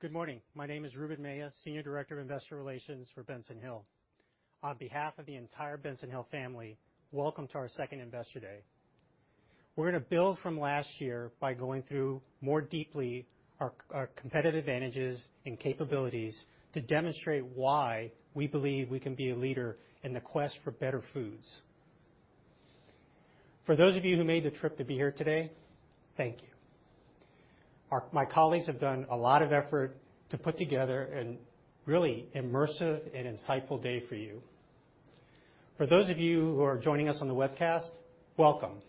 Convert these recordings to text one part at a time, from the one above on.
Good morning. My name is Ruben Mella, Senior Director of Investor Relations for Benson Hill. On behalf of the entire Benson Hill family, welcome to our Second Investor Day. We're gonna build from last year by going through more deeply our competitive advantages and capabilities to demonstrate why we believe we can be a leader in the quest for better foods. For those of you who made the trip to be here today, thank you. My colleagues have done a lot of effort to put together a really immersive and insightful day for you. For those of you who are joining us on the webcast, welcome.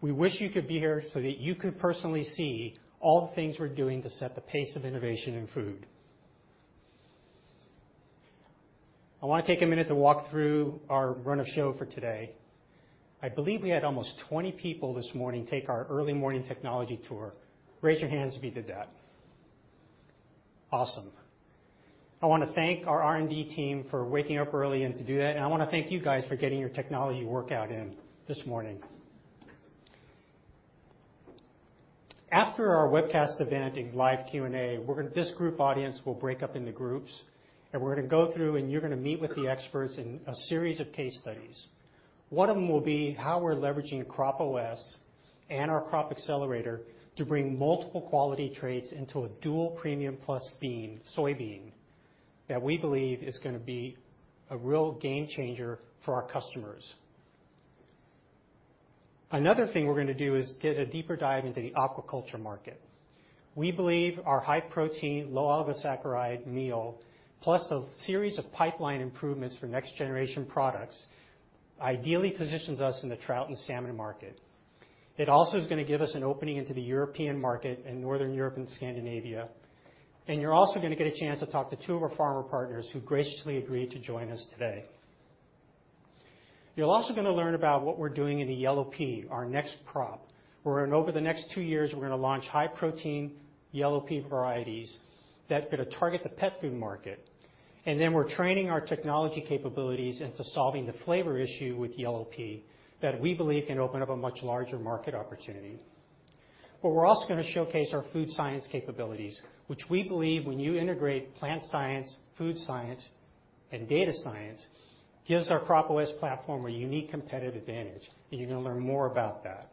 We wish you could be here so that you could personally see all the things we're doing to set the pace of innovation in food. I wanna take a minute to walk through our run of show for today. I believe we had almost 20 people this morning take our early morning technology tour. Raise your hands if you did that. Awesome. I wanna thank our R&D team for waking up early and to do that. I wanna thank you guys for getting your technology workout in this morning. After our webcast event and live Q&A, this group audience will break up into groups, and we're gonna go through and you're gonna meet with the experts in a series of case studies. One of them will be how we're leveraging CropOS and our Crop Accelerator to bring multiple quality traits into a dual premium plus soybean that we believe is gonna be a real game changer for our customers. Another thing we're gonna do is get a deeper dive into the aquaculture market. We believe our high protein, low oligosaccharide meal, plus a series of pipeline improvements for next generation products, ideally positions us in the trout and salmon market. It also is gonna give us an opening into the European market and Northern Europe and Scandinavia. You're also gonna get a chance to talk to two of our farmer partners who graciously agreed to join us today. You're also gonna learn about what we're doing in the yellow pea, our next crop, where in over the next two years, we're gonna launch high protein yellow pea varieties that are gonna target the pet food market. We're training our technology capabilities into solving the flavor issue with yellow pea that we believe can open up a much larger market opportunity. We're also gonna showcase our food science capabilities, which we believe when you integrate plant science, food science, and data science, gives our CropOS platform a unique competitive advantage. You're gonna learn more about that.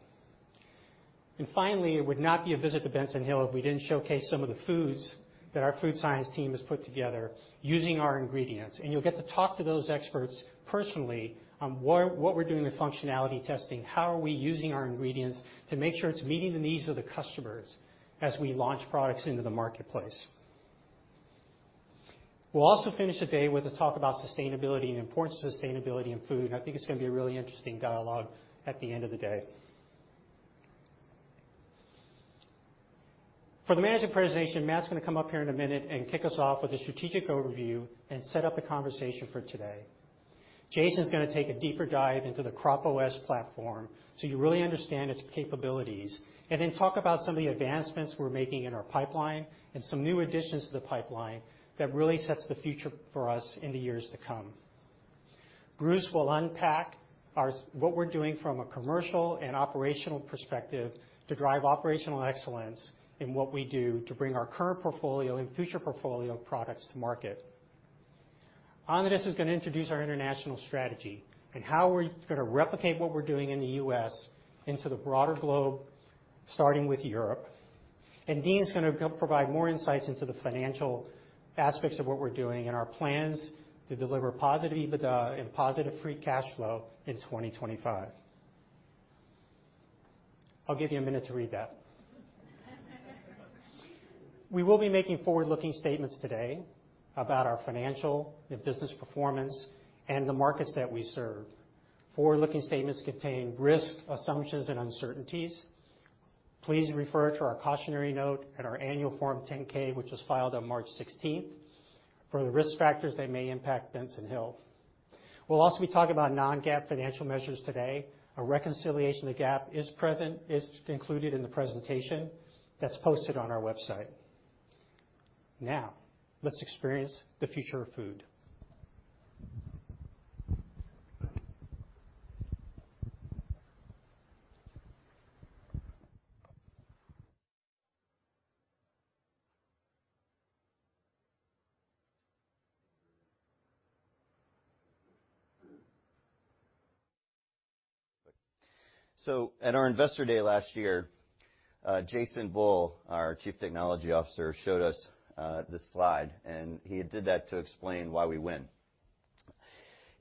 Finally, it would not be a visit to Benson Hill if we didn't showcase some of the foods that our food science team has put together using our ingredients. You'll get to talk to those experts personally on what we're doing with functionality testing, how are we using our ingredients to make sure it's meeting the needs of the customers as we launch products into the marketplace. We'll also finish the day with a talk about sustainability and the importance of sustainability in food. I think it's gonna be a really interesting dialogue at the end of the day. For the management presentation, Matt's gonna come up here in a minute and kick us off with a strategic overview and set up the conversation for today. Jason's gonna take a deeper dive into the CropOS platform, so you really understand its capabilities, and then talk about some of the advancements we're making in our pipeline and some new additions to the pipeline that really sets the future for us in the years to come. Bruce will unpack what we're doing from a commercial and operational perspective to drive operational excellence in what we do to bring our current portfolio and future portfolio of products to market. Andres is gonna introduce our international strategy and how we're gonna replicate what we're doing in the U.S. into the broader globe, starting with Europe. Dean is gonna provide more insights into the financial aspects of what we're doing and our plans to deliver positive EBITDA and positive free cash flow in 2025. I'll give you a minute to read that. We will be making forward-looking statements today about our financial and business performance and the markets that we serve. Forward-looking statements contain risks, assumptions, and uncertainties. Please refer to our cautionary note in our annual Form 10-K, which was filed on March 16th, for the risk factors that may impact Benson Hill. We'll also be talking about non-GAAP financial measures today. A reconciliation to GAAP is included in the presentation that's posted on our website. Now, let's experience the future of food. At our Investor Day last year, Jason Bull, our Chief Technology Officer, showed us this slide, and he did that to explain why we win.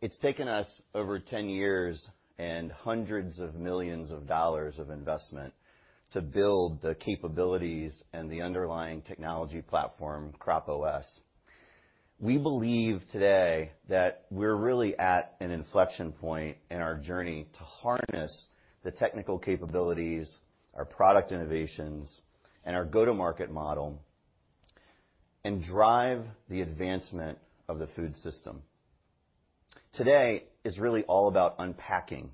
It's taken us over 10 years and hundreds of millions of dollars of investment to build the capabilities and the underlying technology platform, CropOS. We believe today that we're really at an inflection point in our journey to harness the technical capabilities, our product innovations, and our go-to-market model and drive the advancement of the food system. Today is really all about unpacking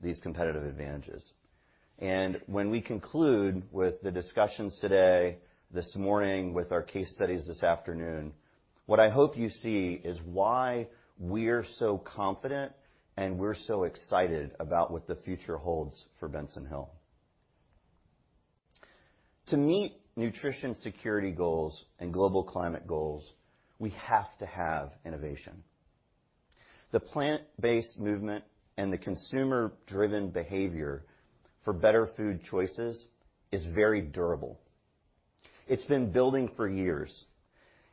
these competitive advantages. When we conclude with the discussions today, this morning, with our case studies this afternoon. What I hope you see is why we're so confident and we're so excited about what the future holds for Benson Hill. To meet nutrition security goals and global climate goals, we have to have innovation. The plant-based movement and the consumer-driven behavior for better food choices is very durable. It's been building for years.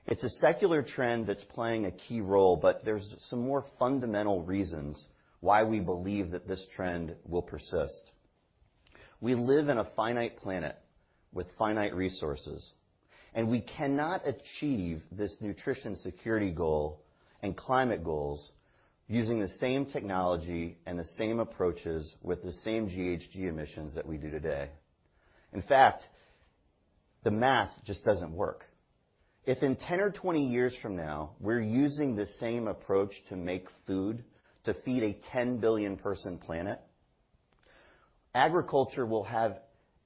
It's a secular trend that's playing a key role, but there's some more fundamental reasons why we believe that this trend will persist. We live in a finite planet with finite resources, and we cannot achieve this nutrition security goal and climate goals using the same technology and the same approaches with the same GHG emissions that we do today. In fact, the math just doesn't work. If in 10 or 20 years from now, we're using the same approach to make food to feed a 10 billion person planet, agriculture will have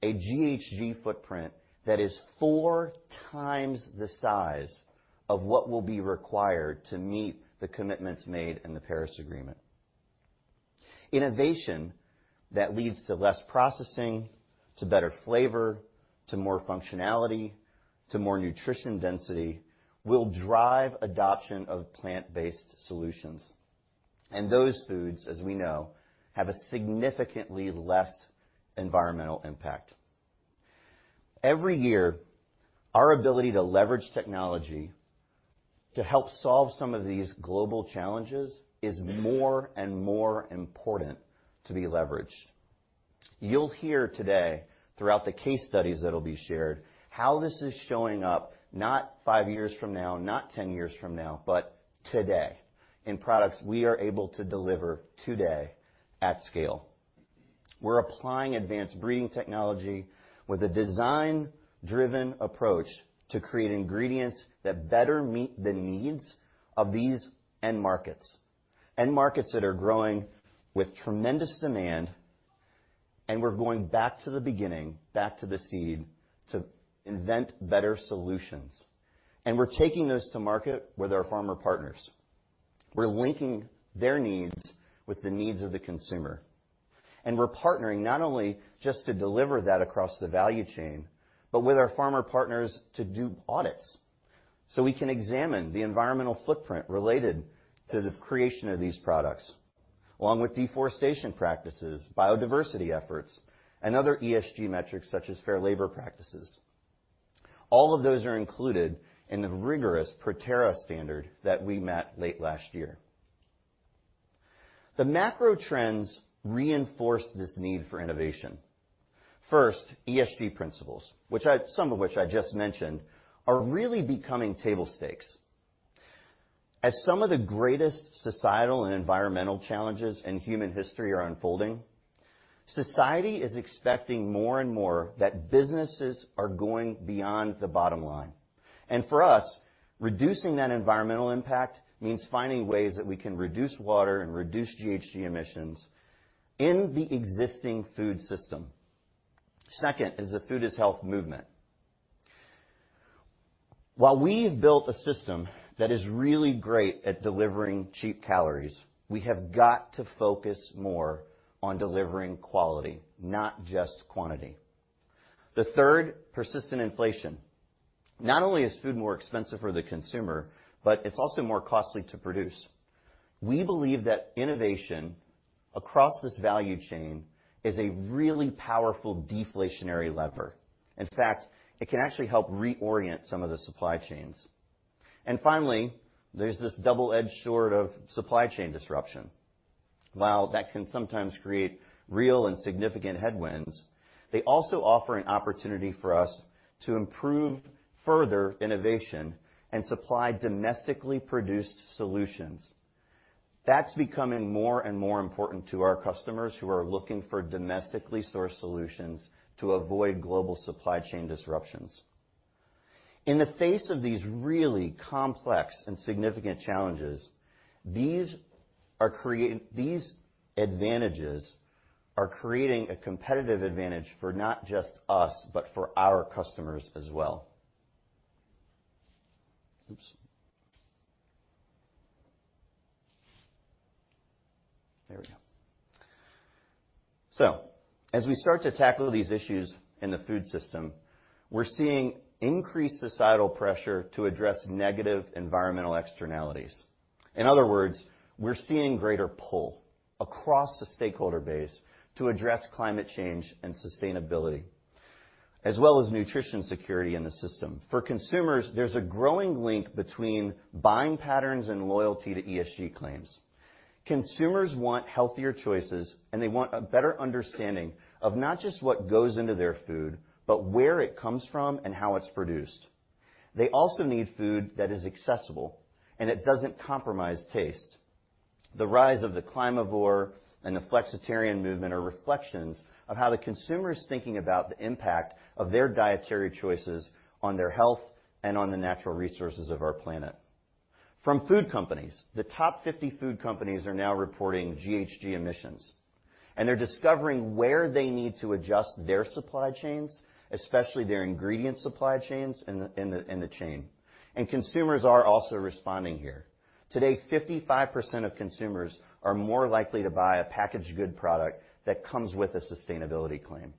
a GHG footprint that is four times the size of what will be required to meet the commitments made in the Paris Agreement. Innovation that leads to less processing, to better flavor, to more functionality, to more nutrition density, will drive adoption of plant-based solutions. Those foods, as we know, have a significantly less environmental impact. Every year, our ability to leverage technology to help solve some of these global challenges is more and more important to be leveraged. You'll hear today throughout the case studies that'll be shared, how this is showing up not five years from now, not 10 years from now, but today in products we are able to deliver today at scale. We're applying advanced breeding technology with a design-driven approach to create ingredients that better meet the needs of these end markets, end markets that are growing with tremendous demand, and we're going back to the beginning, back to the seed, to invent better solutions. We're taking those to market with our farmer partners. We're linking their needs with the needs of the consumer. We're partnering not only just to deliver that across the value chain, but with our farmer partners to do audits. We can examine the environmental footprint related to the creation of these products, along with deforestation practices, biodiversity efforts, and other ESG metrics such as fair labor practices. All of those are included in the rigorous ProTerra standard that we met late last year. The macro trends reinforce this need for innovation. First, ESG principles, which some of which I just mentioned, are really becoming table stakes. As some of the greatest societal and environmental challenges in human history are unfolding, society is expecting more and more that businesses are going beyond the bottom line. For us, reducing that environmental impact means finding ways that we can reduce water and reduce GHG emissions in the existing food system. Second is the Food is Health movement. While we've built a system that is really great at delivering cheap calories, we have got to focus more on delivering quality, not just quantity. The third, persistent inflation. Not only is food more expensive for the consumer, but it's also more costly to produce. We believe that innovation across this value chain is a really powerful deflationary lever. In fact, it can actually help reorient some of the supply chains. Finally, there's this double-edged sword of supply chain disruption. While that can sometimes create real and significant headwinds, they also offer an opportunity for us to improve further innovation and supply domestically produced solutions. That's becoming more and more important to our customers who are looking for domestically sourced solutions to avoid global supply chain disruptions. In the face of these really complex and significant challenges, these advantages are creating a competitive advantage for not just us, but for our customers as well. Oops. There we go. As we start to tackle these issues in the food system, we're seeing increased societal pressure to address negative environmental externalities. In other words, we're seeing greater pull across the stakeholder base to address climate change and sustainability, as well as nutrition security in the system. For consumers, there's a growing link between buying patterns and loyalty to ESG claims. Consumers want healthier choices, and they want a better understanding of not just what goes into their food, but where it comes from and how it's produced. They also need food that is accessible, and it doesn't compromise taste. The rise of the climavore and the flexitarian movement are reflections of how the consumer is thinking about the impact of their dietary choices on their health and on the natural resources of our planet. From food companies, the top 50 food companies are now reporting GHG emissions. They're discovering where they need to adjust their supply chains, especially their ingredient supply chains, in the chain. Consumers are also responding here. Today, 55% of consumers are more likely to buy a packaged good product that comes with a sustainability claim.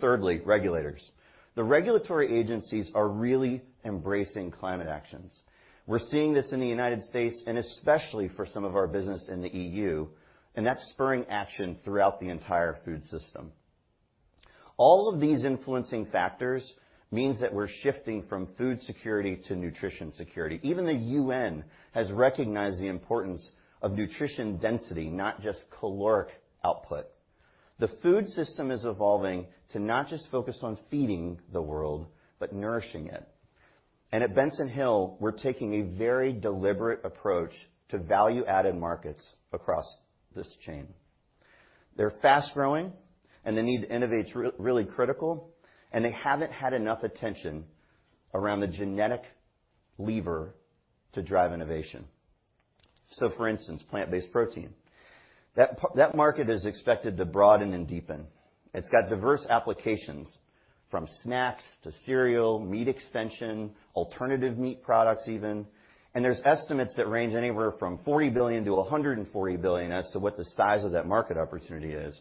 Thirdly, regulators. The regulatory agencies are really embracing climate actions. We're seeing this in the United States and especially for some of our business in the EU, and that's spurring action throughout the entire food system. All of these influencing factors means that we're shifting from food security to nutrition security. Even the UN has recognized the importance of nutrition density, not just caloric output. The food system is evolving to not just focus on feeding the world, but nourishing it. At Benson Hill, we're taking a very deliberate approach to value-added markets across this chain. They're fast-growing, and the need to innovate is really critical, and they haven't had enough attention around the genetic lever to drive innovation. So for instance, plant-based protein. That market is expected to broaden and deepen. It's got diverse applications from snacks to cereal, meat extension, alternative meat products even. There's estimates that range anywhere from $40 billion-$140 billion as to what the size of that market opportunity is.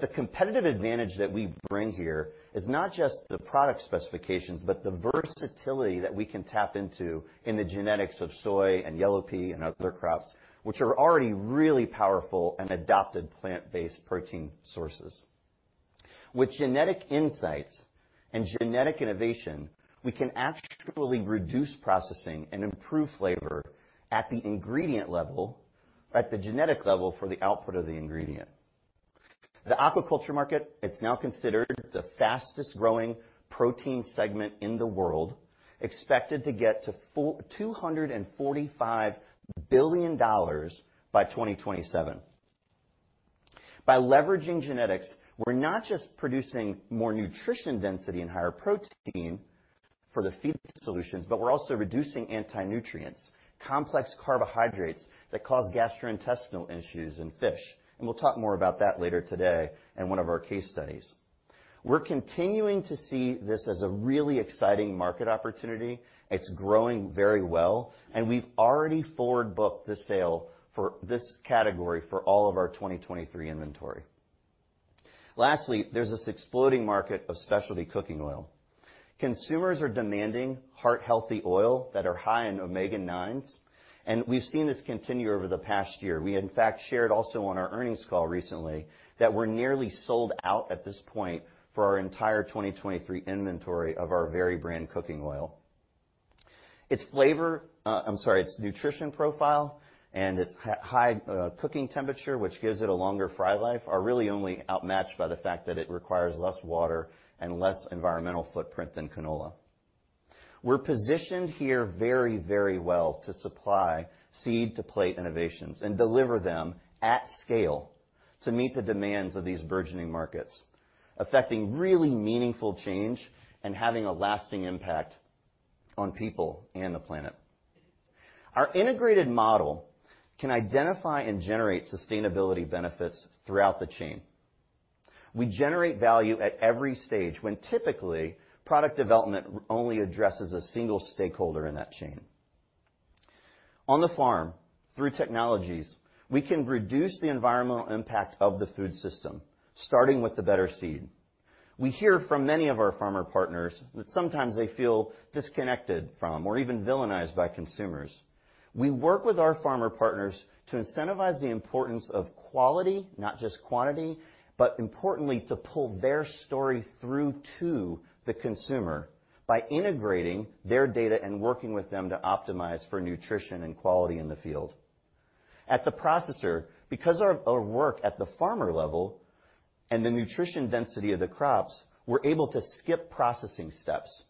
The competitive advantage that we bring here is not just the product specifications, but the versatility that we can tap into in the genetics of soy and yellow pea and other crops, which are already really powerful and adopted plant-based protein sources. With genetic insights and genetic innovation, we can actually reduce processing and improve flavor at the genetic level for the output of the ingredient. The aquaculture market, it's now considered the fastest-growing protein segment in the world, expected to get to $245 billion by 2027. By leveraging genetics, we're not just producing more nutrition density and higher protein for the feed solutions, but we're also reducing antinutrients, complex carbohydrates that cause gastrointestinal issues in fish. We'll talk more about that later today in one of our case studies. We're continuing to see this as a really exciting market opportunity. It's growing very well. We've already forward-booked the sale for this category for all of our 2023 inventory. Lastly, there's this exploding market of specialty cooking oil. Consumers are demanding heart-healthy oil that are high in omega-9s. We've seen this continue over the past year. We, in fact, shared also on our earnings call recently that we're nearly sold out at this point for our entire 2023 inventory of our Veri brand cooking oil. Its flavor, I'm sorry, its nutrition profile and its high cooking temperature, which gives it a longer fry life, are really only outmatched by the fact that it requires less water and less environmental footprint than canola. We're positioned here very, very well to supply seed-to-plate innovations and deliver them at scale to meet the demands of these burgeoning markets, affecting really meaningful change and having a lasting impact on people and the planet. Our integrated model can identify and generate sustainability benefits throughout the chain. We generate value at every stage, when typically product development only addresses a single stakeholder in that chain. On the farm, through technologies, we can reduce the environmental impact of the food system, starting with the better seed. We hear from many of our farmer partners that sometimes they feel disconnected from or even villainized by consumers. We work with our farmer partners to incentivize the importance of quality, not just quantity, but importantly, to pull their story through to the consumer by integrating their data and working with them to optimize for nutrition and quality in the field. At the processor, because our work at the farmer level and the nutrition density of the crops, we're able to skip processing steps,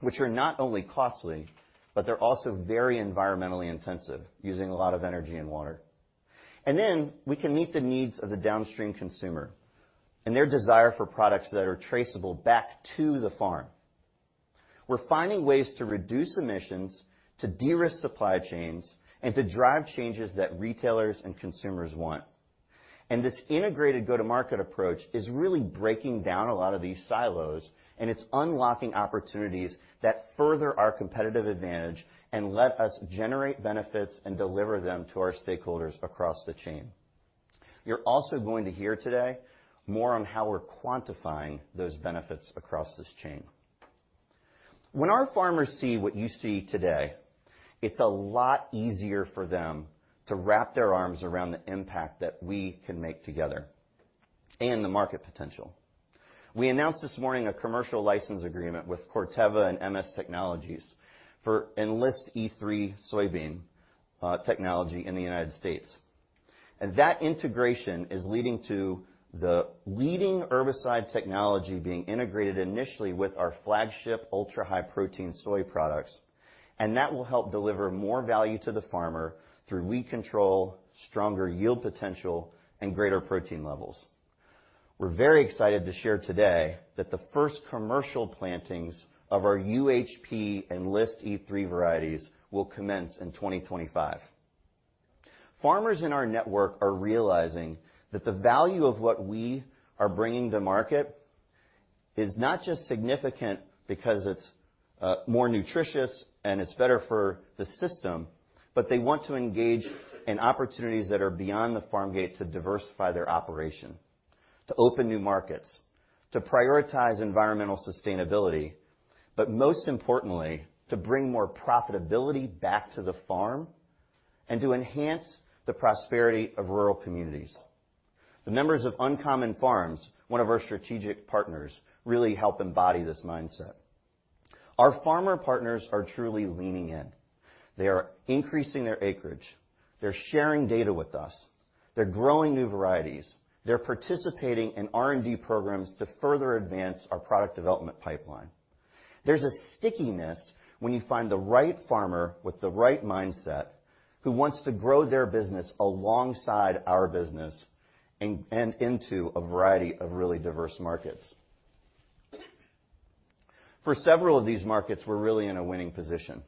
which are not only costly, but they're also very environmentally intensive, using a lot of energy and water. We can meet the needs of the downstream consumer and their desire for products that are traceable back to the farm. We're finding ways to reduce emissions, to de-risk supply chains, and to drive changes that retailers and consumers want. This integrated go-to-market approach is really breaking down a lot of these silos, and it's unlocking opportunities that further our competitive advantage and let us generate benefits and deliver them to our stakeholders across the chain. You're also going to hear today more on how we're quantifying those benefits across this chain. When our farmers see what you see today, it's a lot easier for them to wrap their arms around the impact that we can make together and the market potential. We announced this morning a commercial license agreement with Corteva and M.S. Technologies for Enlist E3 soybean technology in the United States. That integration is leading to the leading herbicide technology being integrated initially with our flagship ultra-high protein soy products, and that will help deliver more value to the farmer through weed control, stronger yield potential, and greater protein levels. We're very excited to share today that the first commercial plantings of our UHP Enlist E3 varieties will commence in 2025. Farmers in our network are realizing that the value of what we are bringing to market is not just significant because it's more nutritious and it's better for the system. They want to engage in opportunities that are beyond the farm gate to diversify their operation, to open new markets, to prioritize environmental sustainability, most importantly, to bring more profitability back to the farm and to enhance the prosperity of rural communities. The members of UnCommon Farms, one of our strategic partners, really help embody this mindset. Our farmer partners are truly leaning in. They are increasing their acreage. They're sharing data with us. They're growing new varieties. They're participating in R&D programs to further advance our product development pipeline. There's a stickiness when you find the right farmer with the right mindset who wants to grow their business alongside our business and into a variety of really diverse markets. For several of these markets, we're really in a winning position,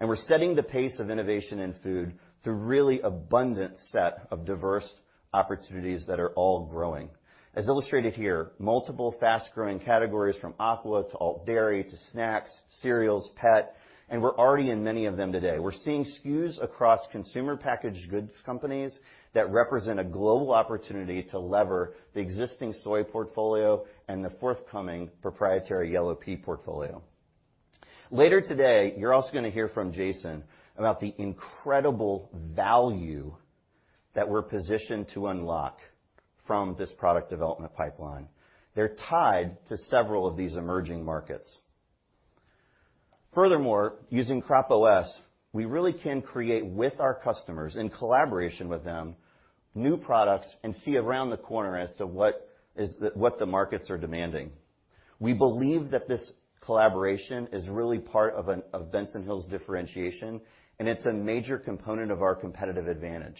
we're setting the pace of innovation in food through really abundant set of diverse opportunities that are all growing. As illustrated here, multiple fast-growing categories from aqua to alt dairy to snacks, cereals, pet, we're already in many of them today. We're seeing SKUs across consumer packaged goods companies that represent a global opportunity to lever the existing soy portfolio and the forthcoming proprietary yellow pea portfolio. Later today, you're also gonna hear from Jason about the incredible value that we're positioned to unlock from this product development pipeline. They're tied to several of these emerging markets. Furthermore, using CropOS, we really can create with our customers in collaboration with them, new products and see around the corner as to what the markets are demanding. We believe that this collaboration is really part of Benson Hill's differentiation, and it's a major component of our competitive advantage.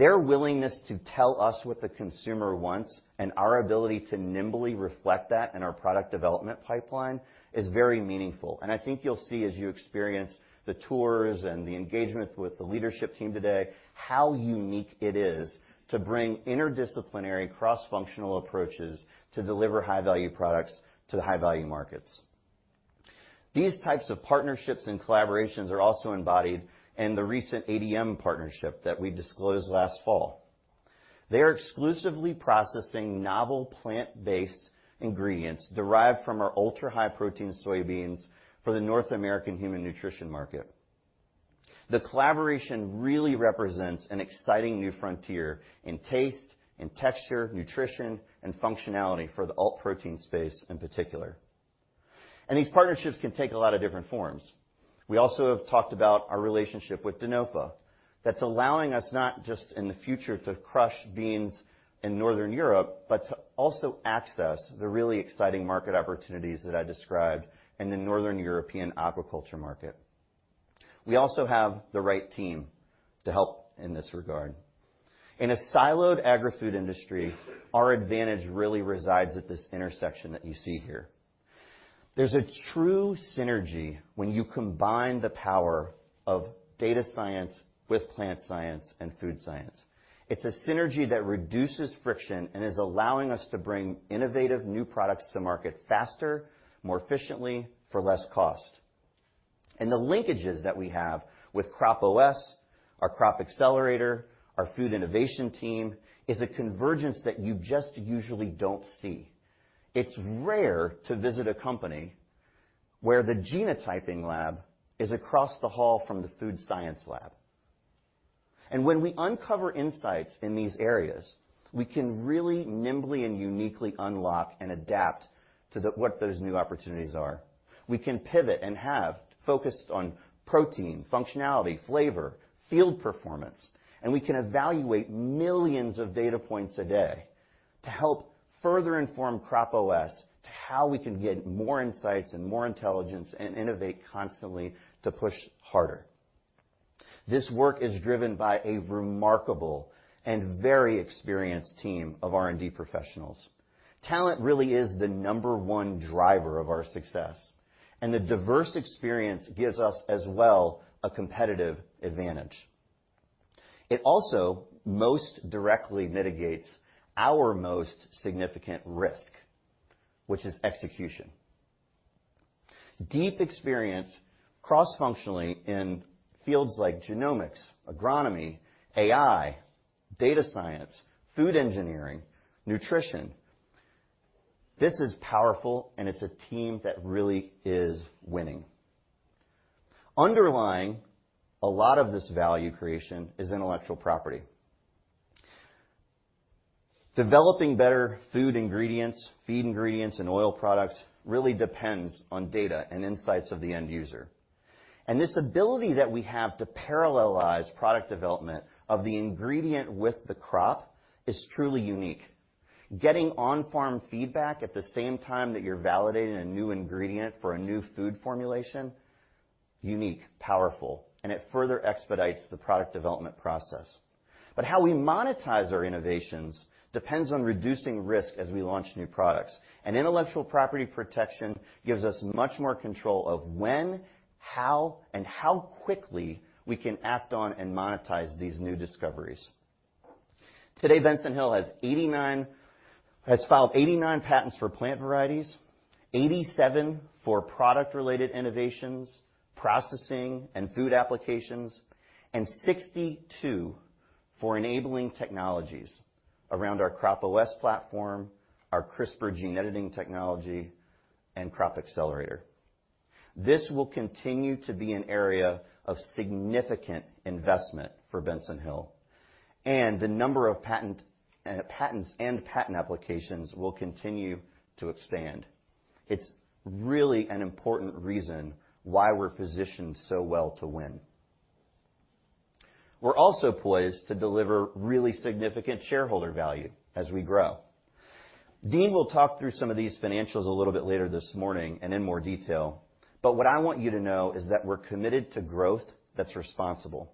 .heir willingness to tell us what the consumer wants and our ability to nimbly reflect that in our product development pipeline is very meaningful. I think you'll see as you experience the tours and the engagement with the leadership team today, how unique it is to bring interdisciplinary cross-functional approaches to deliver high-value products to the high-value markets. These types of partnerships and collaborations are also embodied in the recent ADM partnership that we disclosed last fall. They are exclusively processing novel plant-based ingredients derived from our ultra-high protein soybeans for the North American human nutrition market. The collaboration really represents an exciting new frontier in taste, in texture, nutrition, and functionality for the alt protein space in particular. These partnerships can take a lot of different forms. We also have talked about our relationship with Denofa that's allowing us not just in the future to crush beans in Northern Europe, but to also access the really exciting market opportunities that I described in the Northern European aquaculture market. We also have the right team to help in this regard. In a siloed agri-food industry, our advantage really resides at this intersection that you see here. There's a true synergy when you combine the power of data science with plant science and food science. It's a synergy that reduces friction and is allowing us to bring innovative new products to market faster, more efficiently, for less cost. The linkages that we have with CropOS, our Crop Accelerator, our food innovation team, is a convergence that you just usually don't see. It's rare to visit a company where the genotyping lab is across the hall from the food science lab. When we uncover insights in these areas, we can really nimbly and uniquely unlock and adapt what those new opportunities are. We can pivot and have focused on protein, functionality, flavor, field performance, and we can evaluate millions of data points a day to help further inform CropOS to how we can get more insights and more intelligence and innovate constantly to push harder. This work is driven by a remarkable and very experienced team of R&D professionals. Talent really is the number one driver of our success, and the diverse experience gives us as well a competitive advantage. It also most directly mitigates our most significant risk, which is execution. Deep experience cross-functionally in fields like genomics, agronomy, AI, data science, food engineering, nutrition, this is powerful, and it's a team that really is winning. Underlying a lot of this value creation is intellectual property. Developing better food ingredients, feed ingredients, and oil products really depends on data and insights of the end user. This ability that we have to parallelize product development of the ingredient with the crop is truly unique. Getting on-farm feedback at the same time that you're validating a new ingredient for a new food formulation unique, powerful, and it further expedites the product development process. How we monetize our innovations depends on reducing risk as we launch new products. Intellectual property protection gives us much more control of when, how, and how quickly we can act on and monetize these new discoveries. Today, Benson Hill has filed 89 patents for plant varieties, 87 for product-related innovations, processing and food applications, and 62 for enabling technologies around our CropOS platform, our CRISPR gene editing technology, and Crop Accelerator. This will continue to be an area of significant investment for Benson Hill, and the number of patents and patent applications will continue to expand. It's really an important reason why we're positioned so well to win. We're also poised to deliver really significant shareholder value as we grow. Dean will talk through some of these financials a little bit later this morning, and in more detail, but what I want you to know is that we're committed to growth that's responsible.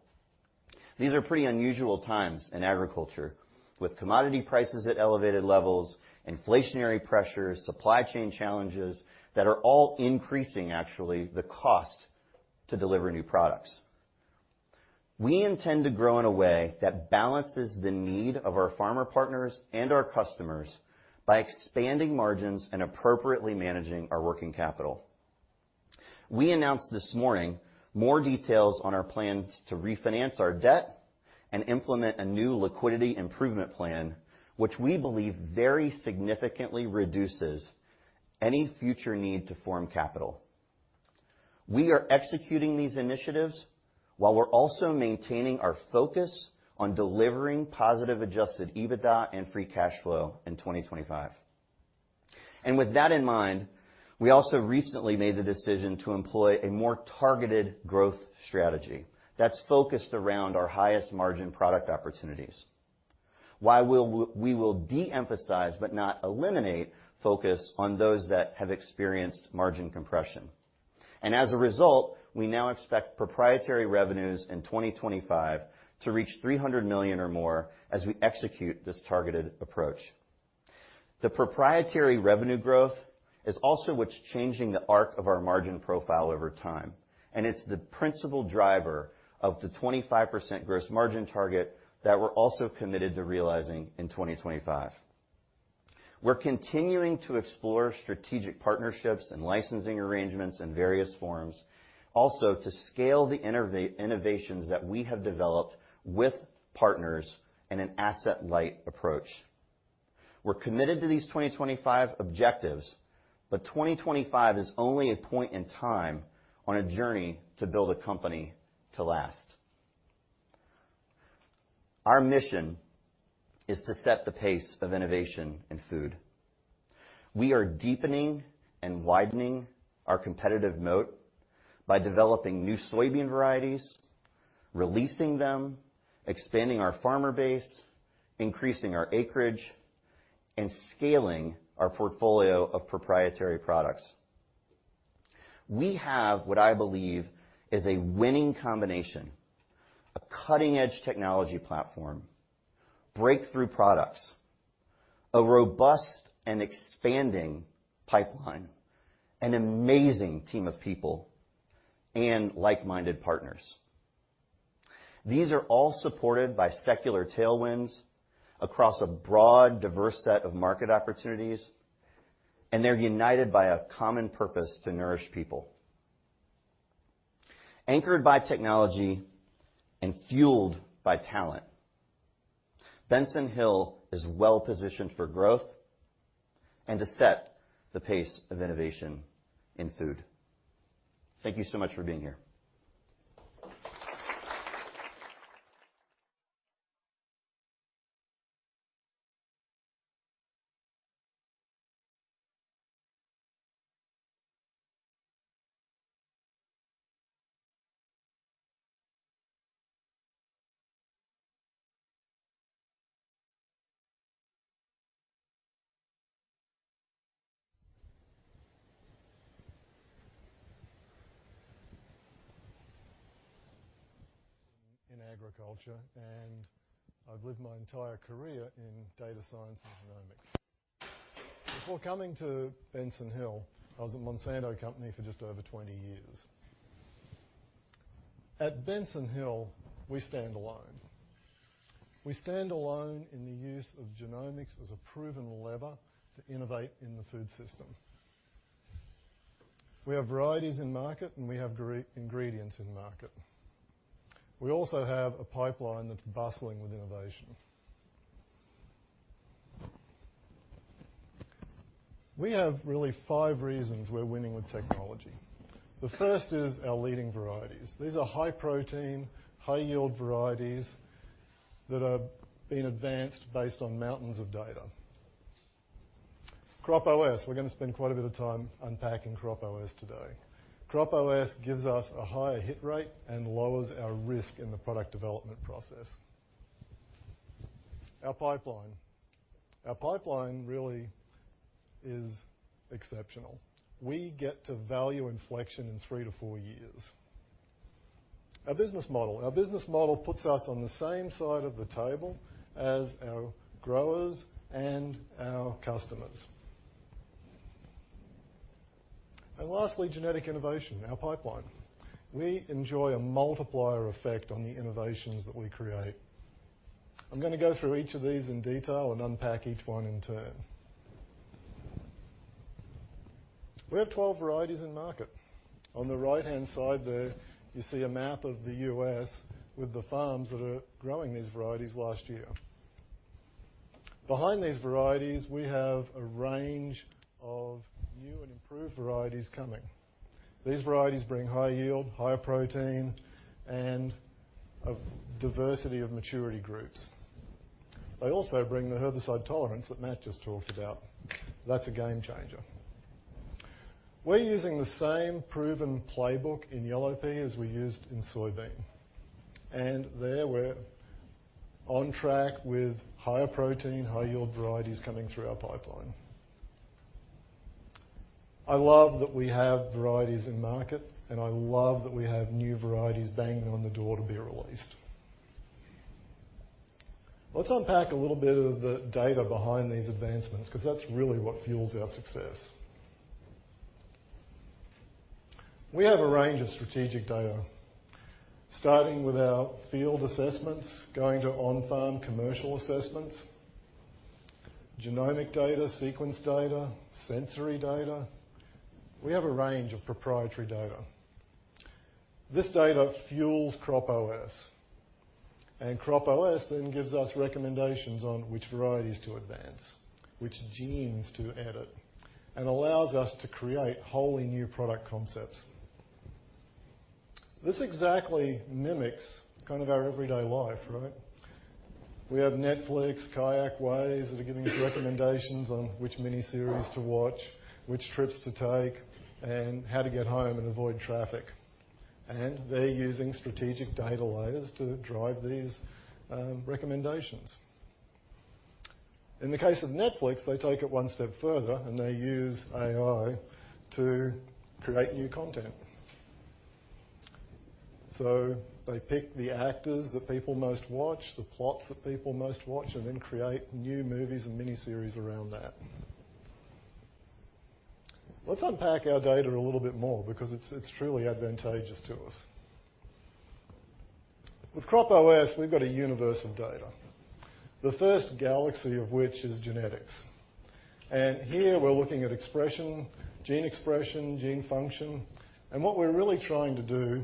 These are pretty unusual times in agriculture with commodity prices at elevated levels, inflationary pressures, supply chain challenges that are all increasing, actually, the cost to deliver new products. We intend to grow in a way that balances the need of our farmer partners and our customers by expanding margins and appropriately managing our working capital. We announced this morning more details on our plans to refinance our debt and implement a new liquidity improvement plan, which we believe very significantly reduces any future need to form capital. We are executing these initiatives while we're also maintaining our focus on delivering positive adjusted EBITDA and free cash flow in 2025. With that in mind, we also recently made the decision to employ a more targeted growth strategy that's focused around our highest margin product opportunities, while we will de-emphasize, but not eliminate focus on those that have experienced margin compression. As a result, we now expect proprietary revenues in 2025 to reach $300 million or more as we execute this targeted approach. Proprietary revenue growth is also what's changing the arc of our margin profile over time, and it's the principal driver of the 25% gross margin target that we're also committed to realizing in 2025. We're continuing to explore strategic partnerships and licensing arrangements in various forms, also to scale the innovations that we have developed with partners in an asset-light approach. We're committed to these 2025 objectives. But 2025 is only a point in time on a journey to build a company to last. Our mission is to set the pace of innovation in food. We are deepening and widening our competitive moat by developing new soybean varieties, releasing them, expanding our farmer base, increasing our acreage, and scaling our portfolio of proprietary products. We have what I believe is a winning combination: a cutting-edge technology platform, breakthrough products, a robust and expanding pipeline, an amazing team of people, and like-minded partners. These are all supported by secular tailwinds across a broad, diverse set of market opportunities. They're united by a common purpose to nourish people. Anchored by technology and fueled by talent, Benson Hill is well-positioned for growth and to set the pace of innovation in food. Thank you so much for being here. In agriculture, I've lived my entire career in data science and genomics. Before coming to Benson Hill, I was at Monsanto Company for just over 20 years. At Benson Hill, we stand alone. We stand alone in the use of genomics as a proven lever to innovate in the food system. We have varieties in market, and we have ingredients in market. We also have a pipeline that's bustling with innovation. We have really five reasons we're winning with technology. The first is our leading varieties. These are high-protein, high-yield varieties that are being advanced based on mountains of data. CropOS, we're gonna spend quite a bit of time unpacking CropOS today. CropOS gives us a higher hit rate and lowers our risk in the product development process. Our pipeline. Our pipeline really is exceptional. We get to value inflection in three to four years. Our business model. Our business model puts us on the same side of the table as our growers and our customers. Lastly, genetic innovation, our pipeline. We enjoy a multiplier effect on the innovations that we create. I'm gonna go through each of these in detail and unpack each one in turn. We have 12 varieties in market. On the right-hand side there, you see a map of the U.S. with the farms that are growing these varieties last year. Behind these varieties, we have a range of new and improved varieties coming. These varieties bring high yield, higher protein, and a diversity of maturity groups. They also bring the herbicide tolerance that Matt just talked about. That's a game changer. We're using the same proven playbook in yellow pea as we used in soybean, and there we're on track with higher protein, high yield varieties coming through our pipeline. I love that we have varieties in market, and I love that we have new varieties banging on the door to be released. Let's unpack a little bit of the data behind these advancements because that's really what fuels our success. We have a range of strategic data starting with our field assessments, going to on-farm commercial assessments, genomic data, sequence data, sensory data. We have a range of proprietary data. This data fuels CropOS, and CropOS then gives us recommendations on which varieties to advance, which genes to edit, and allows us to create wholly new product concepts. This exactly mimics kind of our everyday life, right? We have Netflix, Kayak, Waze that are giving us recommendations on which miniseries to watch, which trips to take, and how to get home and avoid traffic, and they're using strategic data layers to drive these recommendations. In the case of Netflix, they take it one step further and they use AI to create new content. They pick the actors that people most watch, the plots that people most watch, and then create new movies and miniseries around that. Let's unpack our data a little bit more because it's truly advantageous to us. With CropOS, we've got a universe of data, the first galaxy of which is genetics, and here we're looking at expression, gene expression, gene function. What we're really trying to do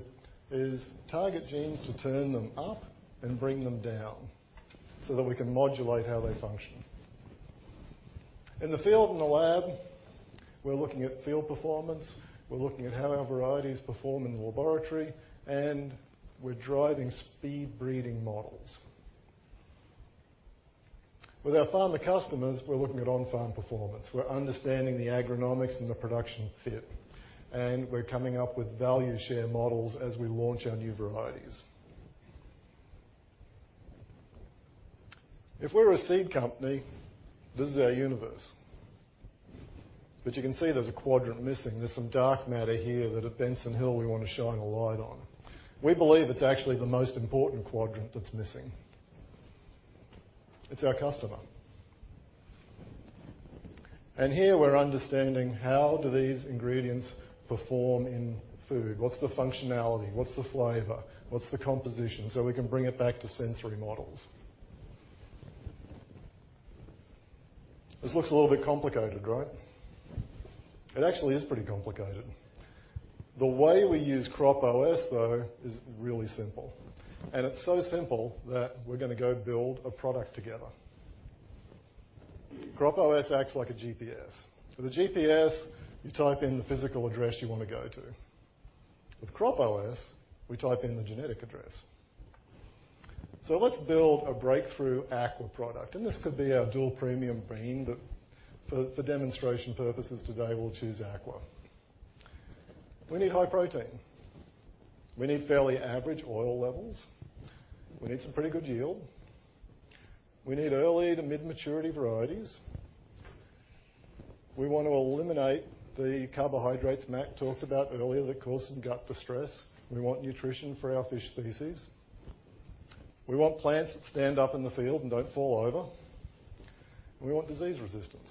is target genes to turn them up and bring them down so that we can modulate how they function. In the field and the lab, we're looking at field performance, we're looking at how our varieties perform in the laboratory, and we're driving speed breeding models. With our farmer customers, we're looking at on-farm performance. We're understanding the agronomics and the production fit, and we're coming up with value share models as we launch our new varieties. If we're a seed company, this is our universe, but you can see there's a quadrant missing. There's some dark matter here that at Benson Hill we want to shine a light on. We believe it's actually the most important quadrant that's missing. It's our customer. Here we're understanding how do these ingredients perform in food? What's the functionality? What's the flavor? What's the composition? We can bring it back to sensory models. This looks a little bit complicated, right? It actually is pretty complicated. The way we use CropOS, though, is really simple, and it's so simple that we're gonna go build a product together. CropOS acts like a GPS. With a GPS, you type in the physical address you wanna go to. With CropOS, we type in the genetic address. Let's build a breakthrough aqua product, and this could be our dual premium bean, but for demonstration purposes today, we'll choose aqua. We need high protein. We need fairly average oil levels. We need some pretty good yield. We need early to mid-maturity varieties. We want to eliminate the carbohydrates Matt talked about earlier that cause some gut distress. We want nutrition for our fish species. We want plants that stand up in the field and don't fall over, and we want disease resistance.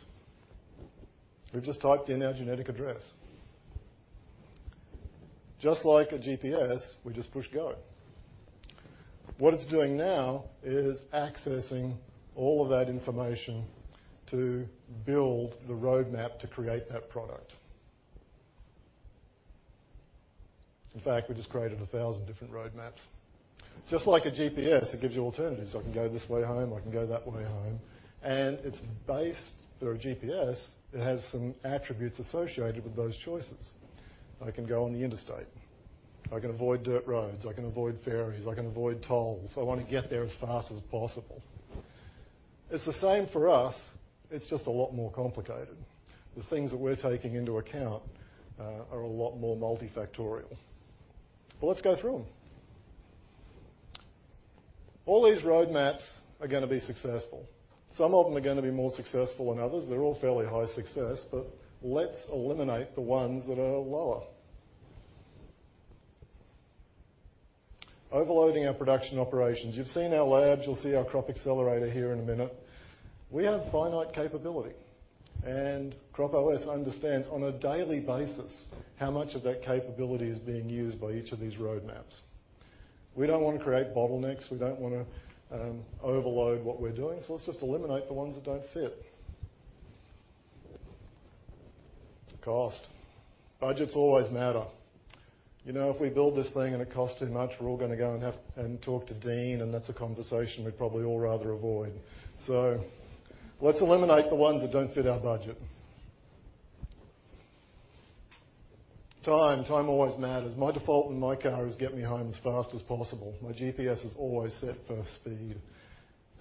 We've just typed in our genetic address. Just like a GPS, we just push go. What it's doing now is accessing all of that information to build the roadmap to create that product. In fact, we just created 1,000 different roadmaps. Just like a GPS, it gives you alternatives, so I can go this way home, I can go that way home. For a GPS, it has some attributes associated with those choices. I can go on the interstate. I can avoid dirt roads. I can avoid ferries. I can avoid tolls. I wanna get there as fast as possible. It's the same for us. It's just a lot more complicated. The things that we're taking into account are a lot more multifactorial. Well, let's go through them. All these roadmaps are gonna be successful. Some of them are gonna be more successful than others. They're all fairly high success, but let's eliminate the ones that are lower. Overloading our production operations. You've seen our labs, you'll see our Crop Accelerator here in a minute. We have finite capability. CropOS understands on a daily basis how much of that capability is being used by each of these roadmaps. We don't wanna create bottlenecks. We don't wanna overload what we're doing, so let's just eliminate the ones that don't fit. Cost. Budgets always matter. You know, if we build this thing and it costs too much, we're all gonna go and talk to Dean, and that's a conversation we'd probably all rather avoid. Let's eliminate the ones that don't fit our budget. Time. Time always matters. My default in my car is get me home as fast as possible. My GPS is always set for speed,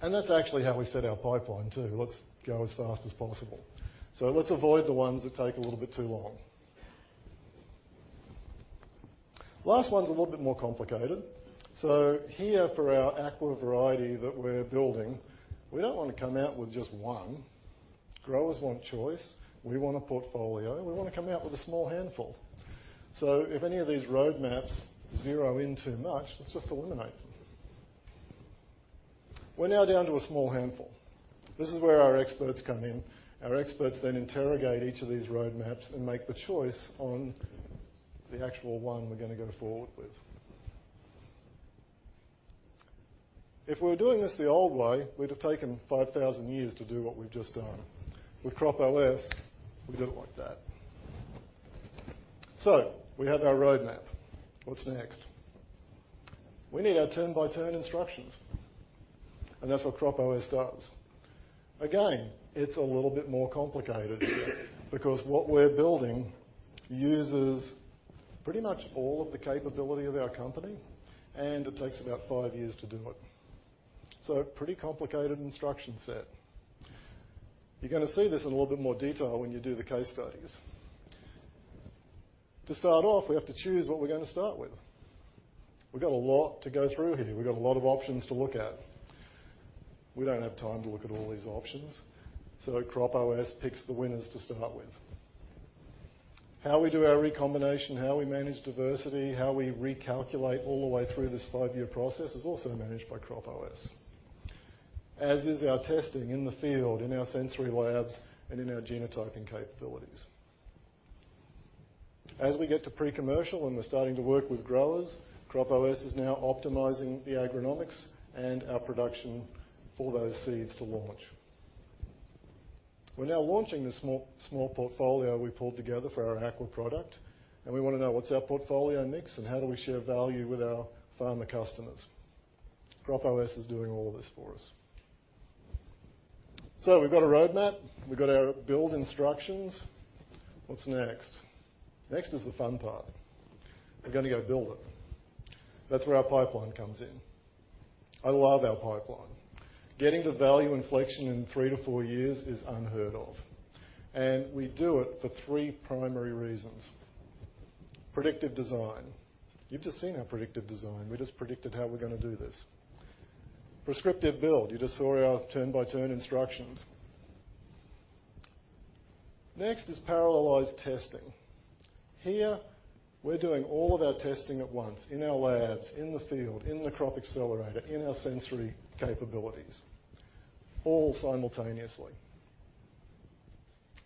and that's actually how we set our pipeline too. Let's go as fast as possible. Let's avoid the ones that take a little bit too long. Last one's a little bit more complicated. Here, for our aqua variety that we're building, we don't wanna come out with just one. Growers want choice, we want a portfolio, we wanna come out with a small handful. If any of these roadmaps zero in too much, let's just eliminate them. We're now down to a small handful. This is where our experts come in. Our experts then interrogate each of these roadmaps and make the choice on the actual one we're gonna go forward with. If we were doing this the old way, we'd have taken 5,000 years to do what we've just done. With CropOS, we do it like that. We have our roadmap. What's next? We need our turn-by-turn instructions, and that's what CropOS does. Again, it's a little bit more complicated here, because what we're building uses pretty much all of the capability of our company, and it takes about five years to do it, so pretty complicated instruction set. You're gonna see this in a little bit more detail when you do the case studies. To start off, we have to choose what we're gonna start with. We've got a lot to go through here. We've got a lot of options to look at. We don't have time to look at all these options, so CropOS picks the winners to start with. How we do our recombination, how we manage diversity, how we recalculate all the way through this five-year process is also managed by CropOS, as is our testing in the field, in our sensory labs, and in our genotyping capabilities. As we get to pre-commercial and we're starting to work with growers, CropOS is now optimizing the agronomics and our production for those seeds to launch. We're now launching the small portfolio we pulled together for our aqua product, and we wanna know what's our portfolio mix and how do we share value with our farmer customers. CropOS is doing all this for us. We've got a roadmap, we've got our build instructions. What's next? Next is the fun part. We're gonna go build it. That's where our pipeline comes in. I love our pipeline. Getting the value inflection in three to four years is unheard of, and we do it for three primary reasons. Predictive design. You've just seen our predictive design. We just predicted how we're gonna do this. Prescriptive build. You just saw our turn-by-turn instructions. Next is parallelized testing. Here, we're doing all of our testing at once in our labs, in the field, in the Crop Accelerator, in our sensory capabilities, all simultaneously.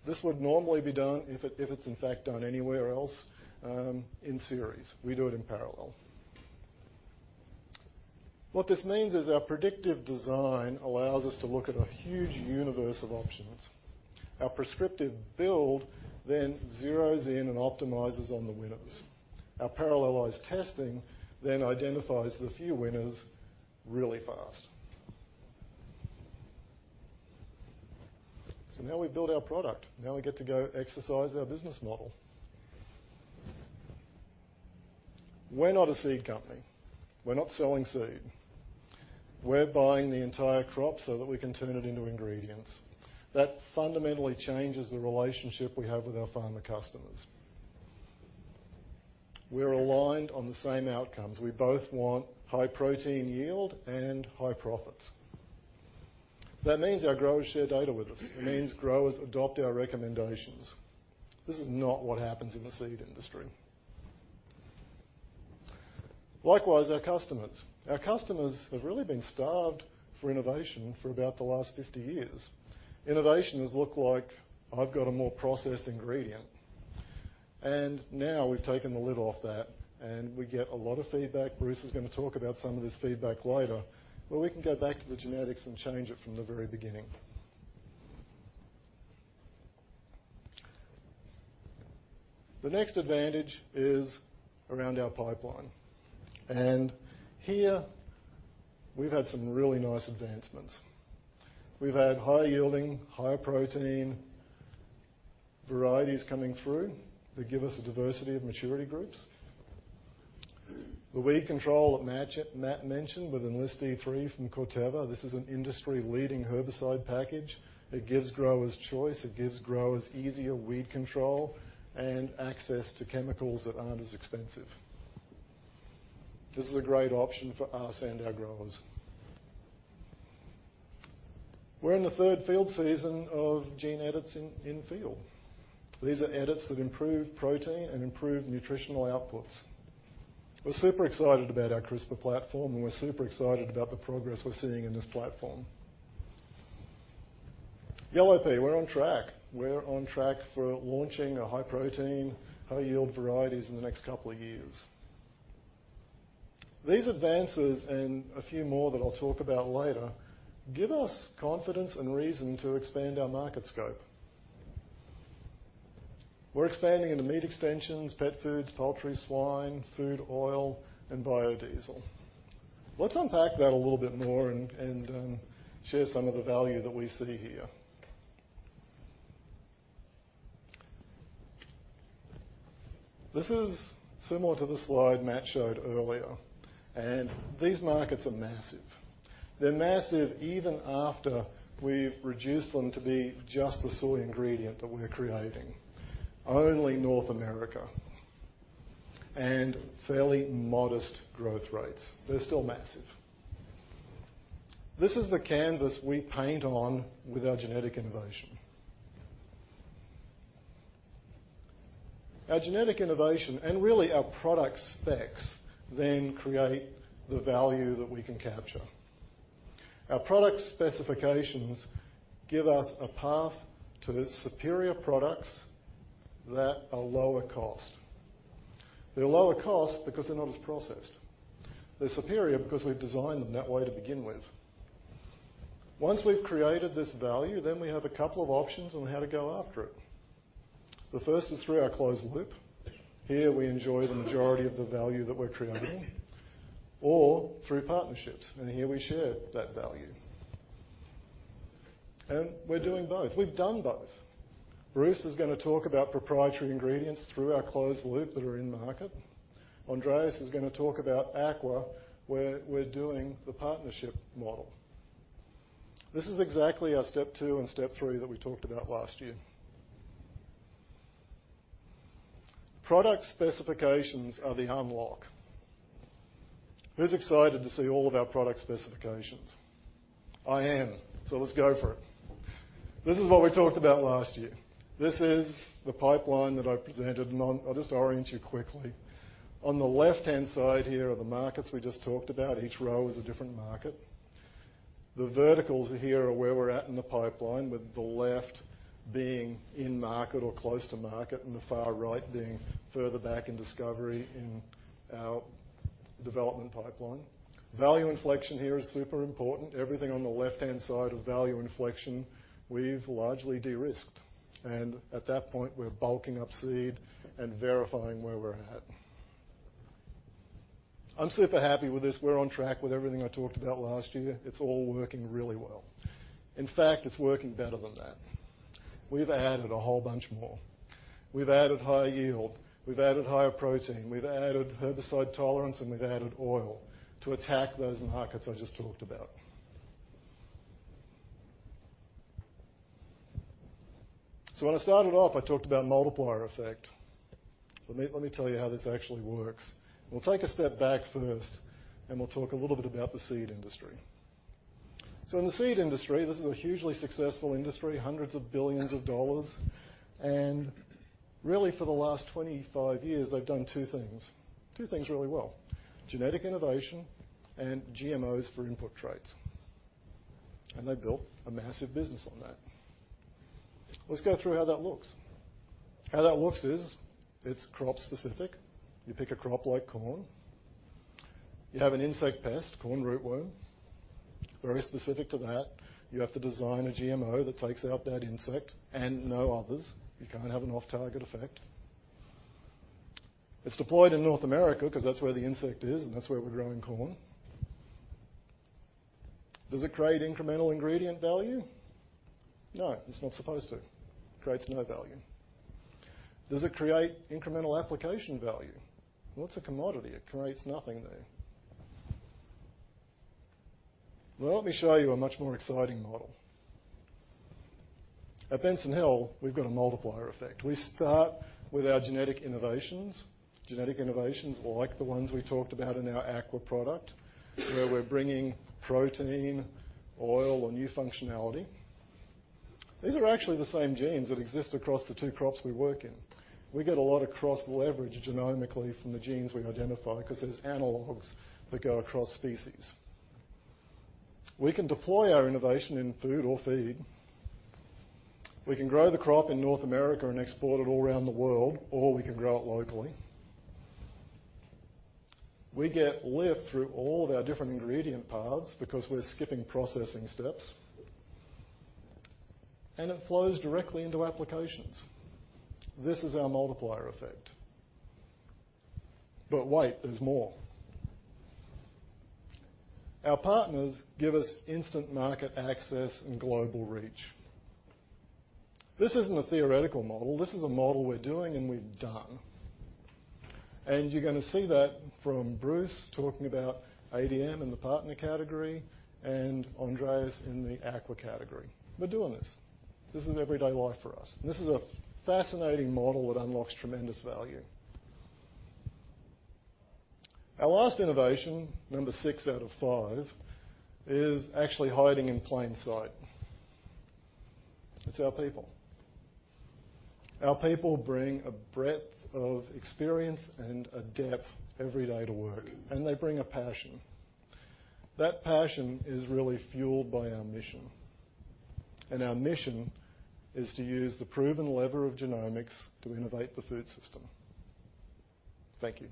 This would normally be done, if it's in fact done anywhere else, in series. We do it in parallel. What this means is our predictive design allows us to look at a huge universe of options. Our prescriptive build then zeros in and optimizes on the winners. Our parallelized testing then identifies the few winners really fast. Now we've built our product. Now we get to go exercise our business model. We're not a seed company. We're not selling seed. We're buying the entire crop so that we can turn it into ingredients. That fundamentally changes the relationship we have with our farmer customers. We're aligned on the same outcomes. We both want high protein yield and high profits. That means our growers share data with us. It means growers adopt our recommendations. This is not what happens in the seed industry. Likewise, our customers. Our customers have really been starved for innovation for about the last 50 years. Innovation has looked like I've got a more processed ingredient, and now we've taken the lid off that and we get a lot of feedback. Bruce is gonna talk about some of this feedback later, but we can go back to the genetics and change it from the very beginning. The next advantage is around our pipeline, and here we've had some really nice advancements. We've had high-yielding, high-protein varieties coming through that give us a diversity of maturity groups. The weed control that Matt mentioned with Enlist E3 from Corteva, this is an industry-leading herbicide package. It gives growers choice, it gives growers easier weed control and access to chemicals that aren't as expensive. This is a great option for us and our growers. We're in the third field season of gene edits in field. These are edits that improve protein and improve nutritional outputs. We're super excited about our CRISPR platform, and we're super excited about the progress we're seeing in this platform. Yellow pea, we're on track. We're on track for launching a high-protein, high-yield varieties in the next couple of years. These advances, and a few more that I'll talk about later, give us confidence and reason to expand our market scope. We're expanding into meat extensions, pet foods, poultry, swine, food, oil, and biodiesel. Let's unpack that a little bit more and share some of the value that we see here. This is similar to the slide Matt showed earlier, and these markets are massive. They're massive even after we've reduced them to be just the soy ingredient that we're creating. Only North America and fairly modest growth rates. They're still massive. This is the canvas we paint on with our genetic innovation. Our genetic innovation, and really our product specs, then create the value that we can capture. Our product specifications give us a path to the superior products that are lower cost. They're lower cost because they're not as processed. They're superior because we've designed them that way to begin with. Once we've created this value, then we have a couple of options on how to go after it. The first is through our closed loop. Here, we enjoy the majority of the value that we're creating, or through partnerships, and here we share that value. We're doing both. We've done both. Bruce is gonna talk about proprietary ingredients through our closed loop that are in market. Andres is gonna talk about aqua, where we're doing the partnership model. This is exactly our step two and step three that we talked about last year. Product specifications are the unlock. Who's excited to see all of our product specifications? I am, let's go for it. This is what we talked about last year. This is the pipeline that I presented. I'll just orient you quickly. On the left-hand side here are the markets we just talked about. Each row is a different market. The verticals here are where we're at in the pipeline, with the left being in market or close to market and the far right being further back in discovery in our development pipeline. Value inflection here is super important. Everything on the left-hand side of value inflection, we've largely de-risked. At that point, we're bulking up seed and verifying where we're at. I'm super happy with this. We're on track with everything I talked about last year. It's all working really well. In fact, it's working better than that. We've added a whole bunch more. We've added high yield, we've added higher protein, we've added herbicide tolerance, and we've added oil to attack those markets I just talked about. When I started off, I talked about multiplier effect. Let me tell you how this actually works. We'll take a step back first, and we'll talk a little bit about the seed industry. In the seed industry, this is a hugely successful industry, hundreds of billions of dollars, and really for the last 25 years, they've done two things, two things really well: genetic innovation and GMOs for input traits. They built a massive business on that. Let's go through how that looks. How that looks is, it's crop specific. You pick a crop like corn. You have an insect pest, corn rootworm. Very specific to that. You have to design a GMO that takes out that insect and no others. You can't have an off-target effect. It's deployed in North America because that's where the insect is, and that's where we're growing corn. Does it create incremental ingredient value? No, it's not supposed to. Creates no value. Does it create incremental application value? Well, it's a commodity. It creates nothing there. Well, let me show you a much more exciting model. At Benson Hill, we've got a multiplier effect. We start with our genetic innovations, genetic innovations like the ones we talked about in our aqua product, where we're bringing protein, oil or new functionality. These are actually the same genes that exist across the two crops we work in. We get a lot of cross-leverage genomically from the genes we identify because there's analogs that go across species. We can deploy our innovation in food or feed. We can grow the crop in North America and export it all around the world, or we can grow it locally. We get lift through all of our different ingredient paths because we're skipping processing steps, and it flows directly into applications. This is our multiplier effect. Wait, there's more. Our partners give us instant market access and global reach. This isn't a theoretical model. This is a model we're doing and we've done. You're gonna see that from Bruce talking about ADM in the partner category and Andres in the aqua category. We're doing this. This is everyday life for us. This is a fascinating model that unlocks tremendous value. Our last innovation, number six out of five, is actually hiding in plain sight. It's our people. Our people bring a breadth of experience and a depth every day to work, and they bring a passion. That passion is really fueled by our mission. Our mission is to use the proven lever of genomics to innovate the food system. Thank you.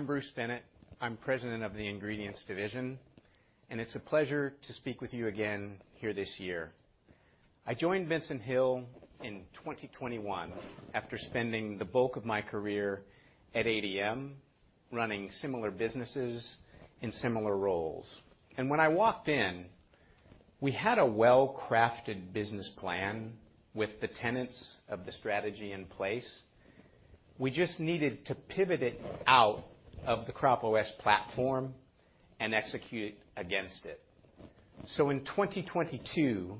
Good morning. Ruben. Thanks. Good morning. I'm Bruce Bennett. I'm President of the Ingredients Division, It's a pleasure to speak with you again here this year. I joined Benson Hill in 2021 after spending the bulk of my career at ADM running similar businesses in similar roles. When I walked in, we had a well-crafted business plan with the tenets of the strategy in place. We just needed to pivot it out of the CropOS platform and execute against it. In 2022,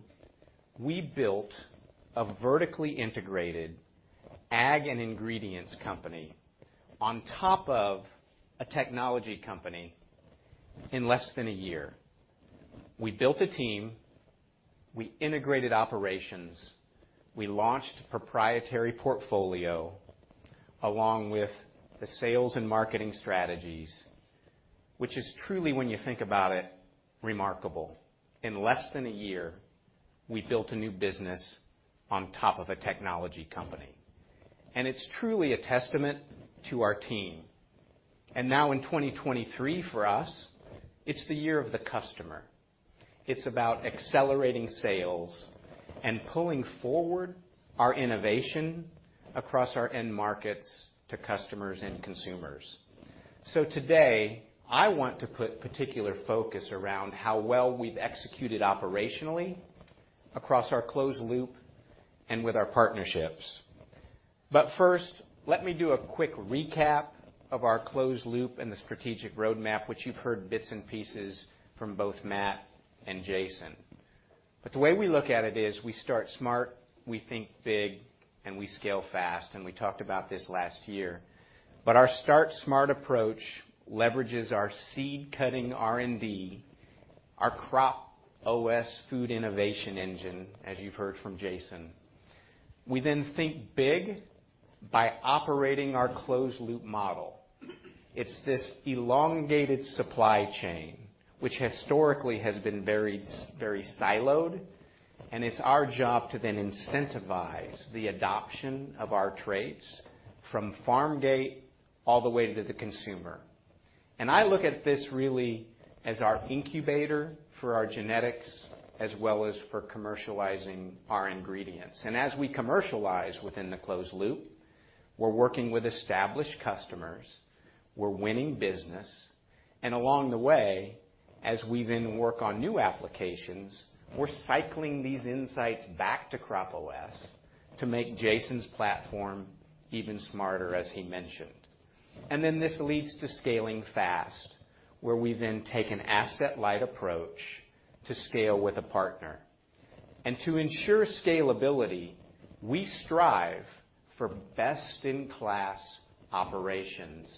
we built a vertically integrated ag and ingredients company on top of a technology company in less than a year. We built a team, we integrated operations, we launched proprietary portfolio along with the sales and marketing strategies, which is truly, when you think about it, remarkable. In less than a year, we built a new business on top of a technology company, and it's truly a testament to our team. Now in 2023, for us, it's the year of the customer. It's about accelerating sales and pulling forward our innovation across our end markets to customers and consumers. Today, I want to put particular focus around how well we've executed operationally across our closed loop and with our partnerships. First, let me do a quick recap of our closed loop and the strategic roadmap, which you've heard bits and pieces from both Matt and Jason. The way we look at it is we start smart, we think big, and we scale fast. We talked about this last year. Our start smart approach leverages our seed cutting R&D, our CropOS food innovation engine, as you've heard from Jason. We then think big by operating our closed loop model. It's this elongated supply chain which historically has been very siloed. It's our job to then incentivize the adoption of our traits from farm gate all the way to the consumer. I look at this really as our incubator for our genetics, as well as for commercializing our ingredients. As we commercialize within the closed loop, we're working with established customers, we're winning business. Along the way, as we then work on new applications, we're cycling these insights back to CropOS to make Jason's platform even smarter, as he mentioned. This leads to scaling fast, where we then take an asset-light approach to scale with a partner. To ensure scalability, we strive for best-in-class operations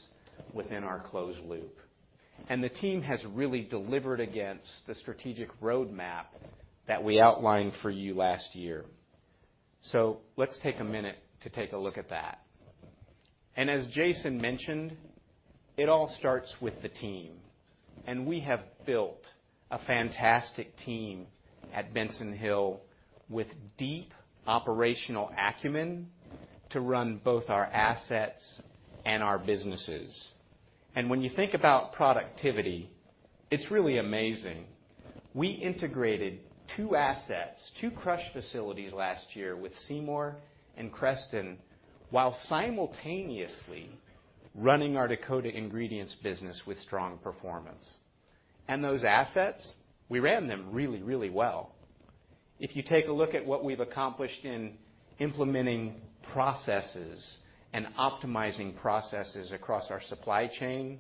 within our closed loop. The team has really delivered against the strategic roadmap that we outlined for you last year. Let's take a minute to take a look at that. As Jason mentioned, it all starts with the team. We have built a fantastic team at Benson Hill with deep operational acumen to run both our assets and our businesses. When you think about productivity, it's really amazing. We integrated two assets, two crush facilities last year with Seymour and Creston while simultaneously running our Dakota Ingredients business with strong performance. Those assets, we ran them really well. If you take a look at what we've accomplished in implementing processes and optimizing processes across our supply chain,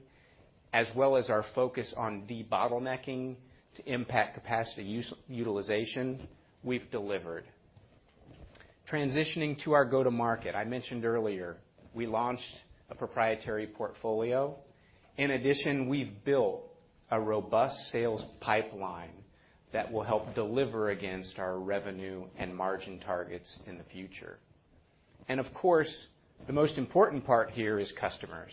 as well as our focus on debottlenecking to impact capacity utilization, we've delivered. Transitioning to our go-to-market, I mentioned earlier, we launched a proprietary portfolio. In addition, we've built a robust sales pipeline that will help deliver against our revenue and margin targets in the future. The most important part here is customers.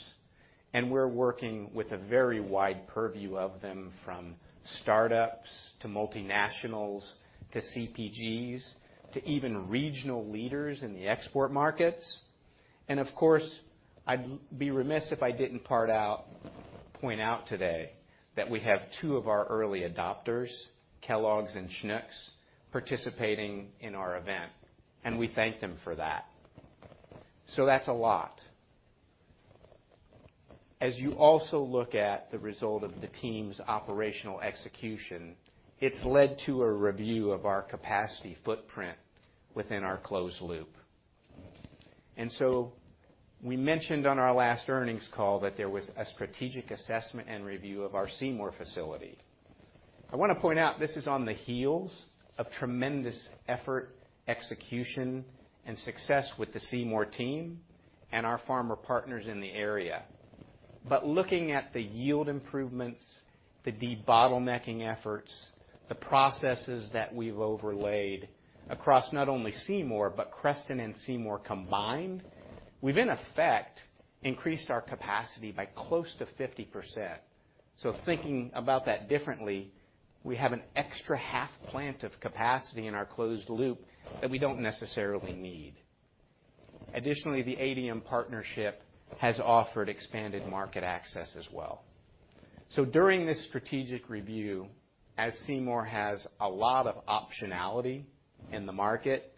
We're working with a very wide purview of them from startups to multinationals to CPGs to even regional leaders in the export markets. Of course, I'd be remiss if I didn't point out today that we have two of our early adopters, Kellogg's and Schnucks, participating in our event, and we thank them for that. That's a lot. As you also look at the result of the team's operational execution, it's led to a review of our capacity footprint within our closed loop. We mentioned on our last earnings call that there was a strategic assessment and review of our Seymour facility. I wanna point out this is on the heels of tremendous effort, execution, and success with the Seymour team and our farmer partners in the area. Looking at the yield improvements, the debottlenecking efforts, the processes that we've overlaid across not only Seymour, but Creston and Seymour combined, we've in effect increased our capacity by close to 50%. Thinking about that differently, we have an extra half plant of capacity in our closed loop that we don't necessarily need. Additionally, the ADM partnership has offered expanded market access as well. During this strategic review, as Seymour has a lot of optionality in the market,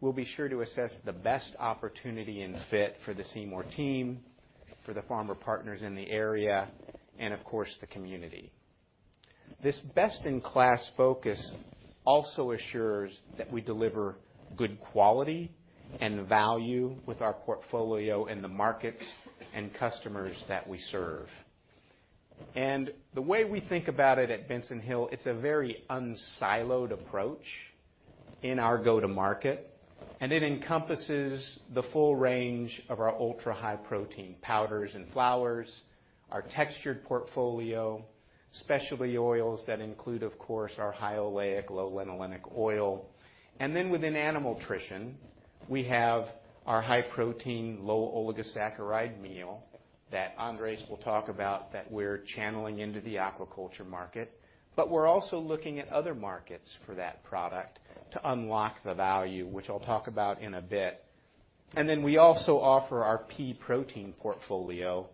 we'll be sure to assess the best opportunity and fit for the Seymour team, for the farmer partners in the area, and of course, the community. This best-in-class focus also assures that we deliver good quality and value with our portfolio in the markets and customers that we serve. The way we think about it at Benson Hill, it's a very unsiloed approach in our go-to-market, and it encompasses the full range of our ultra-high protein powders and flours, our textured portfolio, specialty oils that include, of course, our high oleic, low linolenic oil. Within animal nutrition, we have our high-protein, low-oligosaccharide meal that Andres will talk about that we're channeling into the aquaculture market. We're also looking at other markets for that product to unlock the value, which I'll talk about in a bit. We also offer our pea protein portfolio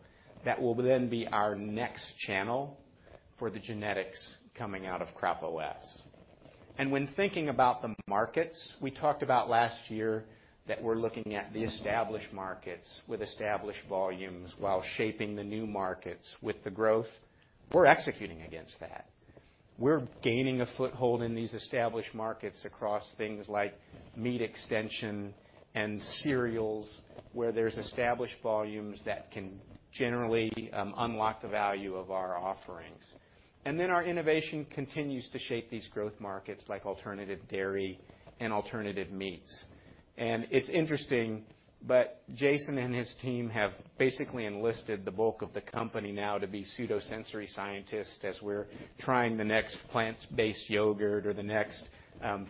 that will then be our next channel for the genetics coming out of CropOS. When thinking about the markets, we talked about last year that we're looking at the established markets with established volumes while shaping the new markets with the growth. We're executing against that. We're gaining a foothold in these established markets across things like meat extension and cereals, where there's established volumes that can generally unlock the value of our offerings. Our innovation continues to shape these growth markets like alternative dairy and alternative meats. It's interesting, but Jason and his team have basically enlisted the bulk of the company now to be pseudosensory scientists as we're trying the next plant-based yogurt or the next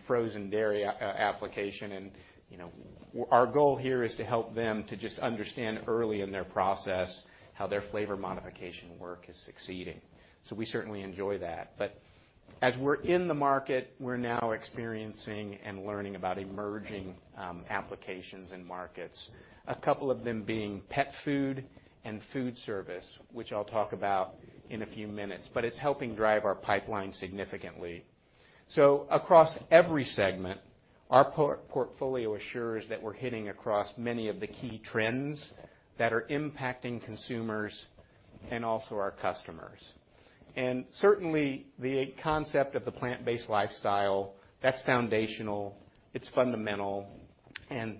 frozen dairy application. You know, our goal here is to help them to just understand early in their process how their flavor modification work is succeeding. We certainly enjoy that. As we're in the market, we're now experiencing and learning about emerging applications and markets, a couple of them being pet food and food service, which I'll talk about in a few minutes, but it's helping drive our pipeline significantly. Across every segment, our portfolio assures that we're hitting across many of the key trends that are impacting consumers and also our customers. Certainly, the concept of the plant-based lifestyle, that's foundational, it's fundamental, and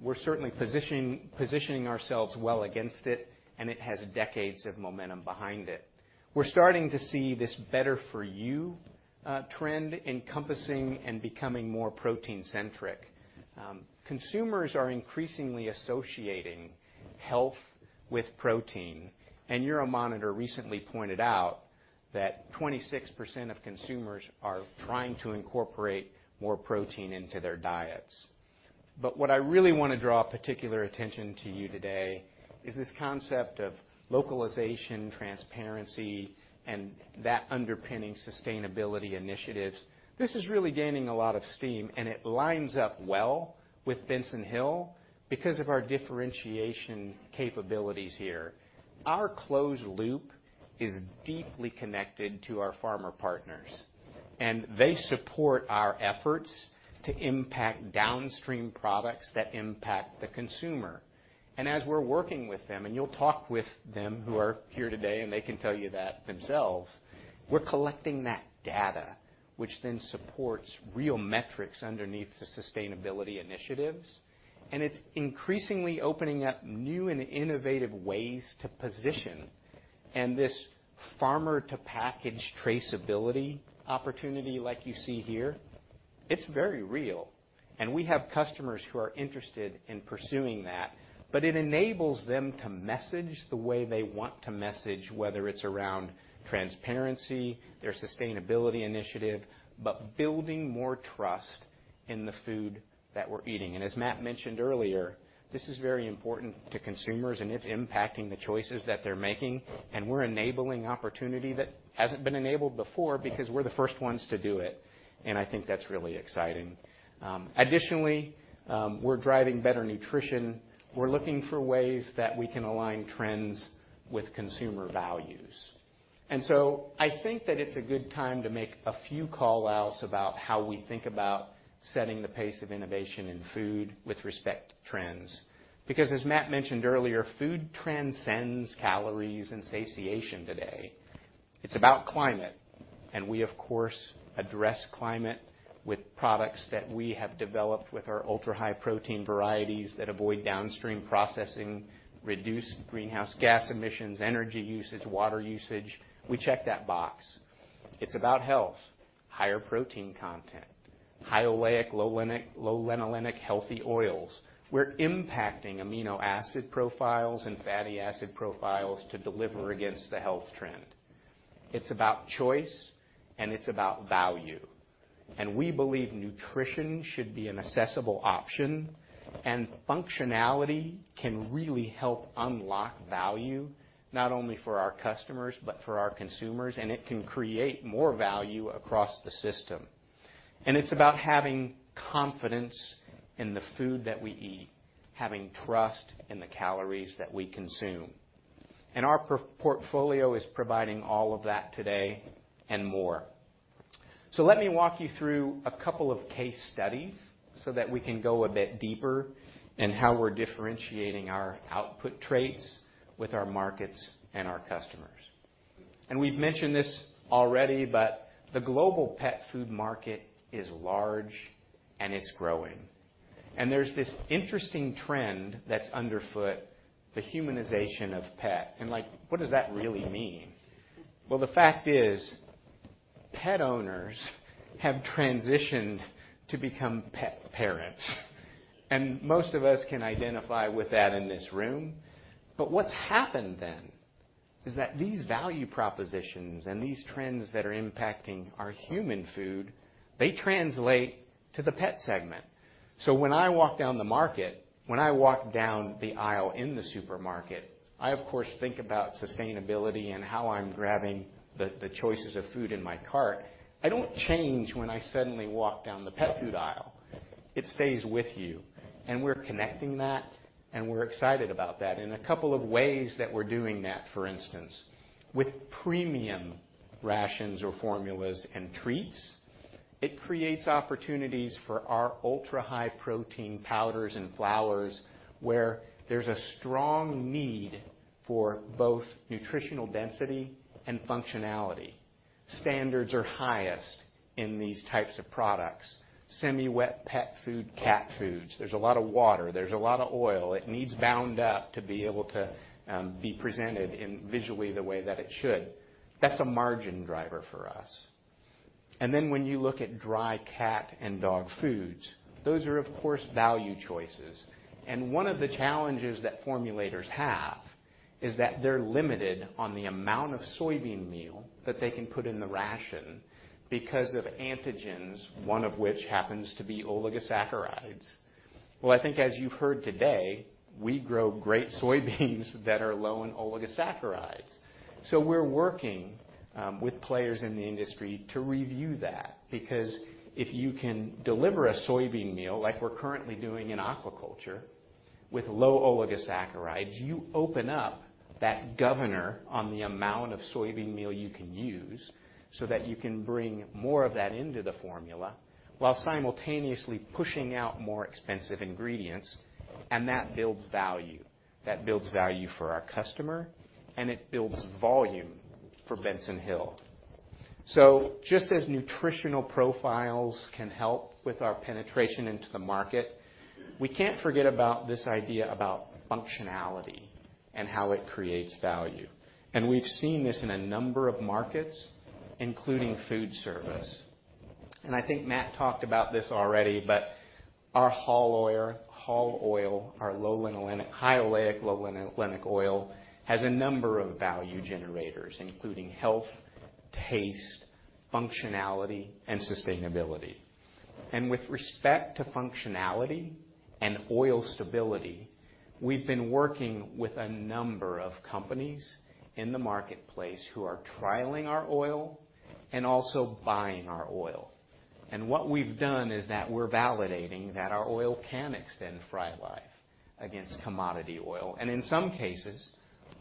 we're certainly positioning ourselves well against it, and it has decades of momentum behind it. We're starting to see this better-for-you trend encompassing and becoming more protein-centric. Consumers are increasingly associating health with protein, and Euromonitor recently pointed out that 26% of consumers are trying to incorporate more protein into their diets. What I really wanna draw particular attention to you today is this concept of localization, transparency, and that underpinning sustainability initiatives. This is really gaining a lot of steam, and it lines up well with Benson Hill because of our differentiation capabilities here. Our closed loop is deeply connected to our farmer partners, and they support our efforts to impact downstream products that impact the consumer. As we're working with them, and you'll talk with them who are here today, and they can tell you that themselves, we're collecting that data, which then supports real metrics underneath the sustainability initiatives. It's increasingly opening up new and innovative ways to position. This farmer-to-package traceability opportunity like you see here, it's very real. We have customers who are interested in pursuing that, but it enables them to message the way they want to message, whether it's around transparency, their sustainability initiative, but building more trust in the food that we're eating. As Matt mentioned earlier, this is very important to consumers, and it's impacting the choices that they're making. We're enabling opportunity that hasn't been enabled before because we're the first ones to do it, and I think that's really exciting. Additionally, we're driving better nutrition. We're looking for ways that we can align trends with consumer values. I think that it's a good time to make a few call-outs about how we think about setting the pace of innovation in food with respect to trends. As Matt mentioned earlier, food transcends calories and satiation today. It's about climate, and we of course, address climate with products that we have developed with our ultra-high protein varieties that avoid downstream processing, reduce greenhouse gas emissions, energy usage, water usage. We check that box. It's about health, higher protein content, high oleic, low linolenic healthy oils. We're impacting amino acid profiles and fatty acid profiles to deliver against the health trend. It's about choice and it's about value. We believe nutrition should be an accessible option. Functionality can really help unlock value, not only for our customers, but for our consumers, and it can create more value across the system. It's about having confidence in the food that we eat, having trust in the calories that we consume. Our pro-portfolio is providing all of that today and more. Let me walk you through a couple of case studies so that we can go a bit deeper in how we're differentiating our output traits with our markets and our customers. We've mentioned this already, but the global pet food market is large and it's growing. There's this interesting trend that's underfoot, the humanization of pet. Like, what does that really mean? Well, the fact is, pet owners have transitioned to become pet parents. Most of us can identify with that in this room. What's happened then is that these value propositions and these trends that are impacting our human food, they translate to the pet segment. When I walk down the market, when I walk down the aisle in the supermarket, I, of course, think about sustainability and how I'm grabbing the choices of food in my cart. I don't change when I suddenly walk down the pet food aisle. It stays with you. We're connecting that, and we're excited about that. In a couple of ways that we're doing that, for instance, with premium rations or formulas and treats, it creates opportunities for our ultra-high protein powders and flours, where there's a strong need for both nutritional density and functionality. Standards are highest in these types of products. Semi-wet pet food, cat foods, there's a lot of water, there's a lot of oil. It needs bound up to be able to be presented in visually the way that it should. That's a margin driver for us. When you look at dry cat and dog foods, those are of course, value choices. One of the challenges that formulators have is that they're limited on the amount of soybean meal that they can put in the ration because of antigens, one of which happens to be oligosaccharides. Well, I think as you've heard today, we grow great soybeans that are low in oligosaccharides. We're working with players in the industry to review that. Because if you can deliver a soybean meal like we're currently doing in aquaculture with low oligosaccharides, you open up that governor on the amount of soybean meal you can use so that you can bring more of that into the formula while simultaneously pushing out more expensive ingredients, and that builds value. That builds value for our customer, and it builds volume for Benson Hill. Just as nutritional profiles can help with our penetration into the market, we can't forget about this idea about functionality and how it creates value. We've seen this in a number of markets, including food service. I think Matt talked about this already, but our high oleic, low linolenic oil has a number of value generators, including health, taste, functionality, and sustainability. With respect to functionality and oil stability, we've been working with a number of companies in the marketplace who are trialing our oil and also buying our oil. What we've done is that we're validating that our oil can extend fry life against commodity oil. In some cases,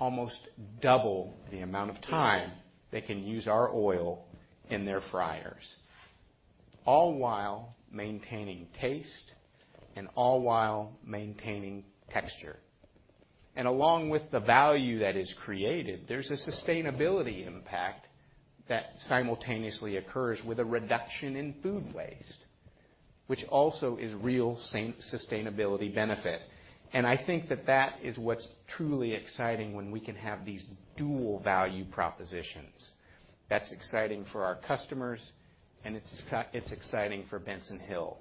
almost double the amount of time they can use our oil in their fryers, all while maintaining taste and all while maintaining texture. Along with the value that is created, there's a sustainability impact that simultaneously occurs with a reduction in food waste, which also is real sustainability benefit. I think that that is what's truly exciting when we can have these dual value propositions. That's exciting for our customers, and it's exciting for Benson Hill.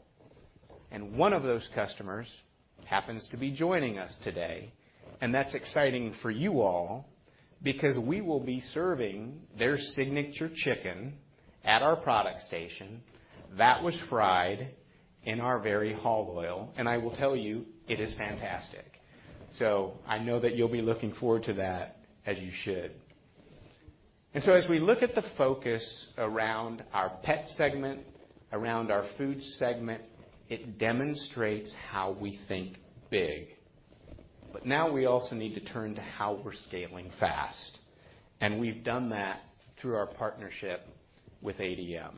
One of those customers happens to be joining us today. That's exciting for you all because we will be serving their signature chicken at our product station that was fried in our Veri Oil. I will tell you, it is fantastic. I know that you'll be looking forward to that as you should. As we look at the focus around our pet segment, around our food segment, it demonstrates how we think big. Now we also need to turn to how we're scaling fast, and we've done that through our partnership with ADM.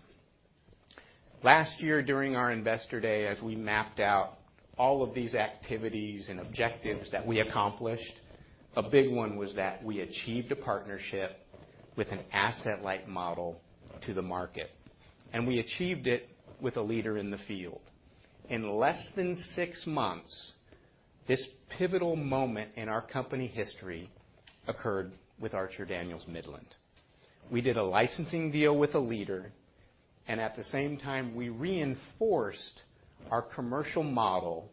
Last year, during our Investor Day, as we mapped out all of these activities and objectives that we accomplished, a big one was that we achieved a partnership with an asset-light model to the market, and we achieved it with a leader in the field. In less than six months, this pivotal moment in our company history occurred with Archer-Daniels-Midland. We did a licensing deal with a leader, and at the same time, we reinforced our commercial model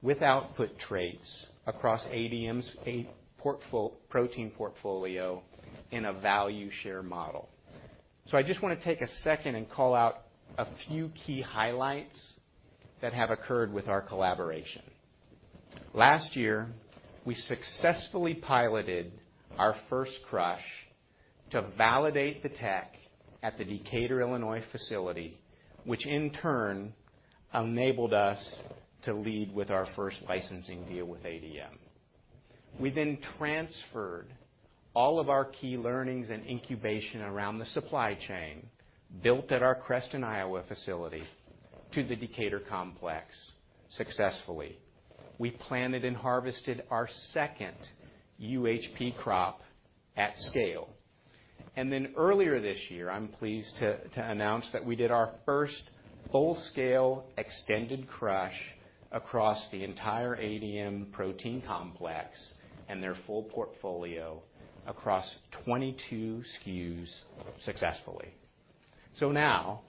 with output trades across ADM's protein portfolio in a value share model. I just wanna take a second and call out a few key highlights that have occurred with our collaboration. Last year, we successfully piloted our first crush to validate the tech at the Decatur, Illinois facility, which in turn enabled us to lead with our first licensing deal with ADM. We transferred all of our key learnings and incubation around the supply chain built at our Creston, Iowa facility to the Decatur complex successfully. We planted and harvested our second UHP crop at scale. Earlier this year, I'm pleased to announce that we did our first full-scale extended crush across the entire ADM protein complex and their full portfolio across 22 SKUs successfully. Now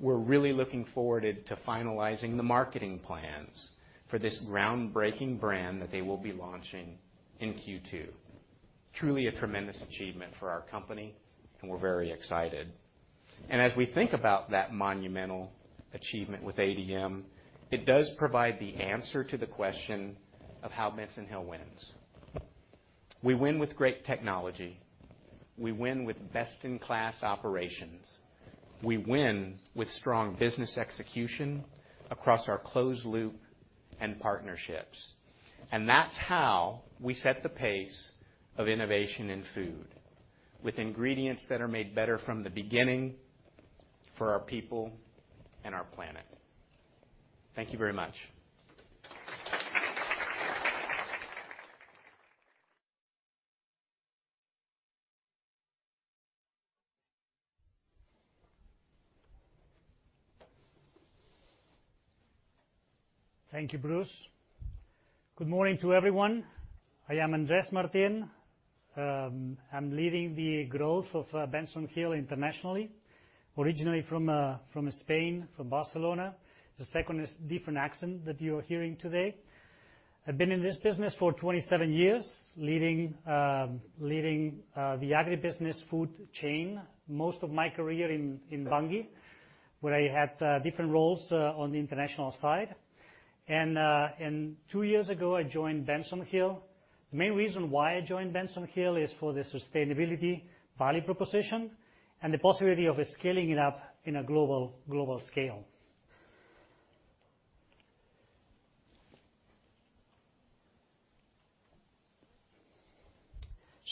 we're really looking forward to finalizing the marketing plans for this groundbreaking brand that they will be launching in Q2. Truly a tremendous achievement for our company, and we're very excited. As we think about that monumental achievement with ADM, it does provide the answer to the question of how Benson Hill wins. We win with great technology. We win with best-in-class operations. We win with strong business execution across our closed loop and partnerships. That's how we set the pace of innovation in food, with ingredients that are made better from the beginning for our people and our planet. Thank you very much. Thank you, Bruce. Good morning to everyone. I am Andres Martin. I'm leading the growth of Benson Hill internationally. Originally from Spain, from Barcelona. The second is different accent that you are hearing today. I've been in this business for 27 years, leading the agribusiness food chain most of my career in Bunge, where I had different roles on the international side. Two years ago, I joined Benson Hill. The main reason why I joined Benson Hill is for the sustainability value proposition and the possibility of scaling it up in a global scale.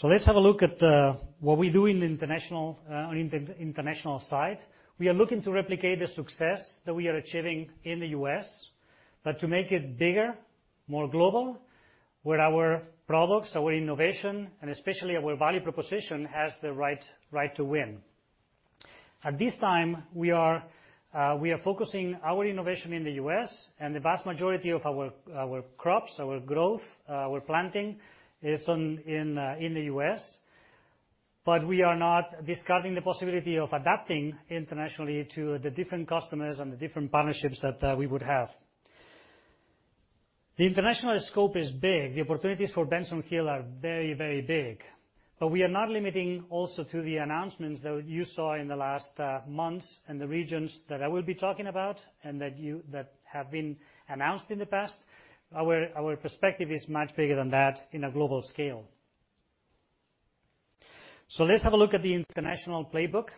Let's have a look at what we do in the international side. We are looking to replicate the success that we are achieving in the U.S., but to make it bigger, more global, where our products, our innovation, and especially our value proposition has the right to win. At this time, we are focusing our innovation in the U.S. and the vast majority of our crops, our growth, our planting is on, in the U.S. We are not discarding the possibility of adapting internationally to the different customers and the different partnerships that we would have. The international scope is big. The opportunities for Benson Hill are very big. We are not limiting also to the announcements that you saw in the last months and the regions that I will be talking about and that have been announced in the past. Our perspective is much bigger than that in a global scale. Let's have a look at the international playbook.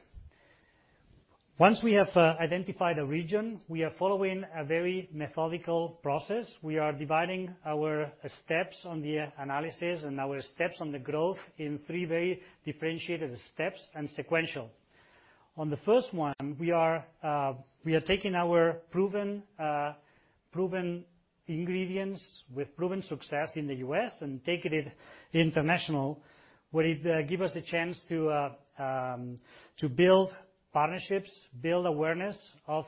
Once we have identified a region, we are following a very methodical process. We are dividing our steps on the analysis and our steps on the growth in three very differentiated steps and sequential. On the first one, we are taking our proven ingredients with proven success in the U.S. and taking it international, where it give us the chance to build partnerships, build awareness on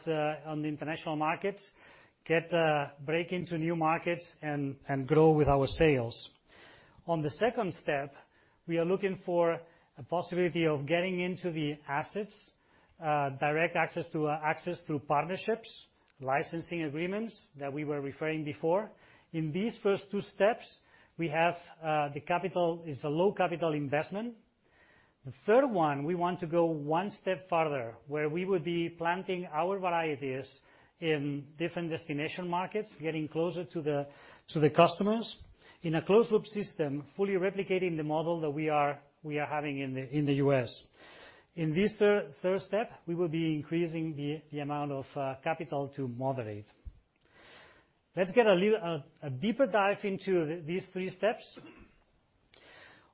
the international markets, get break into new markets and grow with our sales. On the second step, we are looking for a possibility of getting into the assets, direct access to access through partnerships, licensing agreements that we were referring before. In these first two steps, we have the capital. It's a low capital investment. The third one, we want to go one step further, where we would be planting our varieties in different destination markets, getting closer to the customers in a closed loop system, fully replicating the model that we are having in the U.S. In this third step, we will be increasing the amount of capital to moderate. Let's get a little deeper dive into these three steps.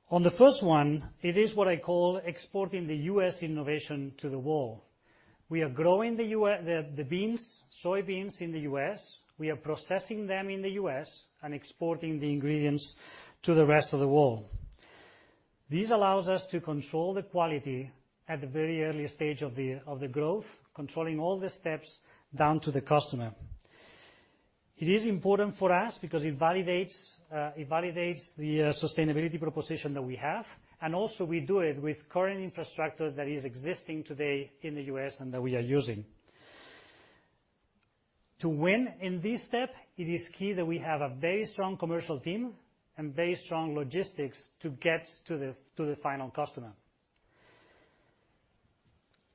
On the first one, it is what I call exporting the U.S. innovation to the world. We are growing the beans, soybeans in the U.S. We are processing them in the U.S. and exporting the ingredients to the rest of the world. This allows us to control the quality at the very early stage of the growth, controlling all the steps down to the customer. It is important for us because it validates the sustainability proposition that we have, and also we do it with current infrastructure that is existing today in the U.S. and that we are using. To win in this step, it is key that we have a very strong commercial team and very strong logistics to get to the final customer.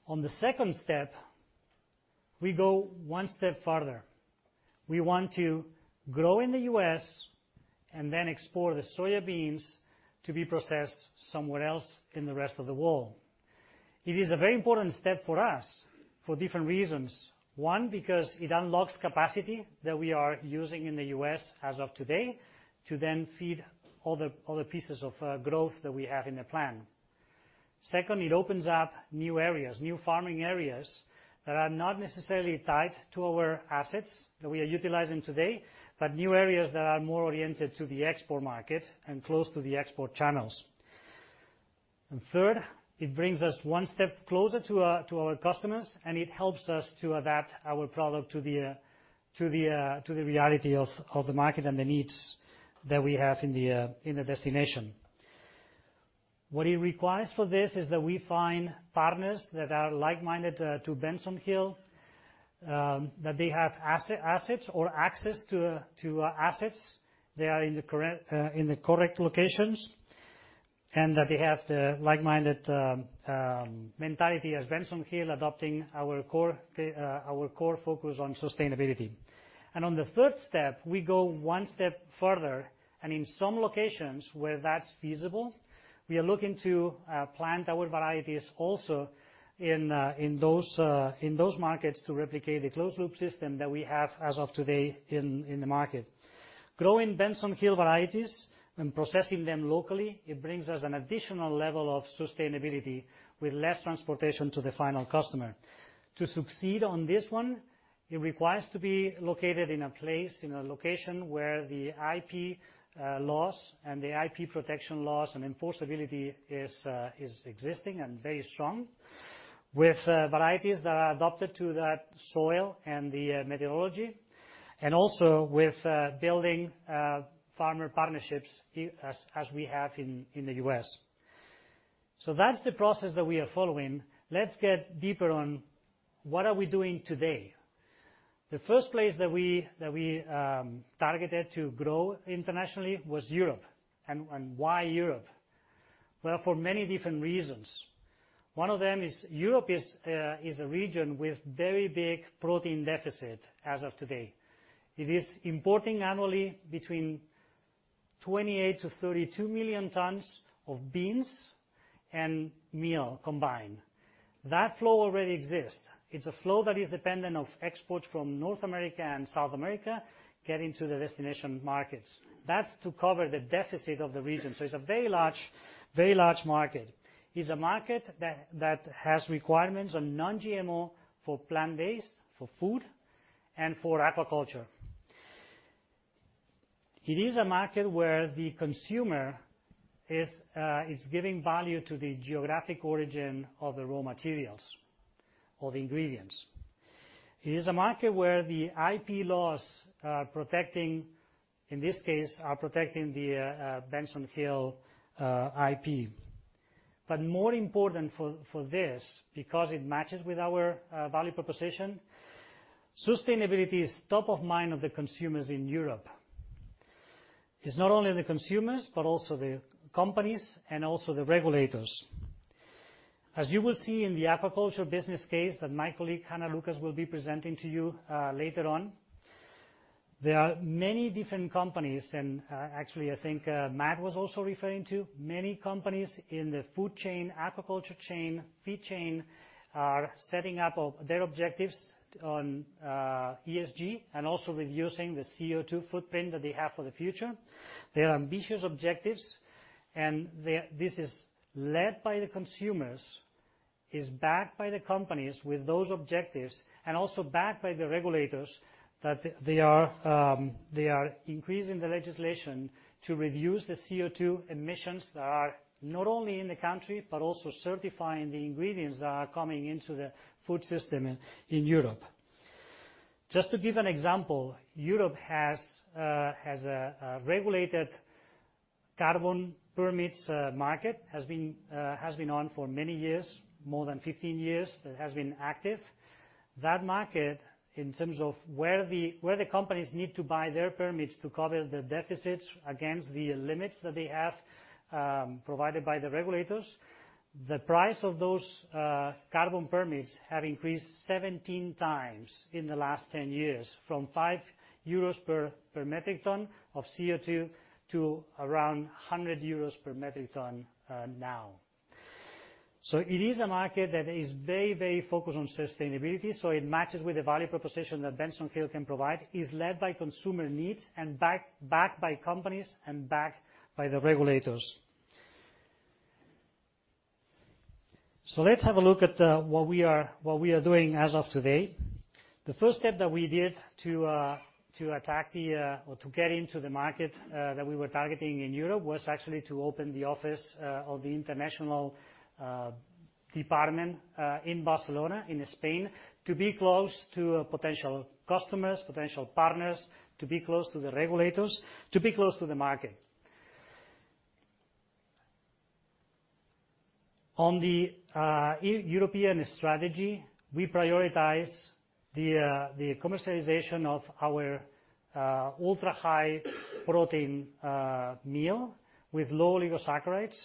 On the second step, we go one step further. We want to grow in the U.S. and then export the soybeans to be processed somewhere else in the rest of the world. It is a very important step for us for different reasons. One, because it unlocks capacity that we are using in the U.S. as of today to then feed all the pieces of growth that we have in the plan. Second, it opens up new areas, new farming areas, that are not necessarily tied to our assets that we are utilizing today, but new areas that are more oriented to the export market and close to the export channels. Third, it brings us one step closer to our customers, and it helps us to adapt our product to the reality of the market and the needs that we have in the destination. What it requires for this is that we find partners that are like-minded to Benson Hill, that they have assets or access to assets that are in the correct locations, and that they have the like-minded mentality as Benson Hill, adopting our core focus on sustainability. On the third step, we go one step further, and in some locations where that's feasible, we are looking to plant our varieties also in those markets to replicate the closed-loop system that we have as of today in the market. Growing Benson Hill varieties and processing them locally, it brings us an additional level of sustainability with less transportation to the final customer. To succeed on this one, it requires to be located in a place, in a location where the IP laws and the IP protection laws and enforceability is existing and very strong. With varieties that are adapted to that soil and the meteorology, and also with building farmer partnerships as we have in the U.S. That's the process that we are following. Let's get deeper on what are we doing today. The first place that we targeted to grow internationally was Europe. Why Europe? Well, for many different reasons. One of them is Europe is a region with very big protein deficit as of today. It is importing annually between 28-32 million tons of beans and meal combined. That flow already exists. It's a flow that is dependent of exports from North America and South America getting to the destination markets. That's to cover the deficit of the region. It's a very large, very large market. It's a market that has requirements on non-GMO for plant-based, for food, and for aquaculture. It is a market where the consumer is giving value to the geographic origin of the raw materials or the ingredients. It is a market where the IP laws are protecting, in this case, are protecting the Benson Hill IP. More important for this, because it matches with our value proposition, sustainability is top of mind of the consumers in Europe. It's not only the consumers, but also the companies and also the regulators. As you will see in the aquaculture business case that my colleague, Hannah Lucas, will be presenting to you, later on, there are many different companies, and actually, I think, Matt was also referring to, many companies in the food chain, aquaculture chain, feed chain, are setting up their objectives on ESG and also reducing the CO2 footprint that they have for the future. They are ambitious objectives, and this is led by the consumers, is backed by the companies with those objectives, and also backed by the regulators that they are increasing the legislation to reduce the CO2 emissions that are not only in the country, but also certifying the ingredients that are coming into the food system in Europe. Just to give an example, Europe has a regulated carbon permits market, has been on for many years, more than 15 years that it has been active. That market, in terms of where the companies need to buy their permits to cover the deficits against the limits that they have provided by the regulators, the price of those carbon permits have increased 17x in the last 10 years, from 5 euros per metric ton of CO2 to around 100 euros per metric ton now. It is a market that is very, very focused on sustainability, so it matches with the value proposition that Benson Hill can provide. It's led by consumer needs and backed by companies and backed by the regulators. Let's have a look at what we are, what we are doing as of today. The first step that we did to attack the or to get into the market that we were targeting in Europe was actually to open the office of the international department in Barcelona, in Spain, to be close to potential customers, potential partners, to be close to the regulators, to be close to the market. On the European strategy, we prioritize the commercialization of our ultra-high protein meal with low oligosaccharides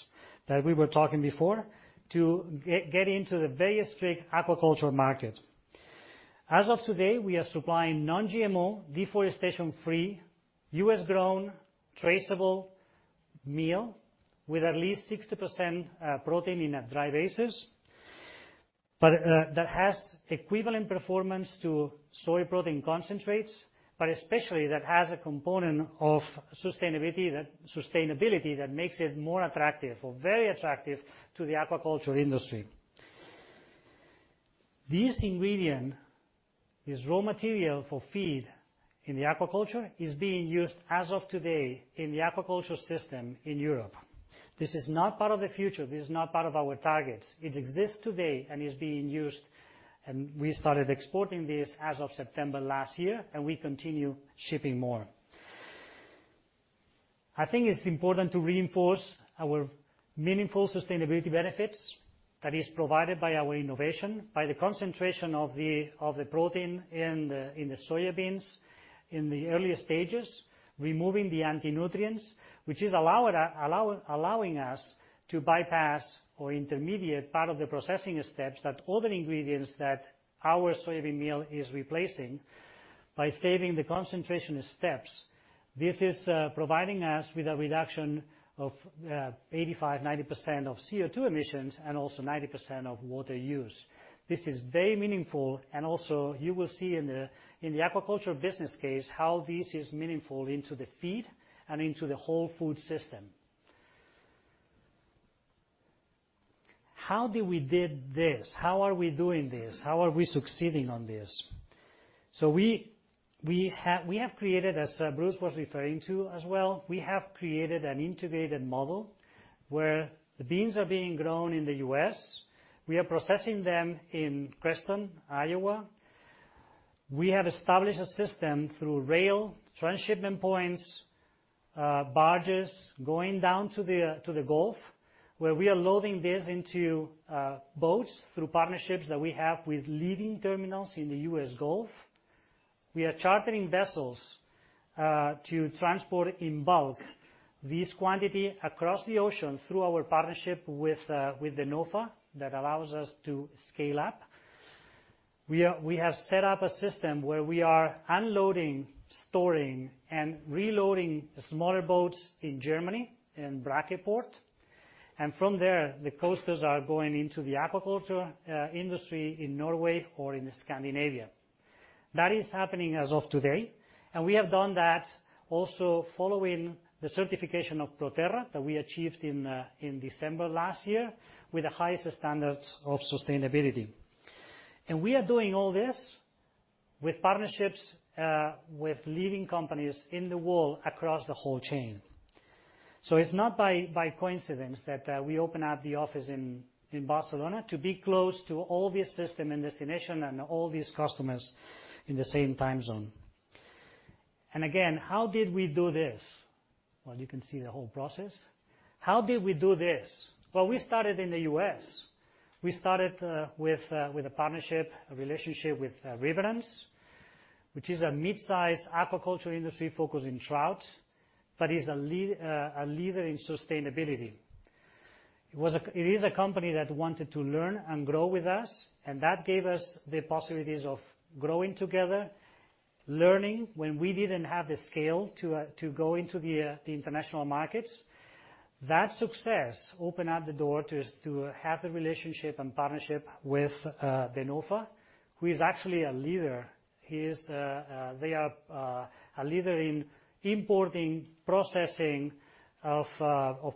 that we were talking before to get into the very strict aquaculture market. As of today, we are supplying non-GMO, deforestation-free, U.S.-grown, traceable meal with at least 60% protein in a dry basis. That has equivalent performance to soy protein concentrates, but especially that has a component of sustainability that makes it more attractive or very attractive to the aquaculture industry. This ingredient, this raw material for feed in the aquaculture is being used as of today in the aquaculture system in Europe. This is not part of the future, this is not part of our targets. It exists today and is being used, and we started exporting this as of September last year, and we continue shipping more. I think it's important to reinforce our meaningful sustainability benefits that is provided by our innovation, by the concentration of the protein in the soybeans in the earlier stages, removing the antinutrients, which is allowing us to bypass or intermediate part of the processing steps that other ingredients that our soybean meal is replacing by saving the concentration steps. This is providing us with a reduction of 85%-90% of CO2 emissions and also 90% of water use. This is very meaningful, and also you will see in the aquaculture business case how this is meaningful into the feed and into the whole food system. How did we did this? How are we doing this? How are we succeeding on this? We have created, as Bruce was referring to as well, we have created an integrated model where the beans are being grown in the U.S. We are processing them in Creston, Iowa. We have established a system through rail, transshipment points, barges, going down to the Gulf, where we are loading this into boats through partnerships that we have with leading terminals in the U.S. Gulf. We are chartering vessels to transport in bulk this quantity across the ocean through our partnership with Denofa that allows us to scale up. We have set up a system where we are unloading, storing, and reloading smaller boats in Germany, in Brake Port. From there, the coasters are going into the aquaculture industry in Norway or in Scandinavia. That is happening as of today. We have done that also following the certification of ProTerra that we achieved in December last year, with the highest standards of sustainability. We are doing all this with partnerships with leading companies in the world across the whole chain. It's not by coincidence that we open up the office in Barcelona to be close to all the system and destination and all these customers in the same time zone. Again, how did we do this? Well, you can see the whole process. How did we do this? Well, we started in the U.S. We started with a partnership, a relationship with Riverence, which is a mid-size aquaculture industry focused in trout, but is a leader in sustainability. It is a company that wanted to learn and grow with us, that gave us the possibilities of growing together, learning when we didn't have the scale to go into the international markets. That success opened up the door to have the relationship and partnership with Denofa, who is actually a leader. He is, they are a leader in importing, processing of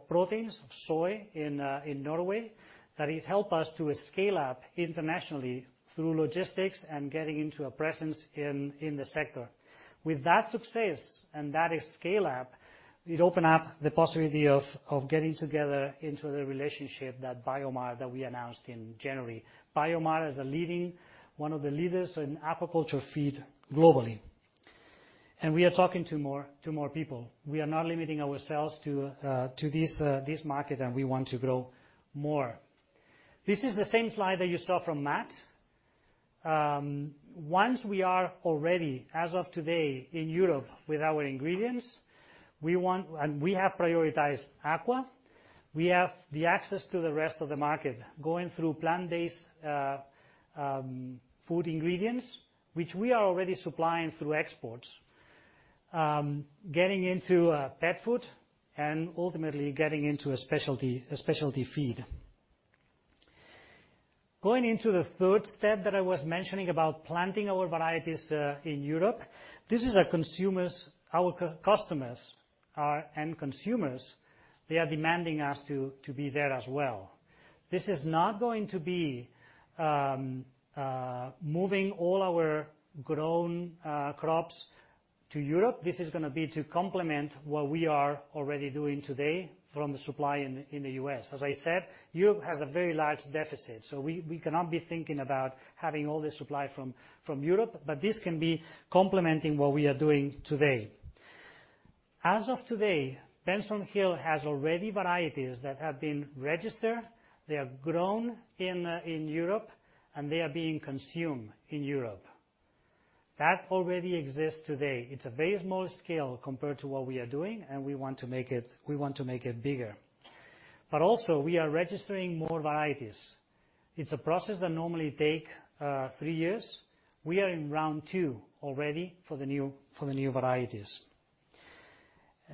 proteins, soy in Norway, that it helped us to scale up internationally through logistics and getting into a presence in the sector. With that success and that scale up, it opened up the possibility of getting together into the relationship that BioMar that we announced in January. BioMar is a leading, one of the leaders in aquaculture feed globally. We are talking to more people. We are not limiting ourselves to this market, and we want to grow more. This is the same slide that you saw from Matt. Once we are already, as of today, in Europe with our ingredients, we want. We have prioritized aqua. We have the access to the rest of the market going through plant-based food ingredients, which we are already supplying through exports. Getting into pet food and ultimately getting into a specialty feed. Going into the third step that I was mentioning about planting our varieties in Europe, this is our consumers, our customers, our end consumers, they are demanding us to be there as well. This is not going to be moving all our grown crops to Europe. This is gonna be to complement what we are already doing today from the supply in the U.S. As I said, Europe has a very large deficit, so we cannot be thinking about having all the supply from Europe, but this can be complementing what we are doing today. As of today, Benson Hill has already varieties that have been registered, they are grown in Europe, and they are being consumed in Europe. That already exists today. It's a very small scale compared to what we are doing, and we want to make it bigger. Also, we are registering more varieties. It's a process that normally take three years. We are in round two already for the new varieties.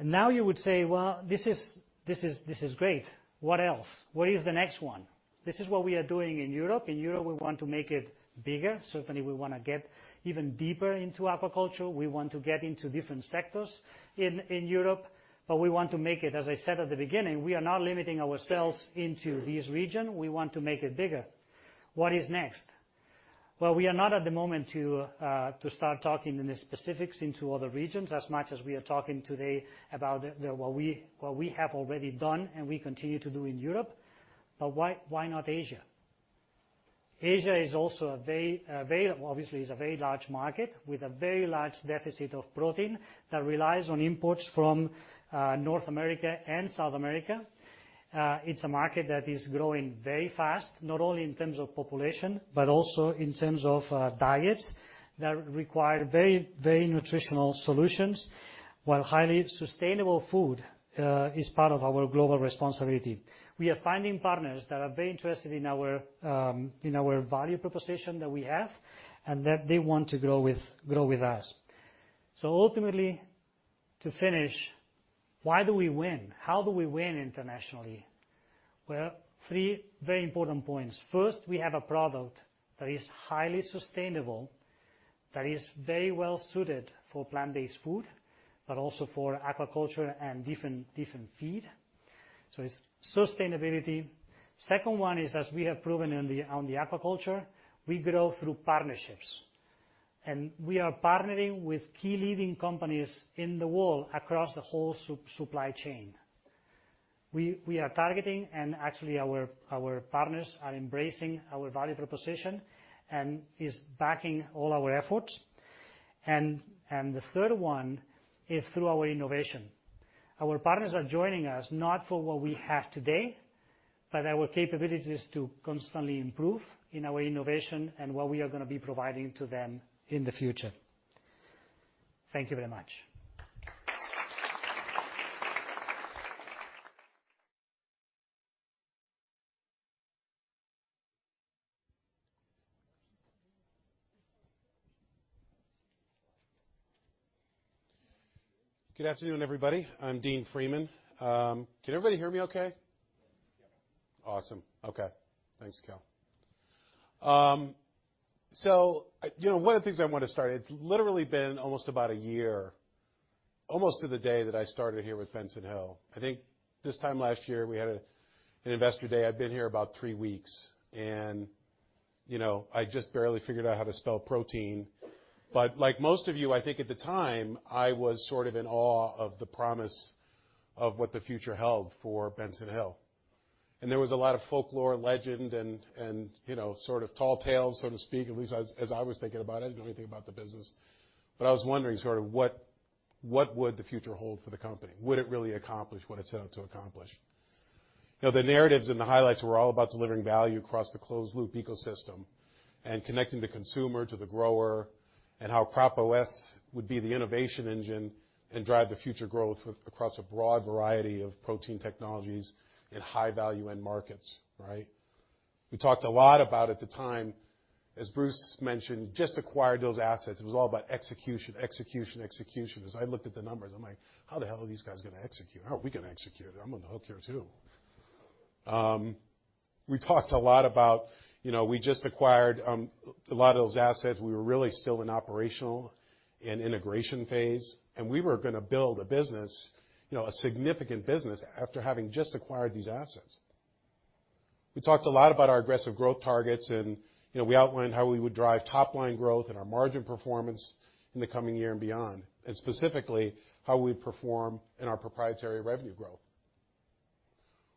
You would say, "Well, this is great. What else? What is the next one? This is what we are doing in Europe. In Europe, we want to make it bigger. Certainly, we wanna get even deeper into aquaculture. We want to get into different sectors in Europe. We want to make it, as I said at the beginning, we are not limiting ourselves into this region. We want to make it bigger. What is next? Well, we are not at the moment to start talking in the specifics into other regions as much as we are talking today about the what we have already done and we continue to do in Europe. Why not Asia? Asia is also a very, obviously is a very large market with a very large deficit of protein that relies on imports from North America and South America. It's a market that is growing very fast, not only in terms of population, but also in terms of diets that require very, very nutritional solutions, while highly sustainable food is part of our global responsibility. We are finding partners that are very interested in our value proposition that we have and that they want to grow with, grow with us. Ultimately, to finish, why do we win? How do we win internationally? Well, three very important points. First, we have a product that is highly sustainable, that is very well suited for plant-based food, but also for aquaculture and different feed. It's sustainability. Second one is, as we have proven on the aquaculture, we grow through partnerships. We are partnering with key leading companies in the world across the whole supply chain. We are targeting, and actually our partners are embracing our value proposition and is backing all our efforts. The third one is through our innovation. Our partners are joining us not for what we have today, but our capabilities to constantly improve in our innovation and what we are gonna be providing to them in the future. Thank you very much. Good afternoon, everybody. I'm Dean Freeman. Can everybody hear me okay? Yeah. Awesome. Okay. Thanks, Cal. You know, one of the things I wanna start, it's literally been almost about a year, almost to the day that I started here with Benson Hill. I think this time last year, we had an Investor Day. I've been here about three weeks, and, you know, I just barely figured out how to spell protein. Like most of you, I think at the time, I was sort of in awe of the promise of what the future held for Benson Hill. There was a lot of folklore, legend, and, you know, sort of tall tales, so to speak, at least as I was thinking about it. I didn't know anything about the business. I was wondering sort of what would the future hold for the company? Would it really accomplish what it set out to accomplish? You know, the narratives and the highlights were all about delivering value across the closed loop ecosystem and connecting the consumer to the grower and how CropOS would be the innovation engine and drive the future growth across a broad variety of protein technologies in high value end markets, right? We talked a lot about, at the time, as Bruce mentioned, just acquired those assets. It was all about execution, execution. As I looked at the numbers, I'm like, "How the hell are these guys gonna execute? How are we gonna execute? I'm on the hook here, too." We talked a lot about, you know, we just acquired a lot of those assets. We were really still in operational and integration phase, we were gonna build a business, you know, a significant business after having just acquired these assets. We talked a lot about our aggressive growth targets, you know, we outlined how we would drive top-line growth and our margin performance in the coming year and beyond, specifically, how we perform in our proprietary revenue growth.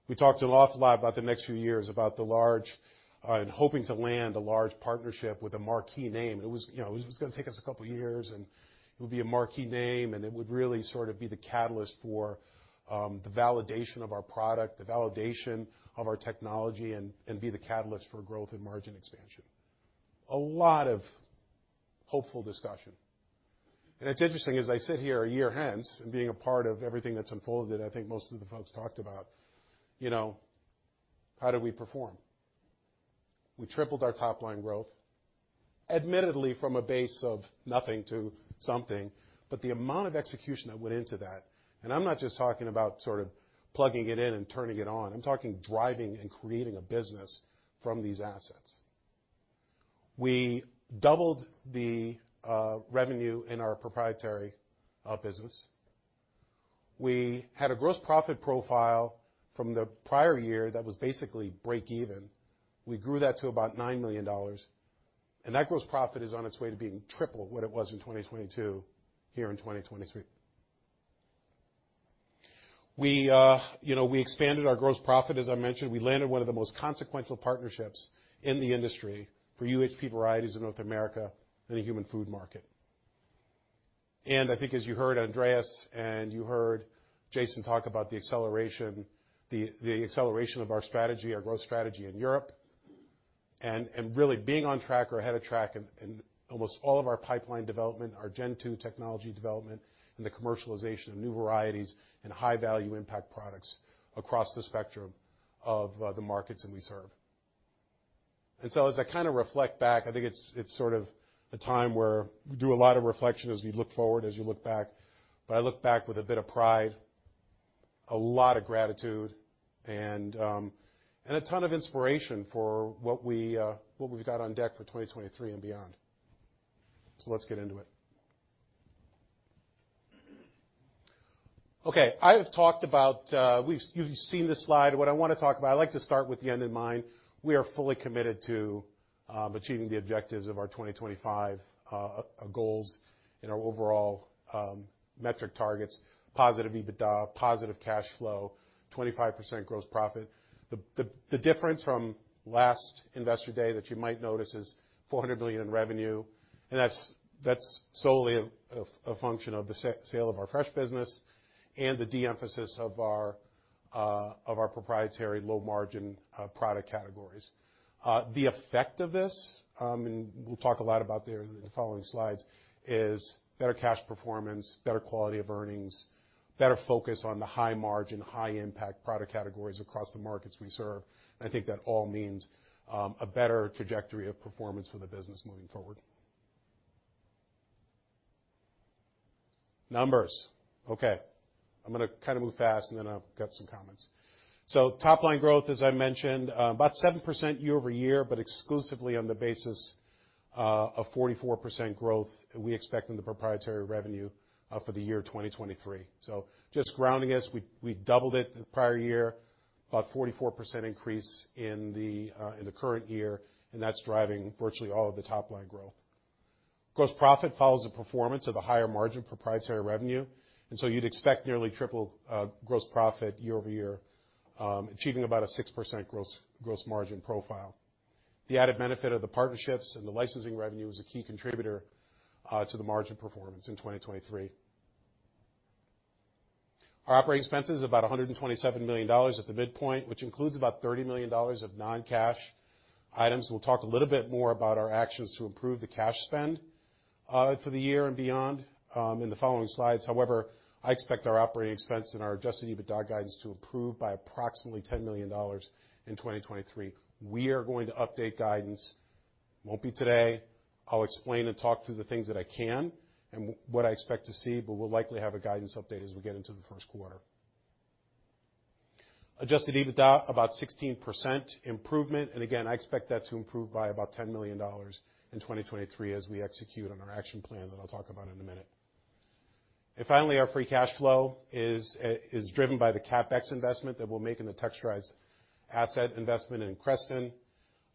We talked an awful lot about the next few years, about the large, and hoping to land a large partnership with a marquee name. It was, you know, it was gonna take us a couple years, it would be a marquee name, it would really sort of be the catalyst for the validation of our product, the validation of our technology, and be the catalyst for growth and margin expansion. A lot of hopeful discussion. It's interesting, as I sit here a year hence and being a part of everything that's unfolded, I think most of the folks talked about, you know, how did we perform? We tripled our top line growth, admittedly from a base of nothing to something, the amount of execution that went into that, I'm not just talking about sort of plugging it in and turning it on. I'm talking driving and creating a business from these assets. We doubled the revenue in our proprietary business. We had a gross profit profile from the prior year that was basically break even. We grew that to about $9 million, that gross profit is on its way to being triple what it was in 2022 here in 2023. We, you know, we expanded our gross profit, as I mentioned. We landed one of the most consequential partnerships in the industry for UHP varieties in North America in the human food market. I think as you heard Andres and you heard Jason talk about the acceleration, the acceleration of our strategy, our growth strategy in Europe, and really being on track or ahead of track in almost all of our pipeline development, our Gen2 technology development, and the commercialization of new varieties and high-value impact products across the spectrum of the markets that we serve. As I kind of reflect back, I think it's sort of a time where we do a lot of reflection as we look forward, as you look back. I look back with a bit of pride, a lot of gratitude, and a ton of inspiration for what we've got on deck for 2023 and beyond. Let's get into it. I have talked about, you've seen this slide. What I wanna talk about, I like to start with the end in mind. We are fully committed to achieving the objectives of our 2025 goals and our overall metric targets, positive EBITDA, positive cash flow, 25% gross profit. The difference from last Investor Day that you might notice is $400 million in revenue, and that's solely a function of the sale of our fresh business and the de-emphasis of our proprietary low-margin product categories. The effect of this, and we'll talk a lot about there in the following slides, is better cash performance, better quality of earnings, better focus on the high margin, high impact product categories across the markets we serve. I think that all means a better trajectory of performance for the business moving forward. Numbers. Okay. I'm gonna kind of move fast, then I've got some comments. Top line growth, as I mentioned, about 7% year-over-year, exclusively on the basis of 44% growth we expect in the proprietary revenue for the year 2023. Just grounding us, we doubled it the prior year, about 44% increase in the current year, and that's driving virtually all of the top line growth. Gross profit follows the performance of the higher margin proprietary revenue. You'd expect nearly triple gross profit year-over-year, achieving about a 6% gross margin profile. The added benefit of the partnerships and the licensing revenue is a key contributor to the margin performance in 2023. Our operating expense is about $127 million at the midpoint, which includes about $30 million of non-cash items. We'll talk a little bit more about our actions to improve the cash spend for the year and beyond in the following slides. However, I expect our operating expense and our adjusted EBITDA guidance to improve by approximately $10 million in 2023. We are going to update guidance. Won't be today. I'll explain and talk through the things that I can and what I expect to see, but we'll likely have a guidance update as we get into the first quarter. Adjusted EBITDA, about 16% improvement. Again, I expect that to improve by about $10 million in 2023 as we execute on our action plan that I'll talk about in a minute. Finally, our free cash flow is driven by the CapEx investment that we'll make in the texturize asset investment in Creston,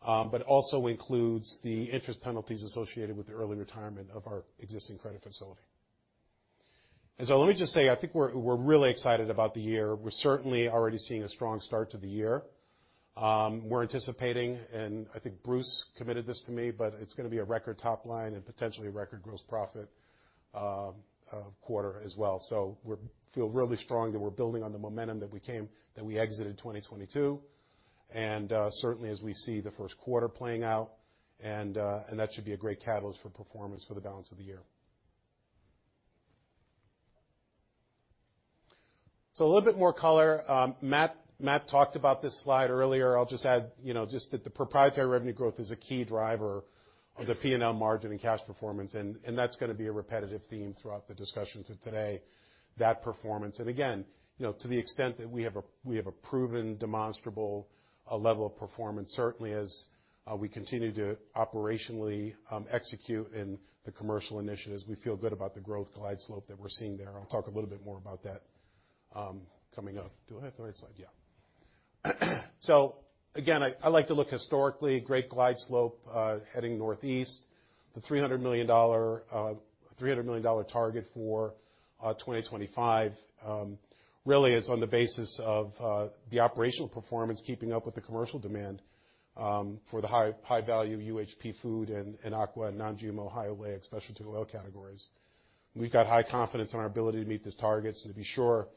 but also includes the interest penalties associated with the early retirement of our existing credit facility. So let me just say, I think we're really excited about the year. We're certainly already seeing a strong start to the year. We're anticipating, and I think Bruce committed this to me, but it's gonna be a record top line and potentially a record gross profit quarter as well. We feel really strong that we're building on the momentum that we exited 2022, certainly as we see the first quarter playing out, and that should be a great catalyst for performance for the balance of the year. A little bit more color. Matt talked about this slide earlier. I'll just add, you know, just that the proprietary revenue growth is a key driver of the P&L margin and cash performance, and that's gonna be a repetitive theme throughout the discussion for today, that performance. Again, you know, to the extent that we have a, we have a proven demonstrable level of performance, certainly as we continue to operationally execute in the commercial initiatives, we feel good about the growth glide slope that we're seeing there. I'll talk a little bit more about that coming up. Do I have the right slide? Yeah. Again, I like to look historically, great glide slope heading northeast. The $300 million target for 2025 really is on the basis of the operational performance keeping up with the commercial demand for the high, high-value UHP food and aqua and non-GMO, high oleic, specialty oil categories. We've got high confidence in our ability to meet these targets and to be sure,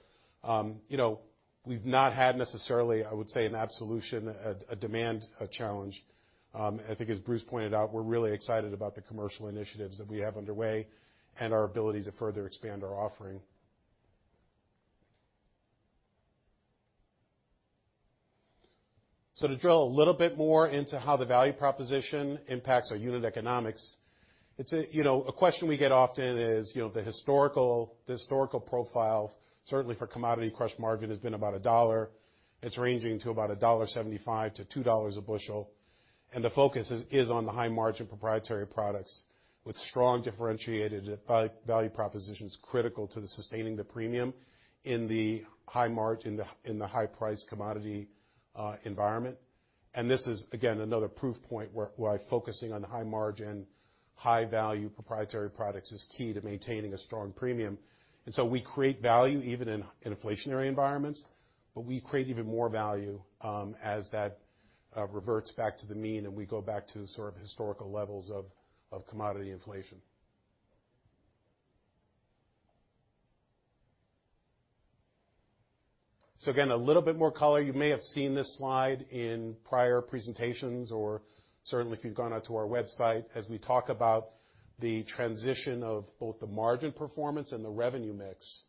you know, we've not had necessarily, I would say, an absolution, a demand challenge. I think as Bruce pointed out, we're really excited about the commercial initiatives that we have underway and our ability to further expand our offering. So to drill a little bit more into how the value proposition impacts our unit economics, it's a, you know, a question we get often is, you know, the historical profile, certainly for commodity crush margin has been about $1. It's ranging to about $1.75-$2 a bushel. The focus is on the high margin proprietary products with strong differentiated value propositions critical to sustaining the premium in the high margin in the high price commodity environment. This is again, another proof point where focusing on high margin, high value proprietary products is key to maintaining a strong premium. We create value even in inflationary environments, but we create even more value as that reverts back to the mean, and we go back to sort of historical levels of commodity inflation. Again, a little bit more color. You may have seen this slide in prior presentations, or certainly if you've gone onto our website as we talk about the transition of both the margin performance and the revenue mix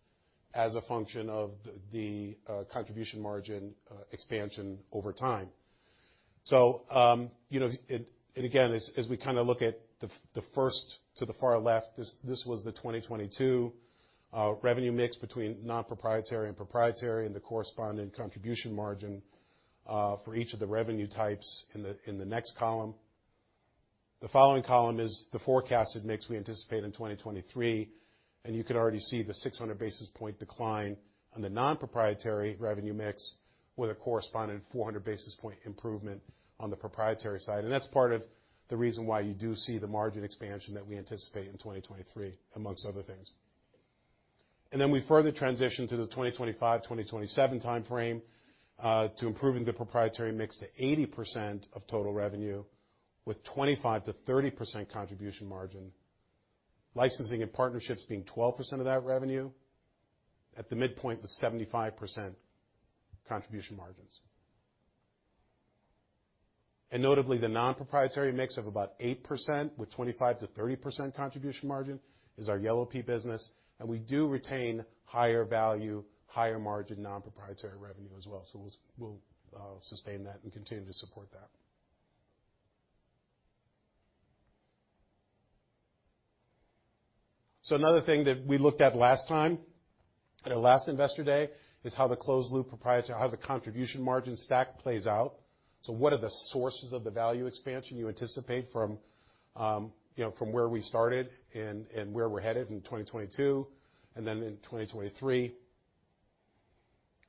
as a function of the contribution margin expansion over time. You know, it again, as we kind of look at the first to the far left, this was the 2022 revenue mix between non-proprietary and proprietary and the corresponding contribution margin for each of the revenue types in the next column. The following column is the forecasted mix we anticipate in 2023, you could already see the 600 basis point decline on the non-proprietary revenue mix with a corresponding 400 basis point improvement on the proprietary side. That's part of the reason why you do see the margin expansion that we anticipate in 2023 amongst other things. We further transition to the 2025, 2027 time frame, to improving the proprietary mix to 80% of total revenue with 25%-30% contribution margin. Licensing and partnerships being 12% of that revenue at the midpoint with 75% contribution margins. Notably, the non-proprietary mix of about 8% with 25%-30% contribution margin is our yellow pea business. We do retain higher value, higher margin non-proprietary revenue as well. We'll sustain that and continue to support that. Another thing that we looked at last time at our last Investor Day is how the closed loop proprietary, how the contribution margin stack plays out. What are the sources of the value expansion you anticipate from, you know, from where we started and where we're headed in 2022 and then in 2023.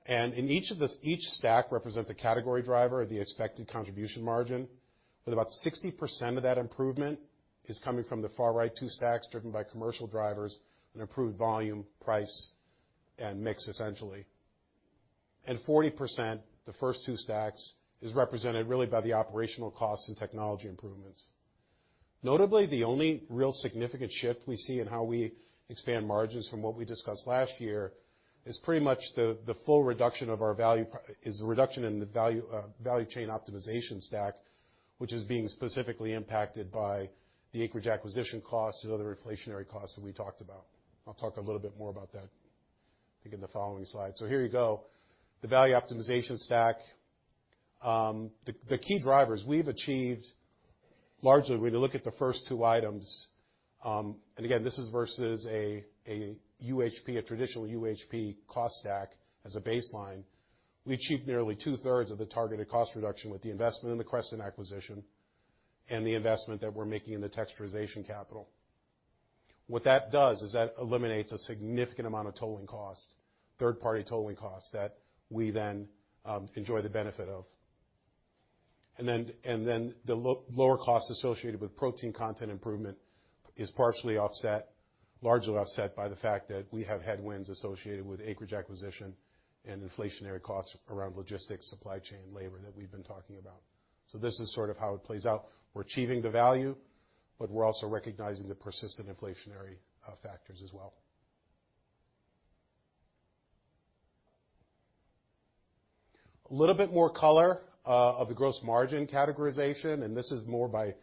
In each of the each stack represents a category driver, the expected contribution margin, with about 60% of that improvement is coming from the far right two stacks driven by commercial drivers and improved volume, price, and mix essentially. 40%, the first two stacks, is represented really by the operational costs and technology improvements. Notably, the only real significant shift we see in how we expand margins from what we discussed last year is pretty much the full reduction of our value is the reduction in the value chain optimization stack, which is being specifically impacted by the acreage acquisition costs and other inflationary costs that we talked about. I'll talk a little bit more about that, I think, in the following slide. Here you go, the value optimization stack. The key drivers we've achieved largely when you look at the first two items, again, this is versus a UHP, a traditional UHP cost stack as a baseline. We achieved nearly two-thirds of the targeted cost reduction with the investment in the Creston acquisition and the investment that we're making in the texturization capital. What that does is that eliminates a significant amount of tolling costs, third-party tolling costs, that we then enjoy the benefit of. Then the lower cost associated with protein content improvement is partially offset, largely offset by the fact that we have headwinds associated with acreage acquisition and inflationary costs around logistics, supply chain, labor that we've been talking about. This is sort of how it plays out. We're achieving the value, but we're also recognizing the persistent inflationary factors as well. A little bit more color of the gross margin categorization, and this is more by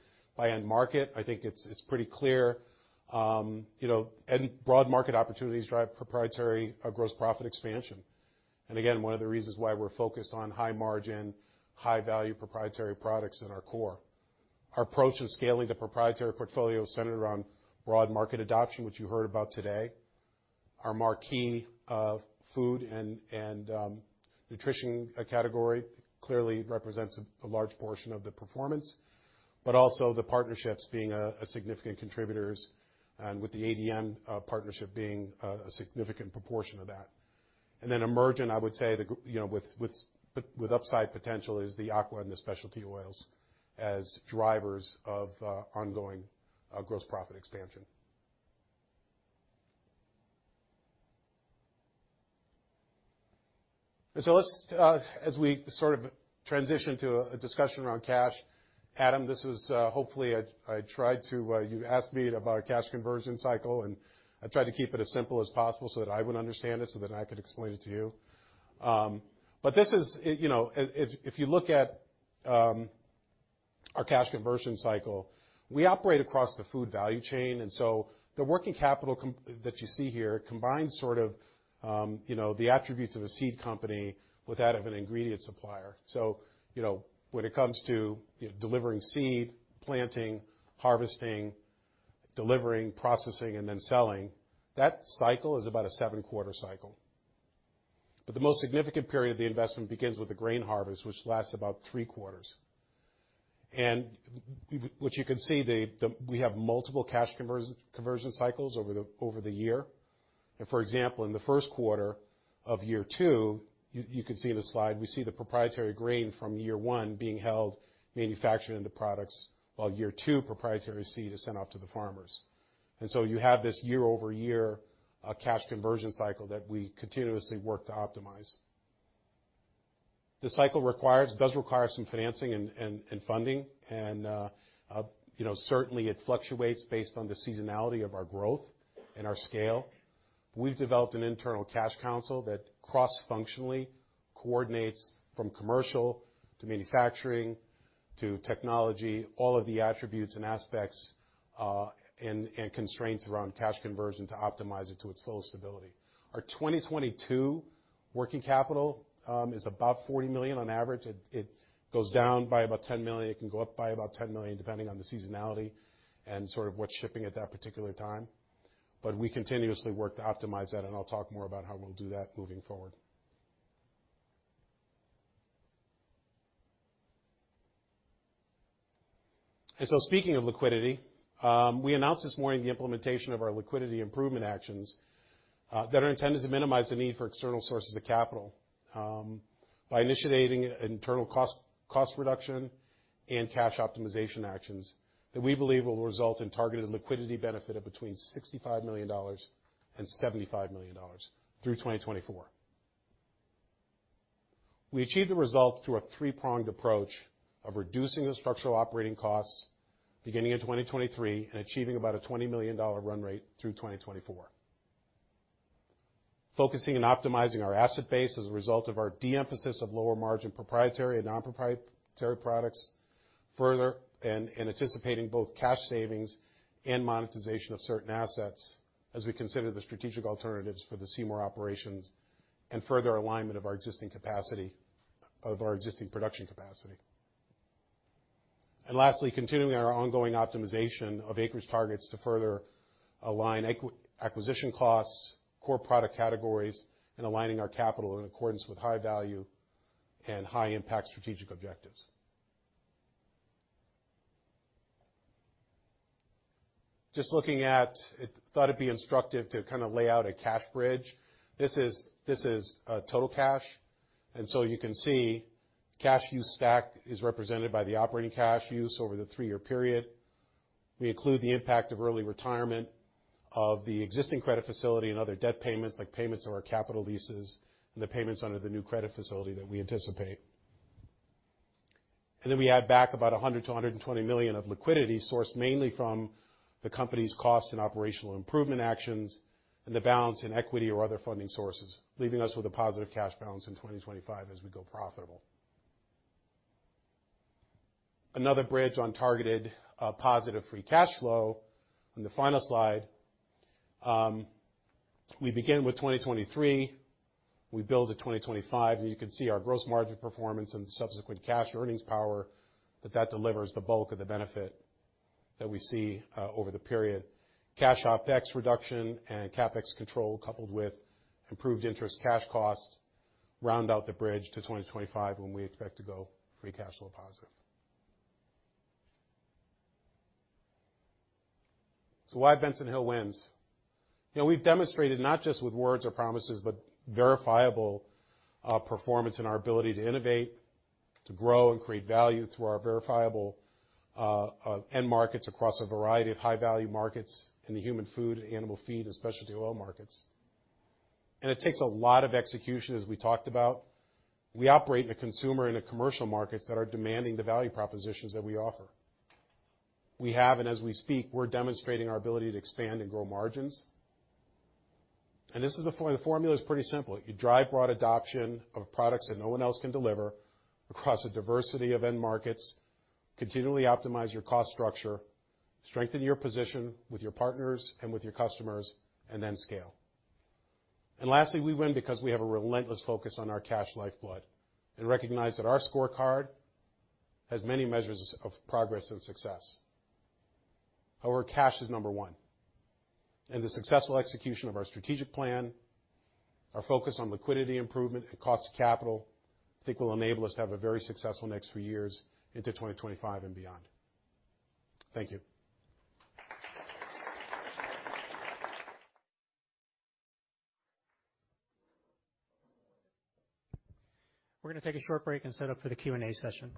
end market. I think it's pretty clear, you know, end broad market opportunities drive proprietary gross profit expansion. Again, one of the reasons why we're focused on high margin, high value proprietary products in our core. Our approach in scaling the proprietary portfolio is centered around broad market adoption, which you heard about today. Our marquee of food and nutrition category clearly represents a large portion of the performance, but also the partnerships being a significant contributors, and with the ADM partnership being a significant proportion of that. Emergent, I would say the you know, with with upside potential is the aqua and the specialty oils as drivers of ongoing gross profit expansion. Let's as we sort of transition to a discussion around cash, Adam, this is hopefully I tried to you asked me about our cash conversion cycle, and I tried to keep it as simple as possible so that I would understand it, so that I could explain it to you. This is, you know, if, if you look at our cash conversion cycle, we operate across the food value chain, so the working capital that you see here combines sort of, you know, the attributes of a seed company with that of an ingredient supplier. You know, when it comes to delivering seed, planting, harvesting, delivering, processing, and then selling, that cycle is about a seven-quarter cycle. The most significant period of the investment begins with the grain harvest, which lasts about three quarters. Which you can see, we have multiple cash conversion cycles over the year. For example, in the first quarter of year two, you can see the slide, we see the proprietary grain from year one being held, manufactured into products while year two proprietary seed is sent off to the farmers. You have this year-over-year cash conversion cycle that we continuously work to optimize. It does require some financing and funding, and, you know, certainly it fluctuates based on the seasonality of our growth and our scale. We've developed an internal cash council that cross-functionally coordinates from commercial to manufacturing to technology, all of the attributes and aspects and constraints around cash conversion to optimize it to its fullest ability. Our 2022 working capital is about $40 million on average. It goes down by about $10 million. It can go up by about $10 million depending on the seasonality and sort of what's shipping at that particular time. We continuously work to optimize that, and I'll talk more about how we'll do that moving forward. Speaking of liquidity, we announced this morning the implementation of our liquidity improvement actions that are intended to minimize the need for external sources of capital by initiating internal cost reduction and cash optimization actions that we believe will result in targeted liquidity benefit of between $65 million and $75 million through 2024. We achieve the result through a three-pronged approach of reducing the structural operating costs beginning in 2023 and achieving about a $20 million run rate through 2024. Focusing and optimizing our asset base as a result of our de-emphasis of lower margin proprietary and non-proprietary products further and anticipating both cash savings and monetization of certain assets as we consider the strategic alternatives for the Seymour operations and further alignment of our existing capacity, our existing production capacity. Lastly, continuing our ongoing optimization of acreage targets to further align acquisition costs, core product categories, and aligning our capital in accordance with high value and high impact strategic objectives. I thought it'd be instructive to kind of lay out a cash bridge. This is total cash. You can see cash use stack is represented by the operating cash use over the three-year period. We include the impact of early retirement of the existing credit facility and other debt payments, like payments of our capital leases and the payments under the new credit facility that we anticipate. Then we add back about $100 million-$120 million of liquidity sourced mainly from the company's costs and operational improvement actions and the balance in equity or other funding sources, leaving us with a positive cash balance in 2025 as we go profitable. Another bridge on targeted positive free cash flow on the final slide. We begin with 2023, we build to 2025, and you can see our gross margin performance and subsequent cash earnings power that delivers the bulk of the benefit that we see over the period. Cash OpEx reduction and CapEx control, coupled with improved interest cash costs round out the bridge to 2025 when we expect to go free cash flow positive. Why Benson Hill wins? You know, we've demonstrated not just with words or promises, but verifiable performance in our ability to innovate, to grow, and create value through our verifiable end markets across a variety of high-value markets in the human food, animal feed, and specialty oil markets. It takes a lot of execution, as we talked about. We operate in the consumer and the commercial markets that are demanding the value propositions that we offer. We have, and as we speak, we're demonstrating our ability to expand and grow margins. The formula is pretty simple. You drive broad adoption of products that no one else can deliver across a diversity of end markets, continually optimize your cost structure, strengthen your position with your partners and with your customers, and then scale. Lastly, we win because we have a relentless focus on our cash lifeblood and recognize that our scorecard has many measures of progress and success. Our cash is number one. The successful execution of our strategic plan, our focus on liquidity improvement and cost of capital, I think will enable us to have a very successful next few years into 2025 and beyond. Thank you. We're gonna take a short break and set up for the Q&A session.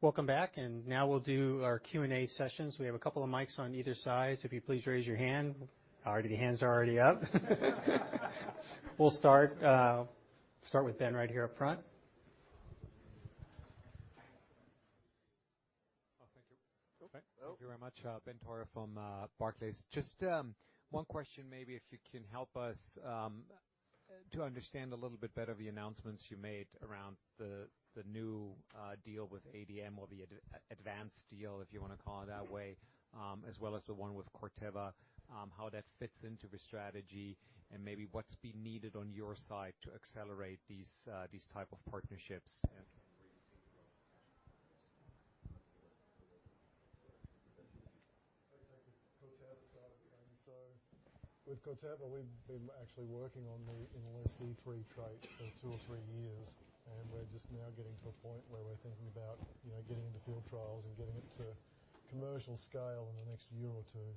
Welcome back. Now we'll do our Q&A sessions. We have a couple of mics on either side. If you please raise your hand. The hands are already up. We'll start with Ben right here up front. Oh, thank you. Okay. Thank you very much. Benjamin Theurer from Barclays. Just one question, maybe if you can help us to understand a little bit better the announcements you made around the new deal with ADM or the advanced deal, if you wanna call it that way, as well as the one with Corteva, how that fits into the strategy and maybe what's been needed on your side to accelerate these type of partnerships and-? I can take the Corteva side of the equation. With Corteva, we've been actually working on the Enlist E3 trait for two or three years, we're just now getting to a point where we're thinking about, you know, getting into field trials and getting it to commercial scale in the next year or two.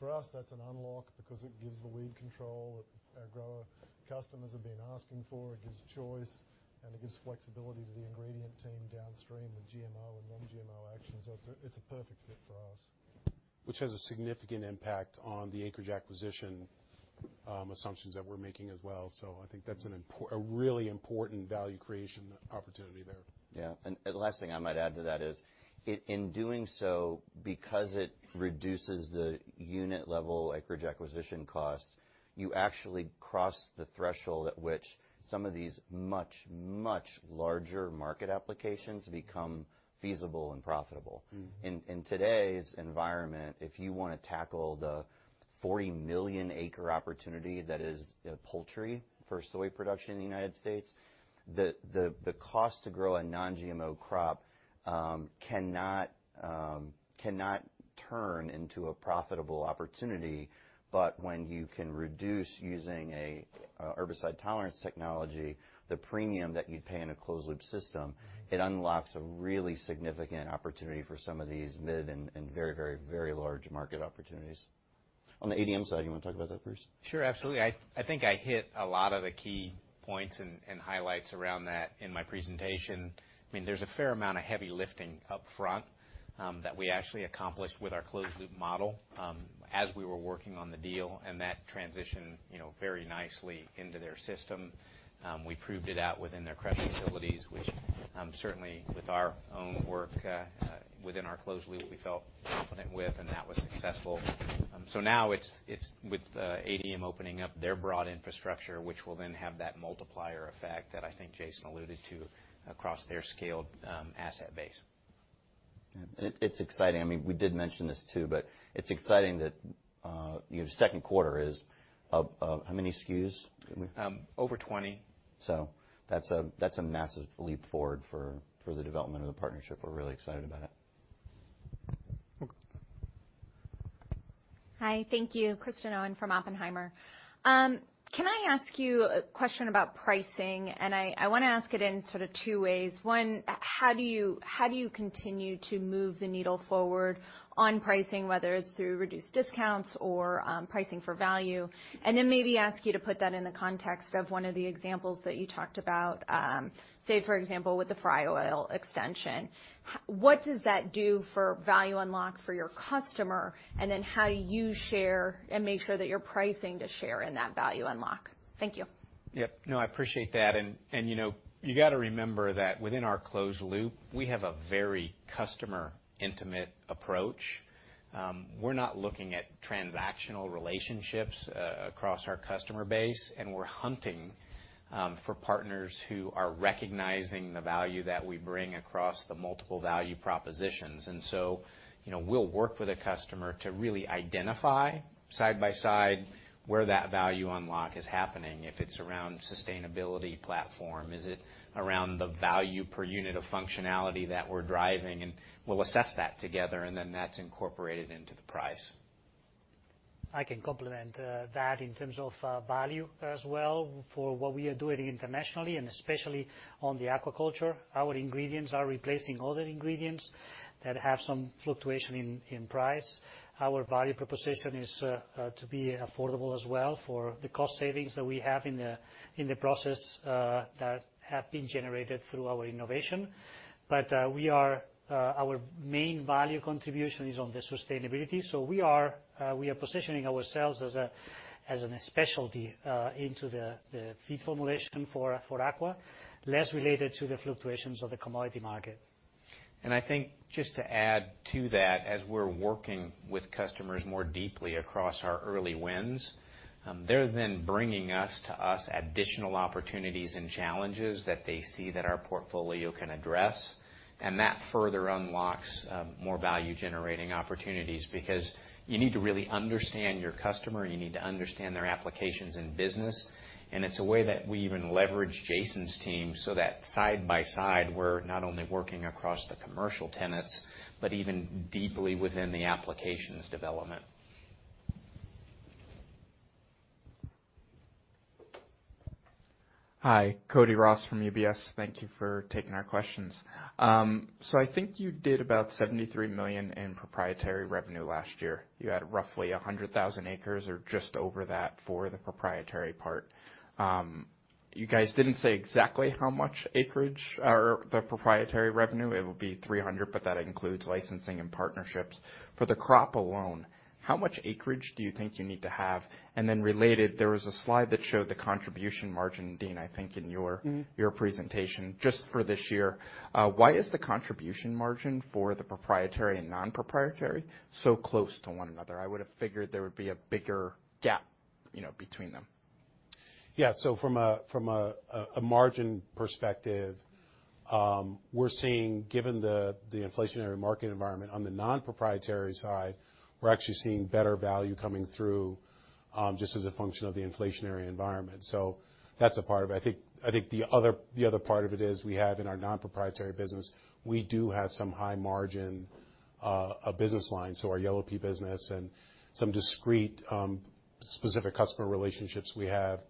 For us, that's an unlock because it gives the weed control that our grower customers have been asking for. It gives choice, and it gives flexibility to the ingredient team downstream with GMO and non-GMO actions. It's a perfect fit for us. Which has a significant impact on the acreage acquisition, assumptions that we're making as well. I think that's a really important value creation opportunity there. Yeah. The last thing I might add to that is in doing so, because it reduces the unit level acreage acquisition cost, you actually cross the threshold at which some of these much, much larger market applications become feasible and profitable. Mm-hmm. In today's environment, if you wanna tackle the 40 million acre opportunity that is poultry for soy production in the United States, the cost to grow a non-GMO crop cannot turn into a profitable opportunity. When you can reduce using a herbicide tolerance technology, the premium that you'd pay in a closed loop system, it unlocks a really significant opportunity for some of these mid and very, very, very large market opportunities. On the ADM side, you wanna talk about that, Bruce? Sure, absolutely. I think I hit a lot of the key points and highlights around that in my presentation. I mean, there's a fair amount of heavy lifting up front that we actually accomplished with our closed loop model as we were working on the deal. That transitioned, you know, very nicely into their system. We proved it out within their crush facilities, which certainly with our own work within our closed loop, we felt confident with. That was successful. Now it's with ADM opening up their broad infrastructure, which will then have that multiplier effect that I think Jason alluded to across their scaled asset base. It's exciting. I mean, we did mention this too, but it's exciting that your second quarter is of how many SKUs? Over 20. That's a massive leap forward for the development of the partnership. We're really excited about it. Okay. Hi. Thank you. Kristen Owen from Oppenheimer. Can I ask you a question about pricing? I wanna ask it in sort of two ways. One, how do you continue to move the needle forward on pricing, whether it's through reduced discounts or pricing for value? Then maybe ask you to put that in the context of one of the examples that you talked about, say for example, with the fry oil extension. What does that do for value unlock for your customer? Then how do you share and make sure that you're pricing to share in that value unlock? Thank you. Yep. No, I appreciate that. You know, you gotta remember that within our closed loop, we have a very customer intimate approach. We're not looking at transactional relationships across our customer base, and we're hunting for partners who are recognizing the value that we bring across the multiple value propositions. You know, we'll work with a customer to really identify side by side where that value unlock is happening, if it's around sustainability platform, is it around the value per unit of functionality that we're driving, and we'll assess that together, and then that's incorporated into the price. I can complement that in terms of value as well for what we are doing internationally and especially on the aquaculture. Our ingredients are replacing other ingredients that have some fluctuation in price. Our value proposition is to be affordable as well for the cost savings that we have in the process that have been generated through our innovation. Our main value contribution is on the sustainability. We are positioning ourselves as a specialty into the feed formulation for aqua, less related to the fluctuations of the commodity market. I think just to add to that, as we're working with customers more deeply across our early wins, they're then bringing to us additional opportunities and challenges that they see that our portfolio can address. That further unlocks more value-generating opportunities because you need to really understand your customer, and you need to understand their applications and business. It's a way that we even leverage Jason's team so that side by side, we're not only working across the commercial tenets, but even deeply within the applications development. Hi. Cody Ross from UBS. Thank you for taking our questions. I think you did about $73 million in proprietary revenue last year. You had roughly 100,000 acres or just over that for the proprietary part. You guys didn't say exactly how much acreage or the proprietary revenue, it will be $300 million, but that includes licensing and partnerships. For the crop alone, how much acreage do you think you need to have? Related, there was a slide that showed the contribution margin, Dean, I think in your. Mm-hmm. Your presentation just for this year. Why is the contribution margin for the proprietary and non-proprietary so close to one another? I would have figured there would be a bigger gap, you know, between them. From a margin perspective, we're seeing, given the inflationary market environment, on the non-proprietary side, we're actually seeing better value coming through, just as a function of the inflationary environment. That's a part of it. I think the other part of it is we have in our non-proprietary business, we do have some high margin business lines. Our yellow pea business and some discrete, specific customer relationships we have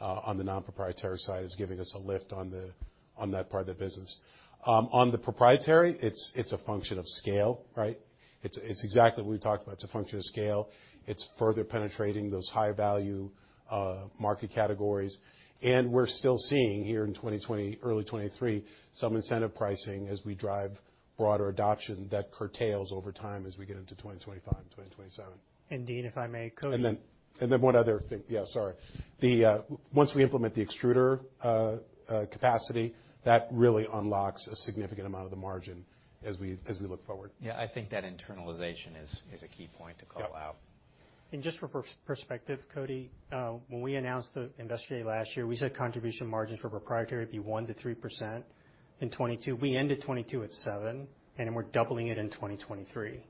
on the non-proprietary side is giving us a lift on that part of the business. On the proprietary, it's a function of scale, right? It's exactly what we talked about. It's a function of scale. It's further penetrating those high-value market categories. We're still seeing here in early 2023, some incentive pricing as we drive broader adoption that curtails over time as we get into 2025 and 2027. Dean, if I may, Cody... One other thing. Yeah, sorry. The once we implement the extruder capacity, that really unlocks a significant amount of the margin as we look forward. Yeah, I think that internalization is a key point to call out. Yep. Just for perspective, Cody, when we announced the Investor Day last year, we said contribution margins for proprietary would be 1%-3% in 2022. We ended 2022 at 7%, then we're doubling it in 2023.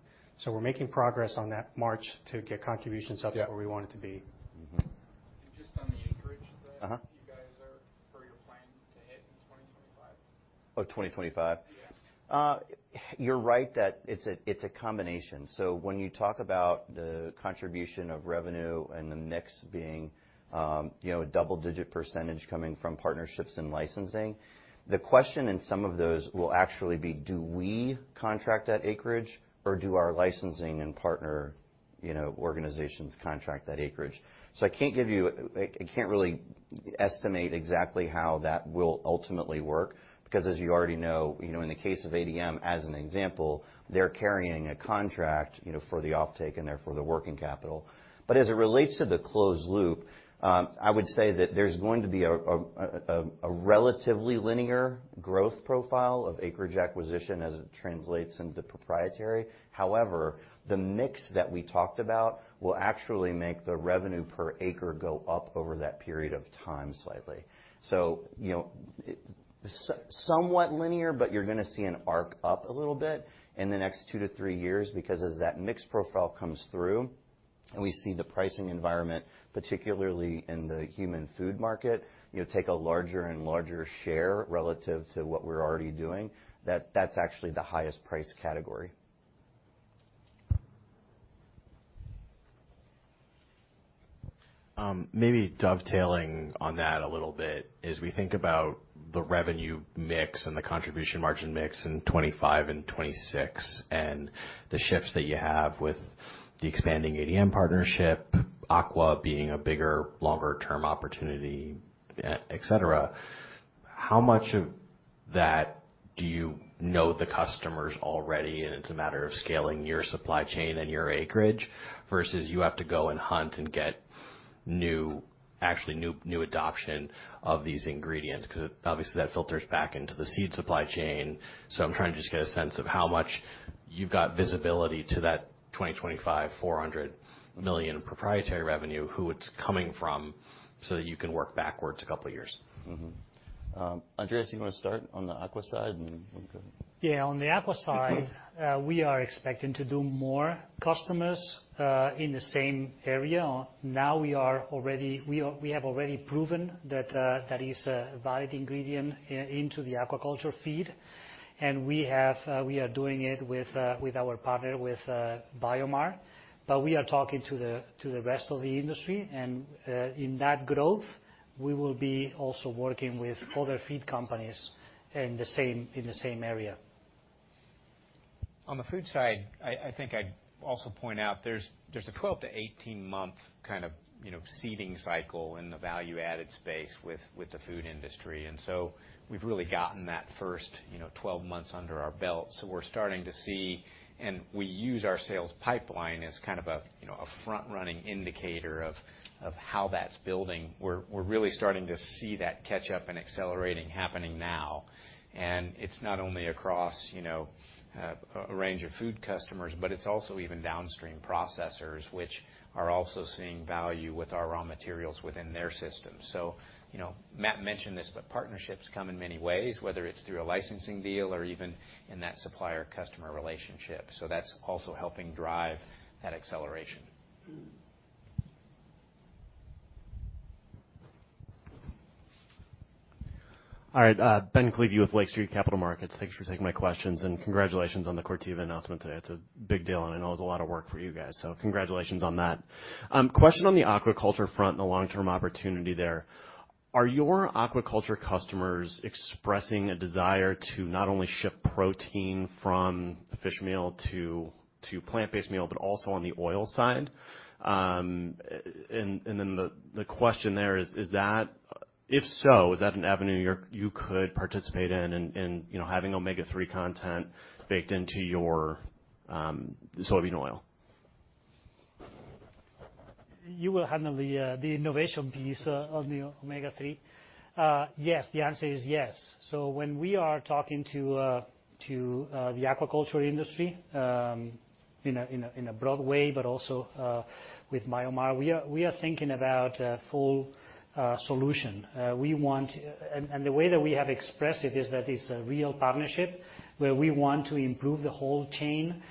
We're making progress on that march to get contributions. Yeah. to where we want it to be. Mm-hmm. Just on the acreage. Uh-huh. You guys for your plan to hit in 2025. Oh, 2025? Yes. You're right that it's a, it's a combination. When you talk about the contribution of revenue and the mix being, you know, a double-digit percentage coming from partnerships and licensing, the question in some of those will actually be, do we contract that acreage or do our licensing and partner, you know, organizations contract that acreage? I can't really estimate exactly how that will ultimately work because as you already know, you know, in the case of ADM, as an example, they're carrying a contract, you know, for the offtake and therefore the working capital. As it relates to the closed loop, I would say that there's going to be a relatively linear growth profile of acreage acquisition as it translates into proprietary. The mix that we talked about will actually make the revenue per acre go up over that period of time slightly. You know, somewhat linear, but you're gonna see an arc up a little bit in the next two to three years because as that mix profile comes through and we see the pricing environment, particularly in the human food market, you'll take a larger and larger share relative to what we're already doing, that's actually the highest price category. Maybe dovetailing on that a little bit, as we think about the revenue mix and the contribution margin mix in 2025 and 2026 and the shifts that you have with the expanding ADM partnership, aqua being a bigger, longer term opportunity, et cetera. How much of that do you know the customers already and it's a matter of scaling your supply chain and your acreage versus you have to go and hunt and get actually new adoption of these ingredients? Obviously, that filters back into the seed supply chain. I'm trying to just get a sense of how much you've got visibility to that 2025 $400 million proprietary revenue, who it's coming from, so that you can work backwards a couple of years. Mm-hmm. Andres, you wanna start on the aqua side, and then we can... Yeah. On the aqua side, we are expecting to do more customers in the same area. Now we have already proven that that is a valid ingredient into the aquaculture feed, and we are doing it with our partner, with BioMar. We are talking to the rest of the industry. In that growth, we will be also working with other feed companies in the same area. On the food side, I think I'd also point out there's a 12-18 month kind of, you know, seeding cycle in the value-added space with the food industry. We've really gotten that first, you know, 12 months under our belt, so we're starting to see. We use our sales pipeline as kind of a, you know, a front-running indicator of how that's building. We're really starting to see that catch up and accelerating happening now. It's not only across, you know, a range of food customers, but it's also even downstream processors, which are also seeing value with our raw materials within their systems. You know, Matt mentioned this, but partnerships come in many ways, whether it's through a licensing deal or even in that supplier-customer relationship. That's also helping drive that acceleration. Mm. All right. Ben Klieve with Lake Street Capital Markets. Thanks for taking my questions. Congratulations on the Corteva announcement today. It's a big deal. I know it was a lot of work for you guys, so congratulations on that. Question on the aquaculture front and the long-term opportunity there. Are your aquaculture customers expressing a desire to not only ship protein from the fish meal to plant-based meal, also on the oil side? Then the question there is, if so, is that an avenue you could participate in, you know, having omega-3 content baked into your soybean oil? You will handle the innovation piece of the omega-3. Yes. The answer is yes. When we are talking to the aquaculture industry, in a broad way, but also with BioMar, we are thinking about a full solution. We want. The way that we have expressed it is that it's a real partnership, where we want to improve the whole chain,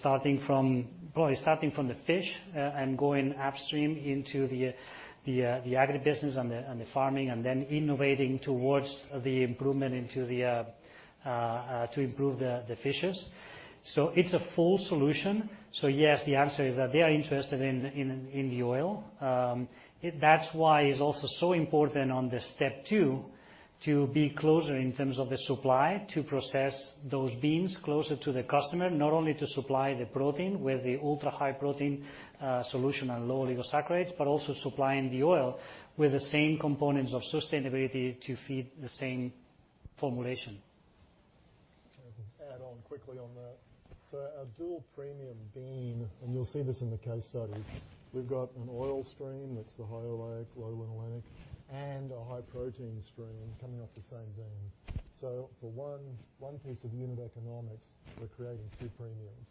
Probably starting from the fish, and going upstream into the agribusiness and the farming, and then innovating towards the improvement into to improve the fishes. It's a full solution. Yes, the answer is that they are interested in the oil. That's why it's also so important on the step two to be closer in terms of the supply, to process those beans closer to the customer, not only to supply the protein with the ultra-high protein solution and low oligosaccharides, but also supplying the oil with the same components of sustainability to feed the same formulation. If I can add on quickly on that. Our dual premium bean, and you'll see this in the case studies, we've got an oil stream that's the high oleic, low linolenic, and a high protein stream coming off the same bean. For one piece of unit economics, we're creating two premiums.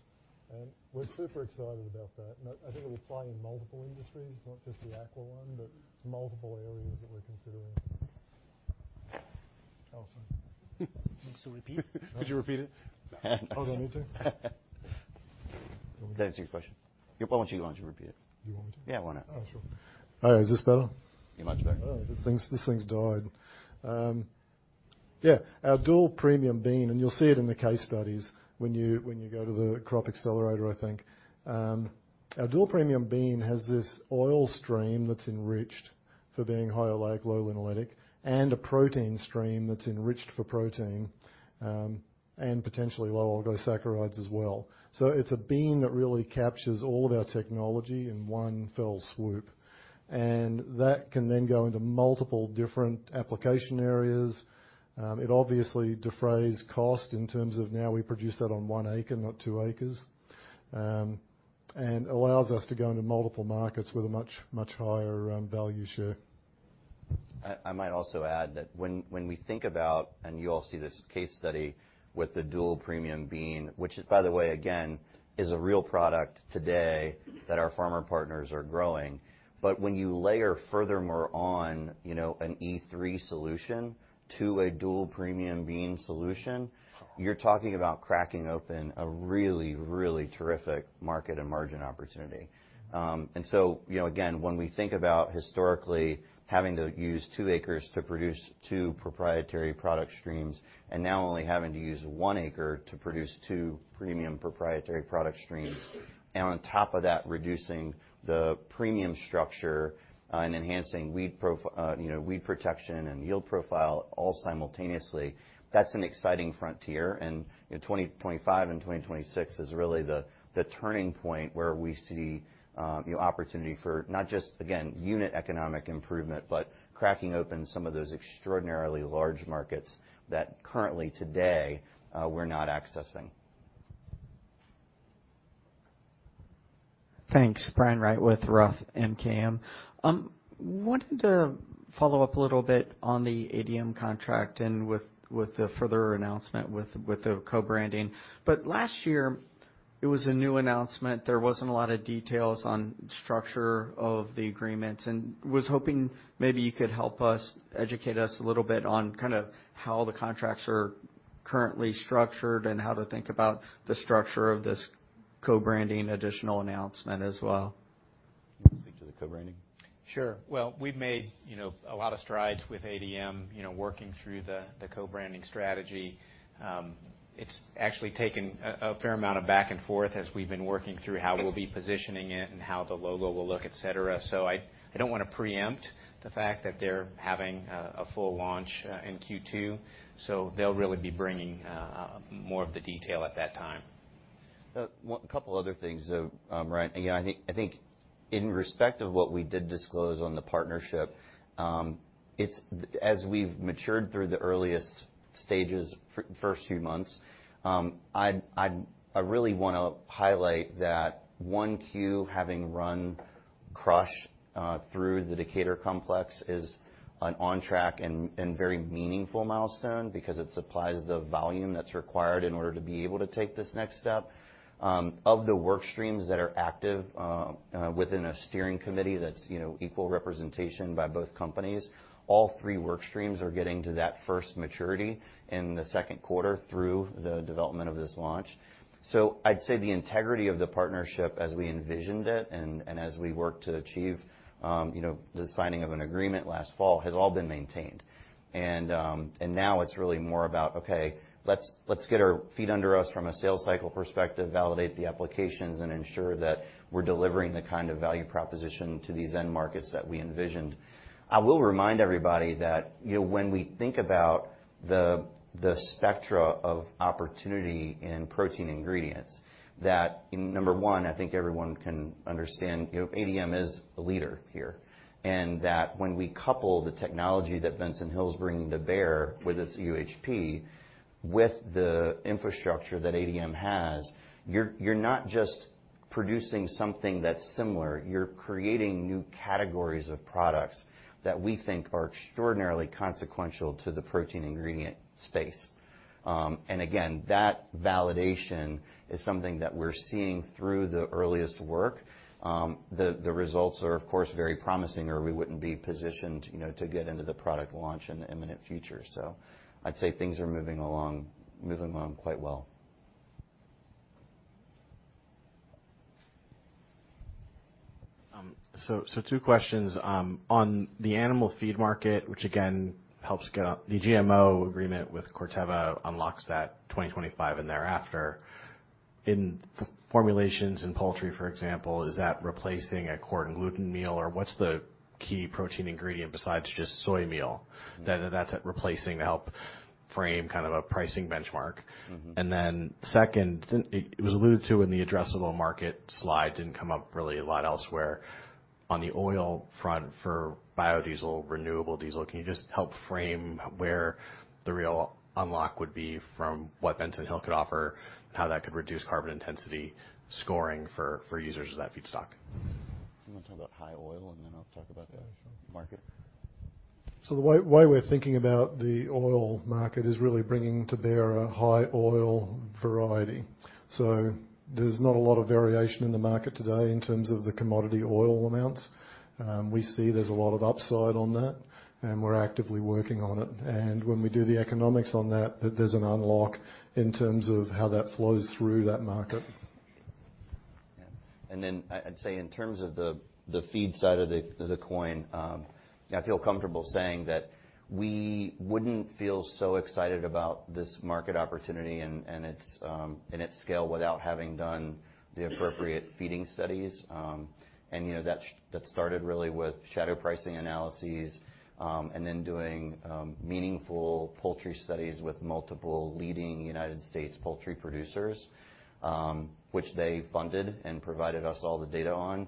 We're super excited about that. I think it'll apply in multiple industries, not just the aqua one, but there's multiple areas that we're considering. Awesome. Need to repeat? Could you repeat it? Oh, do I need to? Does that answer your question? Why don't you go on? You repeat it. You want me to? Yeah, why not? Oh, sure. All right. Is this better? Be much better. This thing's died. Yeah. Our dual premium bean, and you'll see it in the case studies when you go to the Crop Accelerator, I think. Our dual premium bean has this oil stream that's enriched for being high oleic, low linolenic, and a protein stream that's enriched for protein, and potentially low oligosaccharides as well. It's a bean that really captures all of our technology in one fell swoop, and that can then go into multiple different application areas. It obviously defrays cost in terms of now we produce that on one acre, not two acres. Allows us to go into multiple markets with a much higher value share. I might also add that when we think about, and you all see this case study with the dual premium bean, which is, by the way, again, is a real product today that our farmer partners are growing. When you layer furthermore on, you know, an E3 solution to a dual premium bean solution, you're talking about cracking open a really, really terrific market and margin opportunity. So, you know, again, when we think about historically having to use two acres to produce two proprietary product streams and now only having to use one acre to produce two premium proprietary product streams, and on top of that, reducing the premium structure, and enhancing weed protection and yield profile all simultaneously, that's an exciting frontier. You know, 2025 and 2026 is really the turning point where we see, you know, opportunity for not just, again, unit economic improvement, but cracking open some of those extraordinarily large markets that currently today, we're not accessing. Thanks. Brian Wright with Roth MKM, wanted to follow up a little bit on the ADM contract and with the further announcement with the co-branding. Last year, it was a new announcement. There wasn't a lot of details on structure of the agreements, and was hoping maybe you could educate us a little bit on kinda how the contracts are currently structured and how to think about the structure of this co-branding additional announcement as well? Speak to the co-branding? Sure. We've made, you know, a lot of strides with ADM, you know, working through the co-branding strategy. It's actually taken a fair amount of back and forth as we've been working through how we'll be positioning it and how the logo will look, et cetera. I don't wanna preempt the fact that they're having a full launch in Q2, so they'll really be bringing more of the detail at that time. A couple other things, Brian. Again, I think, I think in respect of what we did disclose on the partnership, as we've matured through the earliest stages for the first few months, I really wanna highlight that 1Q having run crush through the Decatur complex is an on-track and very meaningful milestone because it supplies the volume that's required in order to be able to take this next step. Of the work streams that are active, within a steering committee that's, you know, equal representation by both companies, all three work streams are getting to that first maturity in the second quarter through the development of this launch. I'd say the integrity of the partnership as we envisioned it and as we worked to achieve, you know, the signing of an agreement last fall has all been maintained. And now it's really more about, okay, let's get our feet under us from a sales cycle perspective, validate the applications, and ensure that we're delivering the kind of value proposition to these end markets that we envisioned. I will remind everybody that, you know, when we think about the spectra of opportunity in protein ingredients, that number one, I think everyone can understand, you know, ADM is a leader here. That when we couple the technology that Benson Hill is bringing to bear with its UHP, with the infrastructure that ADM has, you're not just producing something that's similar, you're creating new categories of products that we think are extraordinarily consequential to the protein ingredient space. Again, that validation is something that we're seeing through the earliest work. The results are, of course, very promising, or we wouldn't be positioned, you know, to get into the product launch in the imminent future. I'd say things are moving along quite well. Two questions. On the animal feed market, which again helps get up the GMO agreement with Corteva unlocks that 2025 and thereafter. In formulations in poultry, for example, is that replacing a corn gluten meal, or what's the key protein ingredient besides just soy meal that's replacing to help frame kind of a pricing benchmark? Mm-hmm. Second, it was alluded to in the addressable market slide, didn't come up really a lot elsewhere. On the oil front for biodiesel, renewable diesel, can you just help frame where the real unlock would be from what Benson Hill could offer and how that could reduce carbon intensity scoring for users of that feedstock? You wanna talk about high oil, and then I'll talk about the market? The way we're thinking about the oil market is really bringing to bear a high oil variety. There's not a lot of variation in the market today in terms of the commodity oil amounts. We see there's a lot of upside on that, and we're actively working on it. When we do the economics on that there's an unlock in terms of how that flows through that market. I'd say in terms of the feed side of the, of the coin, I feel comfortable saying that we wouldn't feel so excited about this market opportunity and its scale without having done the appropriate feeding studies. And you know that started really with shadow pricing analyses, and then doing meaningful poultry studies with multiple leading United States poultry producers, which they funded and provided us all the data on.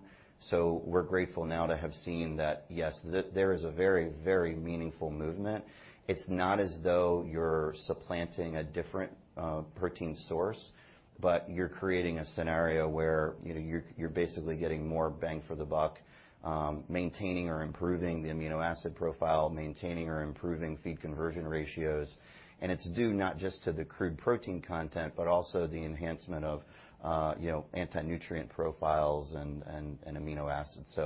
We're grateful now to have seen that, yes, there is a very, very meaningful movement. It's not as though you're supplanting a different protein source, but you're creating a scenario where, you know, you're basically getting more bang for the buck, maintaining or improving the amino acid profile, maintaining or improving feed conversion ratios. It's due not just to the crude protein content, but also the enhancement of, you know, antinutrient profiles and amino acids.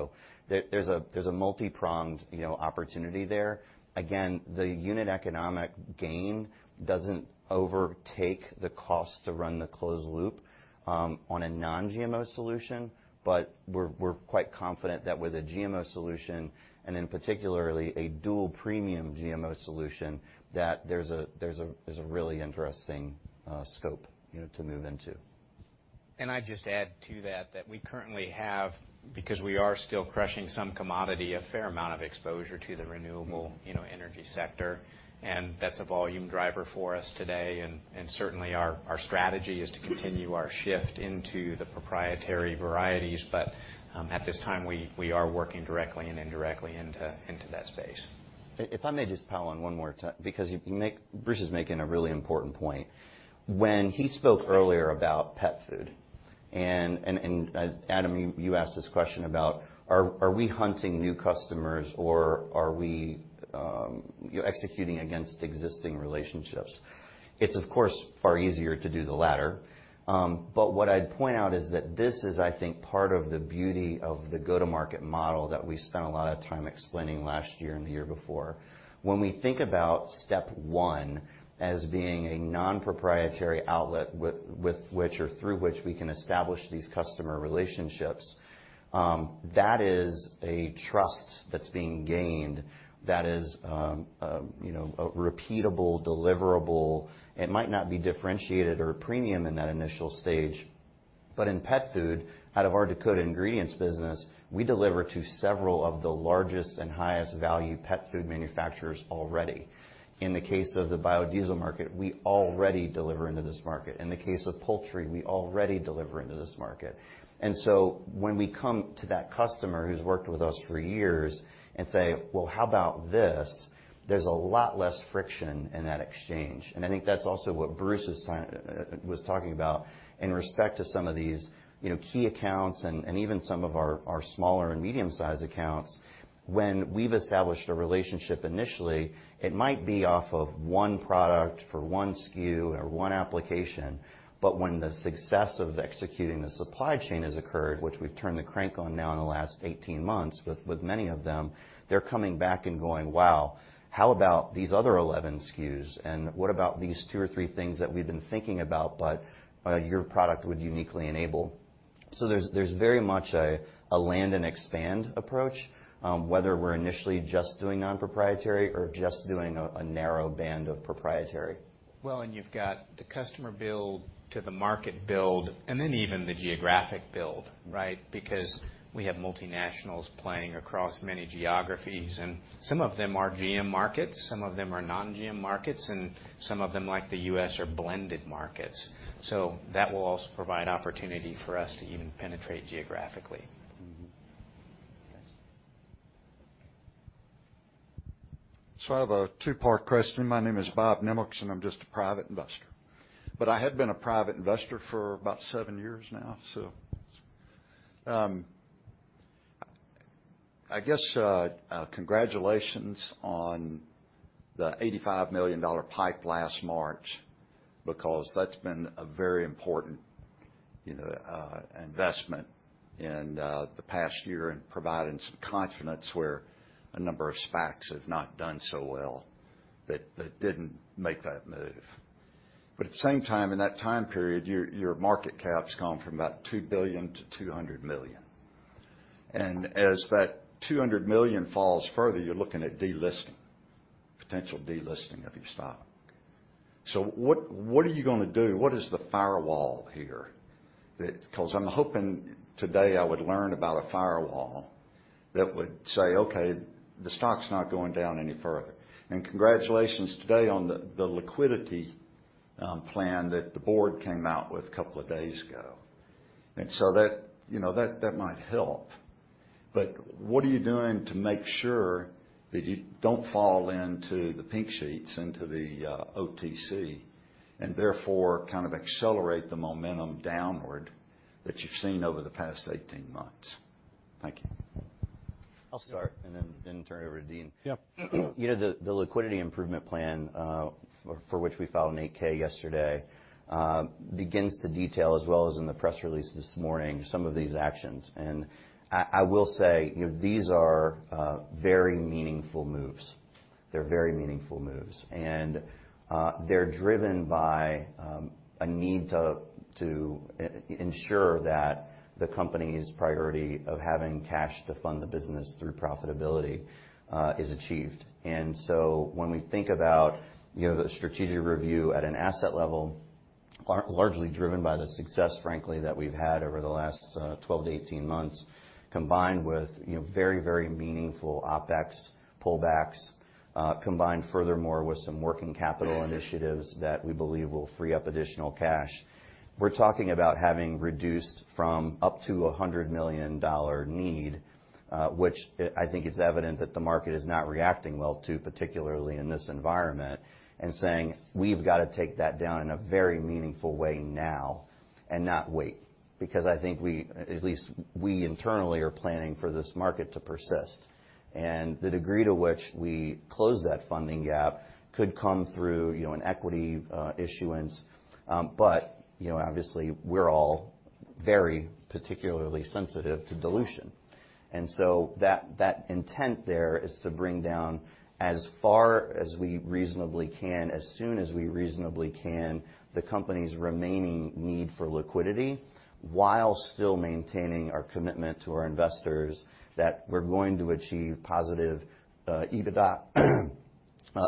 There's a multi-pronged, you know, opportunity there. Again, the unit economic gain doesn't overtake the cost to run the closed loop on a non-GMO solution. We're quite confident that with a GMO solution and then particularly a dual premium GMO solution, that there's a really interesting scope, you know, to move into. I'd just add to that we currently have, because we are still crushing some commodity, a fair amount of exposure to the renewable, you know, energy sector, and that's a volume driver for us today. Certainly our strategy is to continue our shift into the proprietary varieties, but at this time, we are working directly and indirectly into that space. If I may just pile on one more because Bruce is making a really important point. When he spoke earlier about pet food and Adam, you asked this question about are we hunting new customers or are we, you know, executing against existing relationships? It's of course, far easier to do the latter. What I'd point out is that this is, I think, part of the beauty of the go-to-market model that we spent a lot of time explaining last year and the year before. When we think about step one as being a non-proprietary outlet with which or through which we can establish these customer relationships, that is a trust that's being gained that is, you know, a repeatable deliverable. It might not be differentiated or premium in that initial stage. In pet food, out of our Dakota Ingredients business, we deliver to several of the largest and highest value pet food manufacturers already. In the case of the biodiesel market, we already deliver into this market. In the case of poultry, we already deliver into this market. When we come to that customer who's worked with us for years and say, "Well, how about this?" There's a lot less friction in that exchange. I think that's also what Bruce was talking about in respect to some of these, you know, key accounts and even some of our smaller and medium-sized accounts. When we've established a relationship initially, it might be off of one product for one SKU or one application, but when the success of executing the supply chain has occurred, which we've turned the crank on now in the last 18 months with many of them, they're coming back and going, "Wow, how about these other 11 SKUs? What about these two or three things that we've been thinking about, but your product would uniquely enable?" There's very much a land and expand approach, whether we're initially just doing non-proprietary or just doing a narrow band of proprietary. You've got the customer build to the market build, and then even the geographic build, right? Because we have multinationals playing across many geographies, and some of them are GM markets, some of them are non-GM markets, and some of them, like the U.S., are blended markets. That will also provide opportunity for us to even penetrate geographically. Mm-hmm. Yes. I have a two-part question. My name is Bob Nemitz, and I'm just a private investor. I have been a private investor for about seven years now. I guess, congratulations on the $85 million PIPE last March, because that's been a very important, you know, investment in the past year and providing some confidence where a number of SPACs have not done so well that didn't make that move. At the same time, in that time period, your market cap's gone from about $2 billion to $200 million. As that $200 million falls further, you're looking at delisting, potential delisting of your stock. What are you gonna do? What is the firewall here that. I'm hoping today I would learn about a firewall that would say, "Okay, the stock's not going down any further." Congratulations today on the liquidity plan that the board came out with a couple of days ago. That, you know, that might help. What are you doing to make sure that you don't fall into the pink sheets, into the OTC, and therefore kind of accelerate the momentum downward that you've seen over the past 18 months? Thank you. I'll start and then turn it over to Dean. Yeah. You know, the liquidity improvement plan, for which we filed an 8-K yesterday, begins to detail as well as in the press release this morning, some of these actions. I will say, you know, these are very meaningful moves. They're very meaningful moves. They're driven by a need to ensure that the company's priority of having cash to fund the business through profitability is achieved. When we think about, you know, the strategic review at an asset level, largely driven by the success, frankly, that we've had over the last 12 to 18 months, combined with, you know, very, very meaningful OpEx pullbacks, combined furthermore with some working capital initiatives that we believe will free up additional cash. We're talking about having reduced from up to a $100 million need, which, I think is evident that the market is not reacting well to, particularly in this environment, and saying, "We've gotta take that down in a very meaningful way now and not wait." Because I think we, at least we internally, are planning for this market to persist. The degree to which we close that funding gap could come through, you know, an equity issuance. But you know, obviously, we're all very particularly sensitive to dilution. That, that intent there is to bring down as far as we reasonably can, as soon as we reasonably can, the company's remaining need for liquidity while still maintaining our commitment to our investors that we're going to achieve positive EBITDA,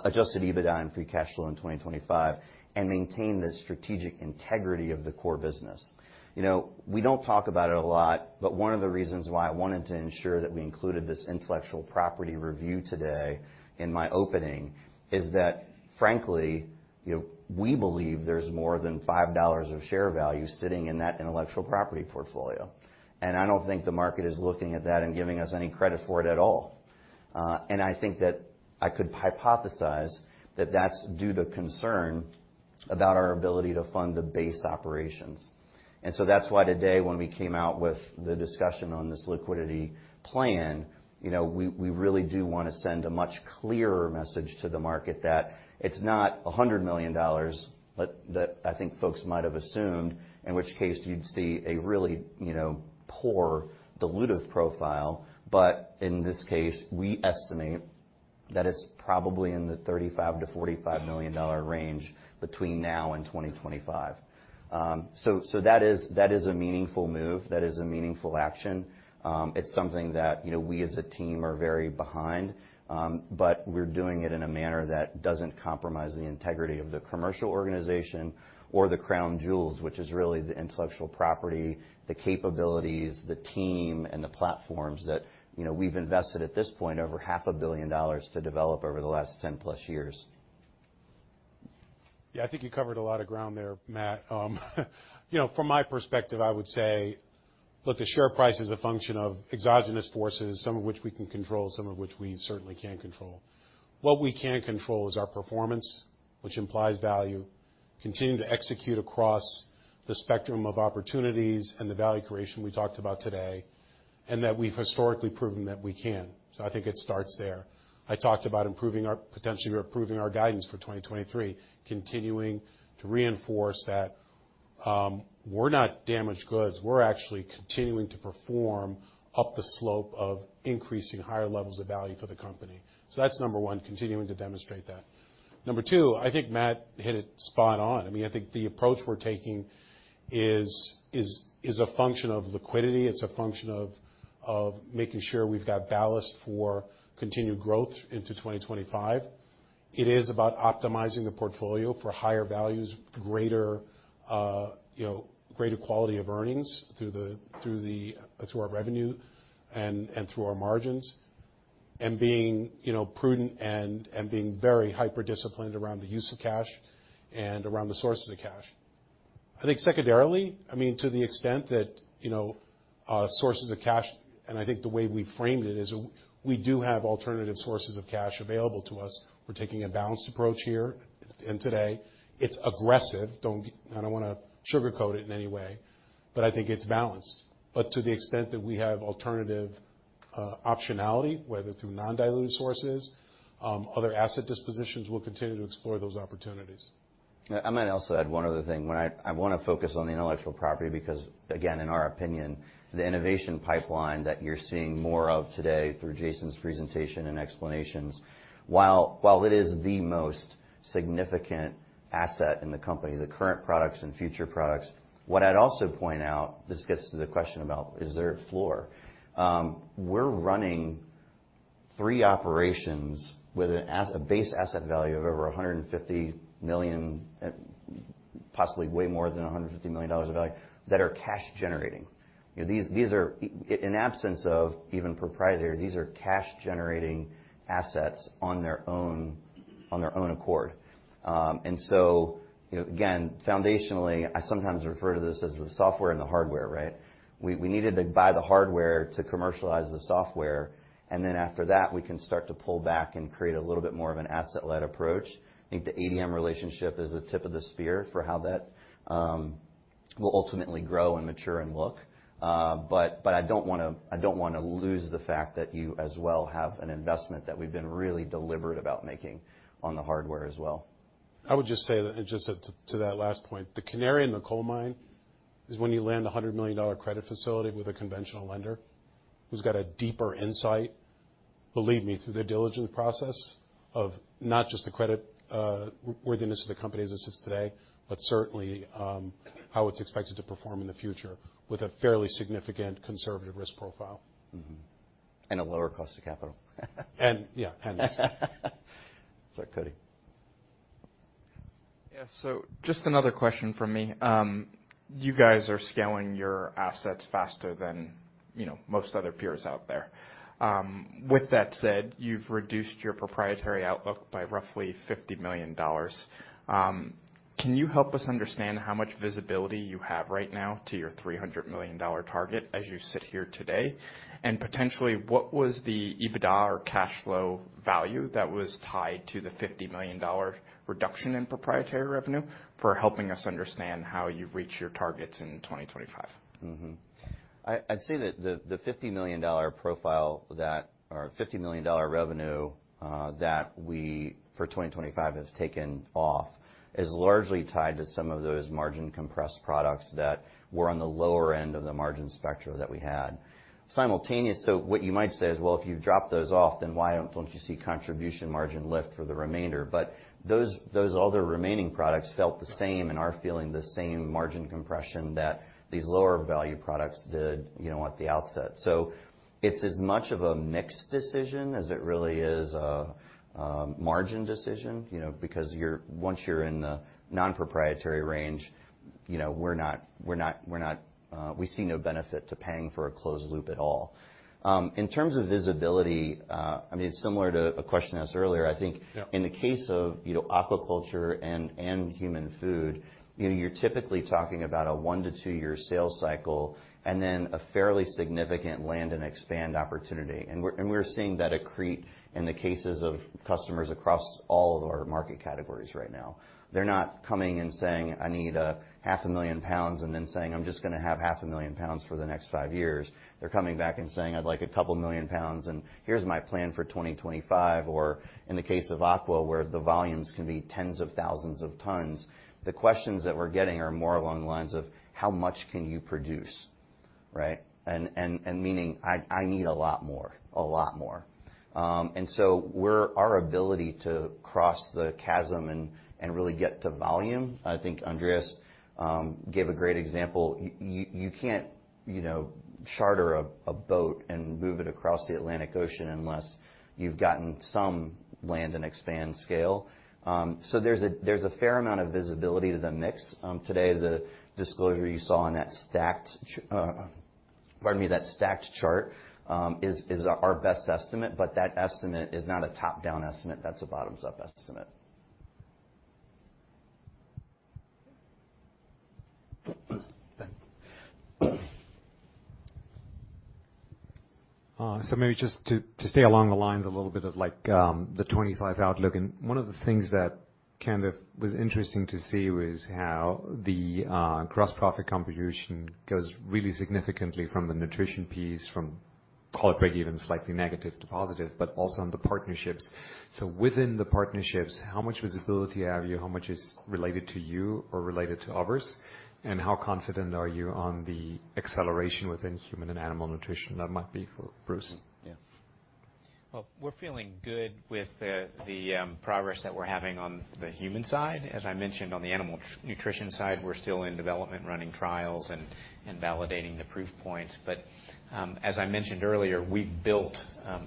adjusted EBITDA and free cash flow in 2025 and maintain the strategic integrity of the core business. You know, we don't talk about it a lot, but one of the reasons why I wanted to ensure that we included this intellectual property review today in my opening is that, frankly. You know, we believe there's more than $5 of share value sitting in that intellectual property portfolio. I don't think the market is looking at that and giving us any credit for it at all. I think that I could hypothesize that that's due to concern about our ability to fund the base operations. That's why today, when we came out with the discussion on this liquidity plan, you know, we really do wanna send a much clearer message to the market that it's not $100 million, but that I think folks might have assumed, in which case you'd see a really, you know, poor dilutive profile. In this case, we estimate that it's probably in the $35 million-$45 million range between now and 2025. So that is a meaningful move. That is a meaningful action. It's something that, you know, we as a team are very behind, but we're doing it in a manner that doesn't compromise the integrity of the commercial organization or the crown jewels, which is really the intellectual property, the capabilities, the team, and the platforms that, you know, we've invested at this point, over half a billion dollars to develop over the last 10 plus years. I think you covered a lot of ground there, Matt. you know, from my perspective, I would say, look, the share price is a function of exogenous forces, some of which we can control, some of which we certainly can't control. What we can control is our performance, which implies value, continuing to execute across the spectrum of opportunities and the value creation we talked about today, and that we've historically proven that we can. I think it starts there. I talked about potentially improving our guidance for 2023, continuing to reinforce that, we're not damaged goods. We're actually continuing to perform up the slope of increasing higher levels of value for the company. that's number one, continuing to demonstrate that. Number two, I think Matt hit it spot on. I mean, I think the approach we're taking is a function of liquidity. It's a function of making sure we've got ballast for continued growth into 2025. It is about optimizing the portfolio for higher values, greater, you know, greater quality of earnings through the through our revenue and through our margins. Being, you know, prudent and being very hyper-disciplined around the use of cash and around the sources of cash. I think secondarily, I mean, to the extent that, you know, sources of cash, and I think the way we framed it is we do have alternative sources of cash available to us. We're taking a balanced approach here. Today, it's aggressive. I don't wanna sugarcoat it in any way, but I think it's balanced. To the extent that we have alternative optionality, whether through non-dilutive sources, other asset dispositions, we'll continue to explore those opportunities. I might also add one other thing. When I want to focus on the intellectual property because again, in our opinion, the innovation pipeline that you're seeing more of today through Jason's presentation and explanations, while it is the most significant asset in the company, the current products and future products, what I'd also point out, this gets to the question about, is there a floor? We're running three operations with a base asset value of over $150 million, possibly way more than $150 million of value that are cash generating. These are in absence of even proprietary, these are cash generating assets on their own accord. You know, again, foundationally, I sometimes refer to this as the software and the hardware, right? We needed to buy the hardware to commercialize the software. After that, we can start to pull back and create a little bit more of an asset-led approach. I think the ADM relationship is the tip of the spear for how that will ultimately grow and mature and look. I don't wanna lose the fact that you as well have an investment that we've been really deliberate about making on the hardware as well. I would just say that, and just to that last point, the canary in the coal mine is when you land a $100 million credit facility with a conventional lender who's got a deeper insight, believe me, through their diligence process of not just the credit worthiness of the company as it sits today, but certainly, how it's expected to perform in the future with a fairly significant conservative risk profile. A lower cost of capital. Yeah, hence. Sorry, Cody. Just another question from me. You guys are scaling your assets faster than, you know, most other peers out there. With that said, you've reduced your proprietary outlook by roughly $50 million. Can you help us understand how much visibility you have right now to your $300 million target as you sit here today? Potentially, what was the EBITDA or cash flow value that was tied to the $50 million reduction in proprietary revenue for helping us understand how you reach your targets in 2025? I'd say that the $50 million dollar profile or $50 million dollar revenue that we for 2025 have taken off is largely tied to some of those margin compressed products that were on the lower end of the margin spectrum that we had. Simultaneous. What you might say is, "Well, if you drop those off, then why don't you see contribution margin lift for the remainder?" Those other remaining products felt the same and are feeling the same margin compression that these lower value products did, you know, at the outset. It's as much of a mix decision as it really is a margin decision, you know, because once you're in the non-proprietary range. You know, we're not. We see no benefit to paying for a closed loop at all. In terms of visibility, I mean, similar to a question asked earlier. Yeah. in the case of, you know, aquaculture and human food, you know, you're typically talking about a one to two-year sales cycle and then a fairly significant land and expand opportunity. We're seeing that accrete in the cases of customers across all of our market categories right now. They're not coming and saying, "I need 500,000 pounds," and then saying, "I'm just gonna have 500,000 pounds for the next five years." They're coming back and saying, "I'd like a couple million pounds, and here's my plan for 2025." In the case of aqua, where the volumes can be tens of thousands of tons, the questions that we're getting are more along the lines of, "How much can you produce?" Right? meaning, I need a lot more, a lot more. Our ability to cross the chasm and really get to volume, I think Andres gave a great example. You can't, you know, charter a boat and move it across the Atlantic Ocean unless you've gotten some land and expand scale. There's a fair amount of visibility to the mix. Today, the disclosure you saw in that stacked, pardon me, that stacked chart is our best estimate, but that estimate is not a top-down estimate. That's a bottoms-up estimate.e Ben. Maybe just to stay along the lines a little bit of like the 2025 outlook. One of the things that kind of was interesting to see was how the gross-profit contribution goes really significantly from the nutrition piece, from call it breakeven, slightly negative to positive, but also on the partnerships. Within the partnerships, how much visibility have you? How much is related to you or related to others? How confident are you on the acceleration within human and animal nutrition? That might be for Bruce. Mm-hmm. Yeah. Well, we're feeling good with the progress that we're having on the human side. As I mentioned on the animal nutrition side, we're still in development, running trials and validating the proof points. As I mentioned earlier, we've built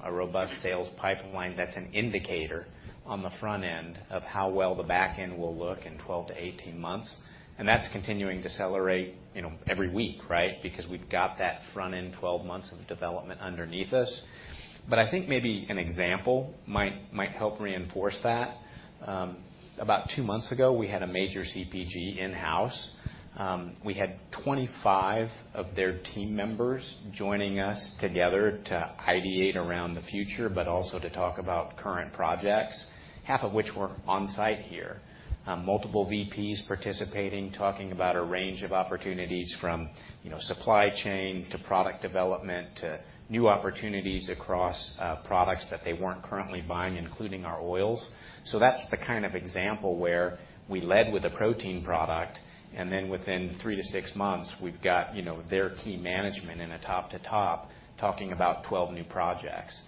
a robust sales pipeline that's an indicator on the front end of how well the back end will look in 12-18 months. That's continuing to accelerate, you know, every week, right? Because we've got that front end 12 months of development underneath us. I think maybe an example might help reinforce that. About two months ago, we had a major CPG in-house. We had 25 of their team members joining us together to ideate around the future, but also to talk about current projects, half of which were on-site here. Multiple VPs participating, talking about a range of opportunities from, you know, supply chain to product development to new opportunities across products that they weren't currently buying, including our oils. That's the kind of example where we led with a protein product and then within three to six months, we've got, you know, their key management in a top to top talking about 12 new projects.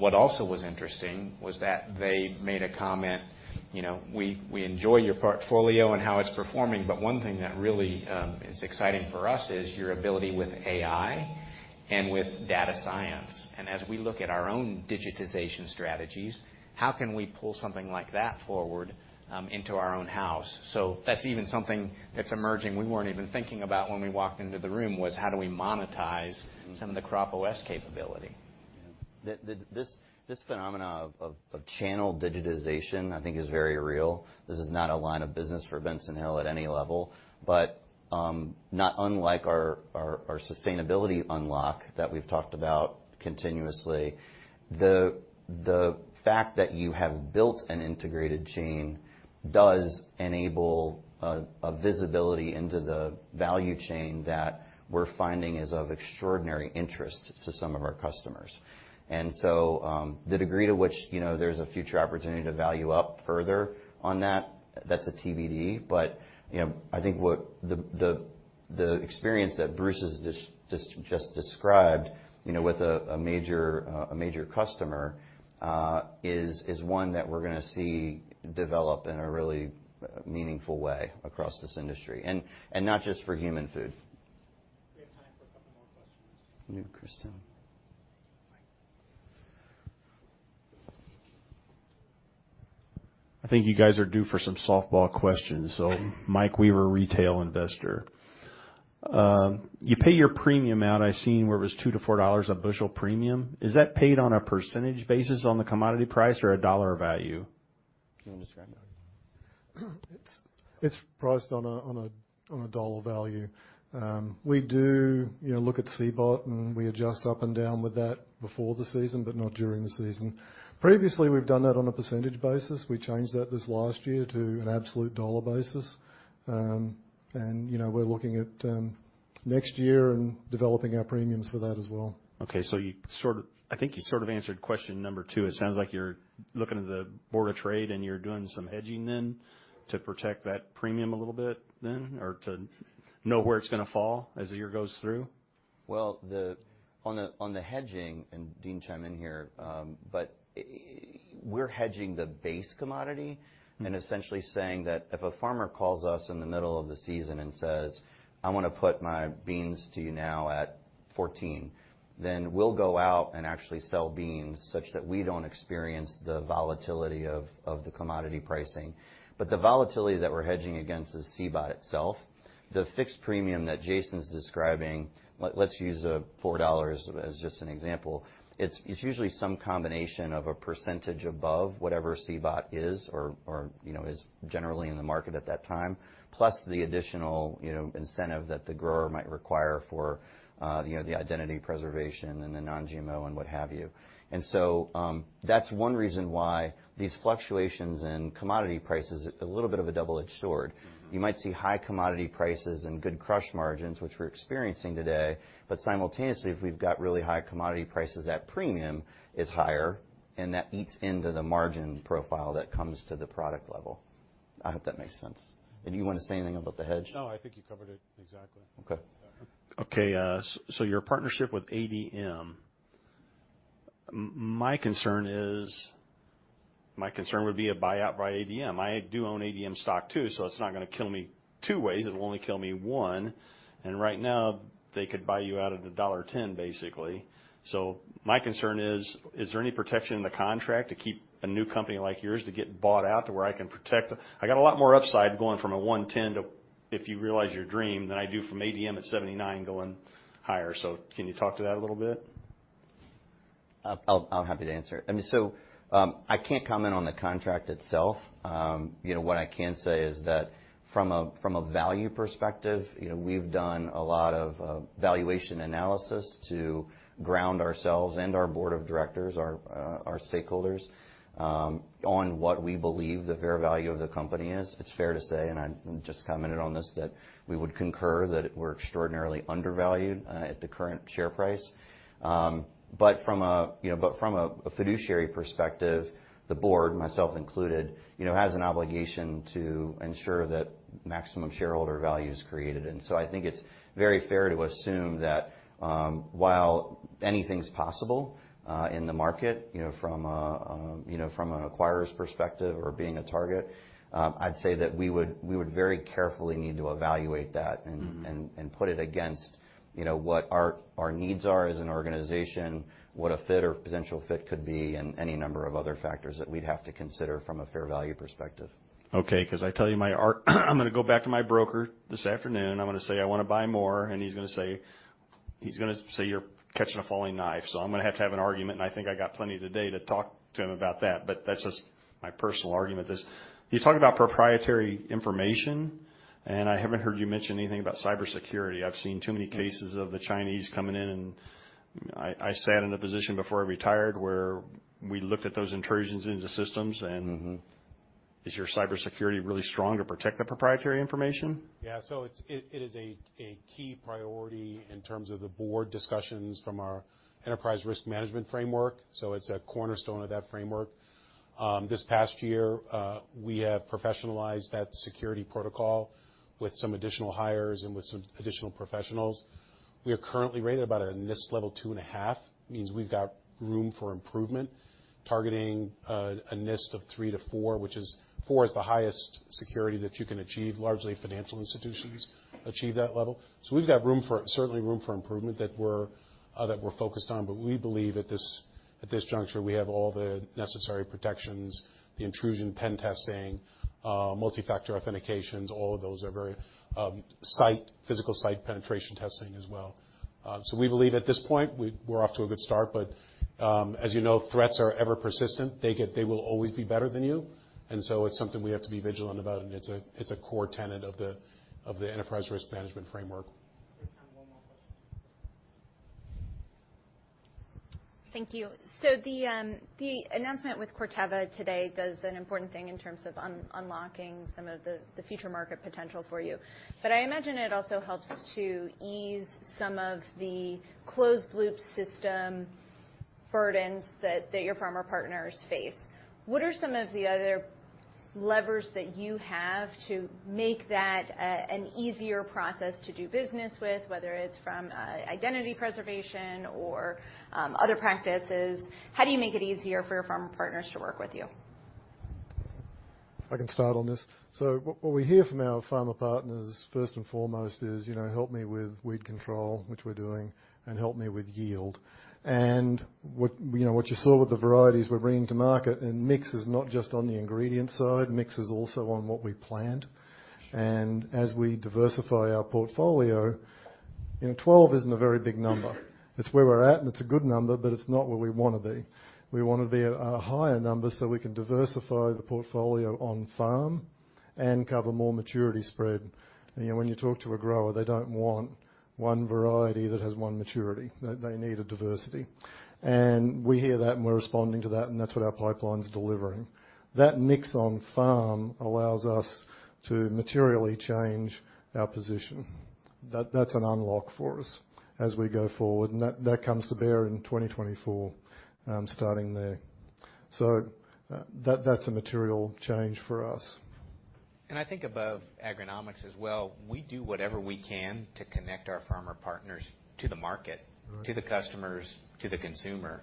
What also was interesting was that they made a comment, you know, "We, we enjoy your portfolio and how it's performing, but one thing that really is exciting for us is your ability with AI and with data science. As we look at our own digitization strategies, how can we pull something like that forward into our own house?" That's even something that's emerging. We weren't even thinking about when we walked into the room, was how do we monetize some of the CropOS capability. The, this phenomena of channel digitization, I think is very real. This is not a line of business for Benson Hill at any level. Not unlike our sustainability unlock that we've talked about continuously, the fact that you have built an integrated chain does enable a visibility into the value chain that we're finding is of extraordinary interest to some of our customers. The degree to which, you know, there's a future opportunity to value up further on that's a TBD. You know, I think what the experience that Bruce has just described, you know, with a major customer is one that we're gonna see develop in a really meaningful way across this industry, and not just for human food. We have time for a couple more questions. You, Kristen. Mike. I think you guys are due for some softball questions. Mike Weaver, retail investor. You pay your premium out. I've seen where it was $2-$4 a bushel premium. Is that paid on a percentage basis on the commodity price or a dollar value? Can you describe that? It's priced on a dollar value. We do, you know, look at CBOT, and we adjust up and down with that before the season, but not during the season. Previously, we've done that on a percentage basis. We changed that this last year to an absolute dollar basis. You know, we're looking at next year and developing our premiums for that as well. I think you sort of answered question number two. It sounds like you're looking at the board of trade and you're doing some hedging then to protect that premium a little bit then or to know where it's going to fall as the year goes through. Well, on the hedging, and Dean chime in here, we're hedging the base commodity and essentially saying that if a farmer calls us in the middle of the season and says, "I wanna put my beans to you now at $14." We'll go out and actually sell beans such that we don't experience the volatility of the commodity pricing. The volatility that we're hedging against is CBOT itself. The fixed premium that Jason's describing, let's use $4 as just an example. It's usually some combination of a percentage above whatever CBOT is or, you know, is generally in the market at that time, plus the additional, you know, incentive that the grower might require for, you know, the identity preservation and the non-GMO and what have you. That's one reason why these fluctuations in commodity prices are a little bit of a double-edged sword. You might see high commodity prices and good crush margins, which we're experiencing today, but simultaneously, if we've got really high commodity prices, that premium is higher, and that eats into the margin profile that comes to the product level. I hope that makes sense. Did you wanna say anything about the hedge? No, I think you covered it exactly. Okay. Okay. Your partnership with ADM. My concern would be a buyout by ADM. I do own ADM stock too, it's not gonna kill me two ways, it'll only kill me one. Right now, they could buy you out at $1.10, basically. My concern is there any protection in the contract to keep a new company like yours to get bought out to where I can protect? I got a lot more upside going from $1.10 to if you realize your dream than I do from ADM at $79 going higher. Can you talk to that a little bit? I'm happy to answer. I mean, I can't comment on the contract itself. You know, what I can say is that from a value perspective, you know, we've done a lot of valuation analysis to ground ourselves and our Board of Directors, our stakeholders on what we believe the fair value of the company is. It's fair to say, and I just commented on this, that we would concur that we're extraordinarily undervalued at the current share price. From a, you know, but from a fiduciary perspective, the Board, myself included, you know, has an obligation to ensure that maximum shareholder value is created. I think it's very fair to assume that, while anything's possible, in the market, you know, from, you know, from an acquirers perspective or being a target, I'd say that we would very carefully need to evaluate that. Mm-hmm. Put it against, you know, what our needs are as an organization, what a fit or potential fit could be, and any number of other factors that we'd have to consider from a fair value perspective. Okay, 'cause I tell you I'm gonna go back to my broker this afternoon. I'm gonna say, "I wanna buy more," and he's gonna say, "You're catching a falling knife." I'm gonna have to have an argument, and I think I got plenty today to talk to him about that. That's just my personal argument. This. You talk about proprietary information, and I haven't heard you mention anything about cybersecurity. I've seen too many cases of the Chinese coming in and I sat in a position before I retired where we looked at those intrusions into systems and- Mm-hmm. Is your cybersecurity really strong to protect the proprietary information? It is a key priority in terms of the board discussions from our enterprise risk management framework. It's a cornerstone of that framework. This past year, we have professionalized that security protocol with some additional hires and with some additional professionals. We are currently rated about a NIST level 2.5. Means we've got room for improvement. Targeting a NIST of three to four, which is four is the highest security that you can achieve. Largely financial institutions achieve that level. We've got certainly room for improvement that we're focused on, but we believe at this juncture, we have all the necessary protections, the intrusion pen testing, multi-factor authentications, all of those are very, physical site penetration testing as well. We believe at this point, we're off to a good start. As you know, threats are ever persistent. They will always be better than you. It's something we have to be vigilant about, and it's a, it's a core tenet of the enterprise risk management framework. We have time for one more question. Thank you. The announcement with Corteva today does an important thing in terms of unlocking some of the future market potential for you. I imagine it also helps to ease some of the closed loop system burdens that your farmer partners face. What are some of the other levers that you have to make that an easier process to do business with, whether it's from identity preservation or other practices? How do you make it easier for your farmer partners to work with you? What we hear from our farmer partners, first and foremost, is, you know, "Help me with weed control," which we're doing, and, "Help me with yield." What, you know, what you saw with the varieties we're bringing to market and mix is not just on the ingredient side, mix is also on what we plant. As we diversify our portfolio, you know, 12 isn't a very big number. It's where we're at, and it's a good number, but it's not where we wanna be. We wanna be at a higher number so we can diversify the portfolio on farm and cover more maturity spread. You know, when you talk to a grower, they don't want one variety that has one maturity. They need a diversity. We hear that, and we're responding to that, and that's what our pipeline's delivering. That mix on farm allows us to materially change our position. That's an unlock for us as we go forward, and that comes to bear in 2024, starting there. That's a material change for us. I think above agronomics as well, we do whatever we can to connect our farmer partners to the market. Right. To the customers, to the consumer,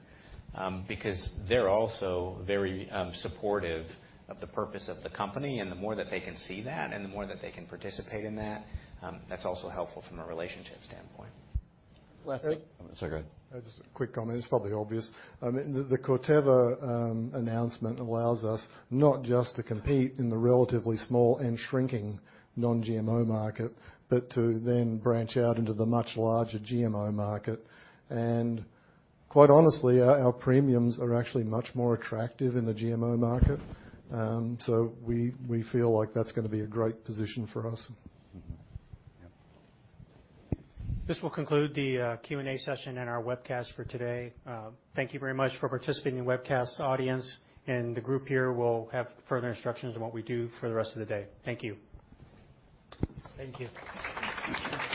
because they're also very supportive of the purpose of the company and the more that they can see that and the more that they can participate in that's also helpful from a relationship standpoint. Lastly. Sorry, go ahead. Just a quick comment. It's probably obvious. I mean, the Corteva announcement allows us not just to compete in the relatively small and shrinking non-GMO market, but to then branch out into the much larger GMO market. Quite honestly, our premiums are actually much more attractive in the GMO market. We feel like that's gonna be a great position for us. Mm-hmm. Yeah. This will conclude the Q&A session and our webcast for today. Thank you very much for participating in the webcast, audience. The group here will have further instructions on what we do for the rest of the day. Thank you. Thank you.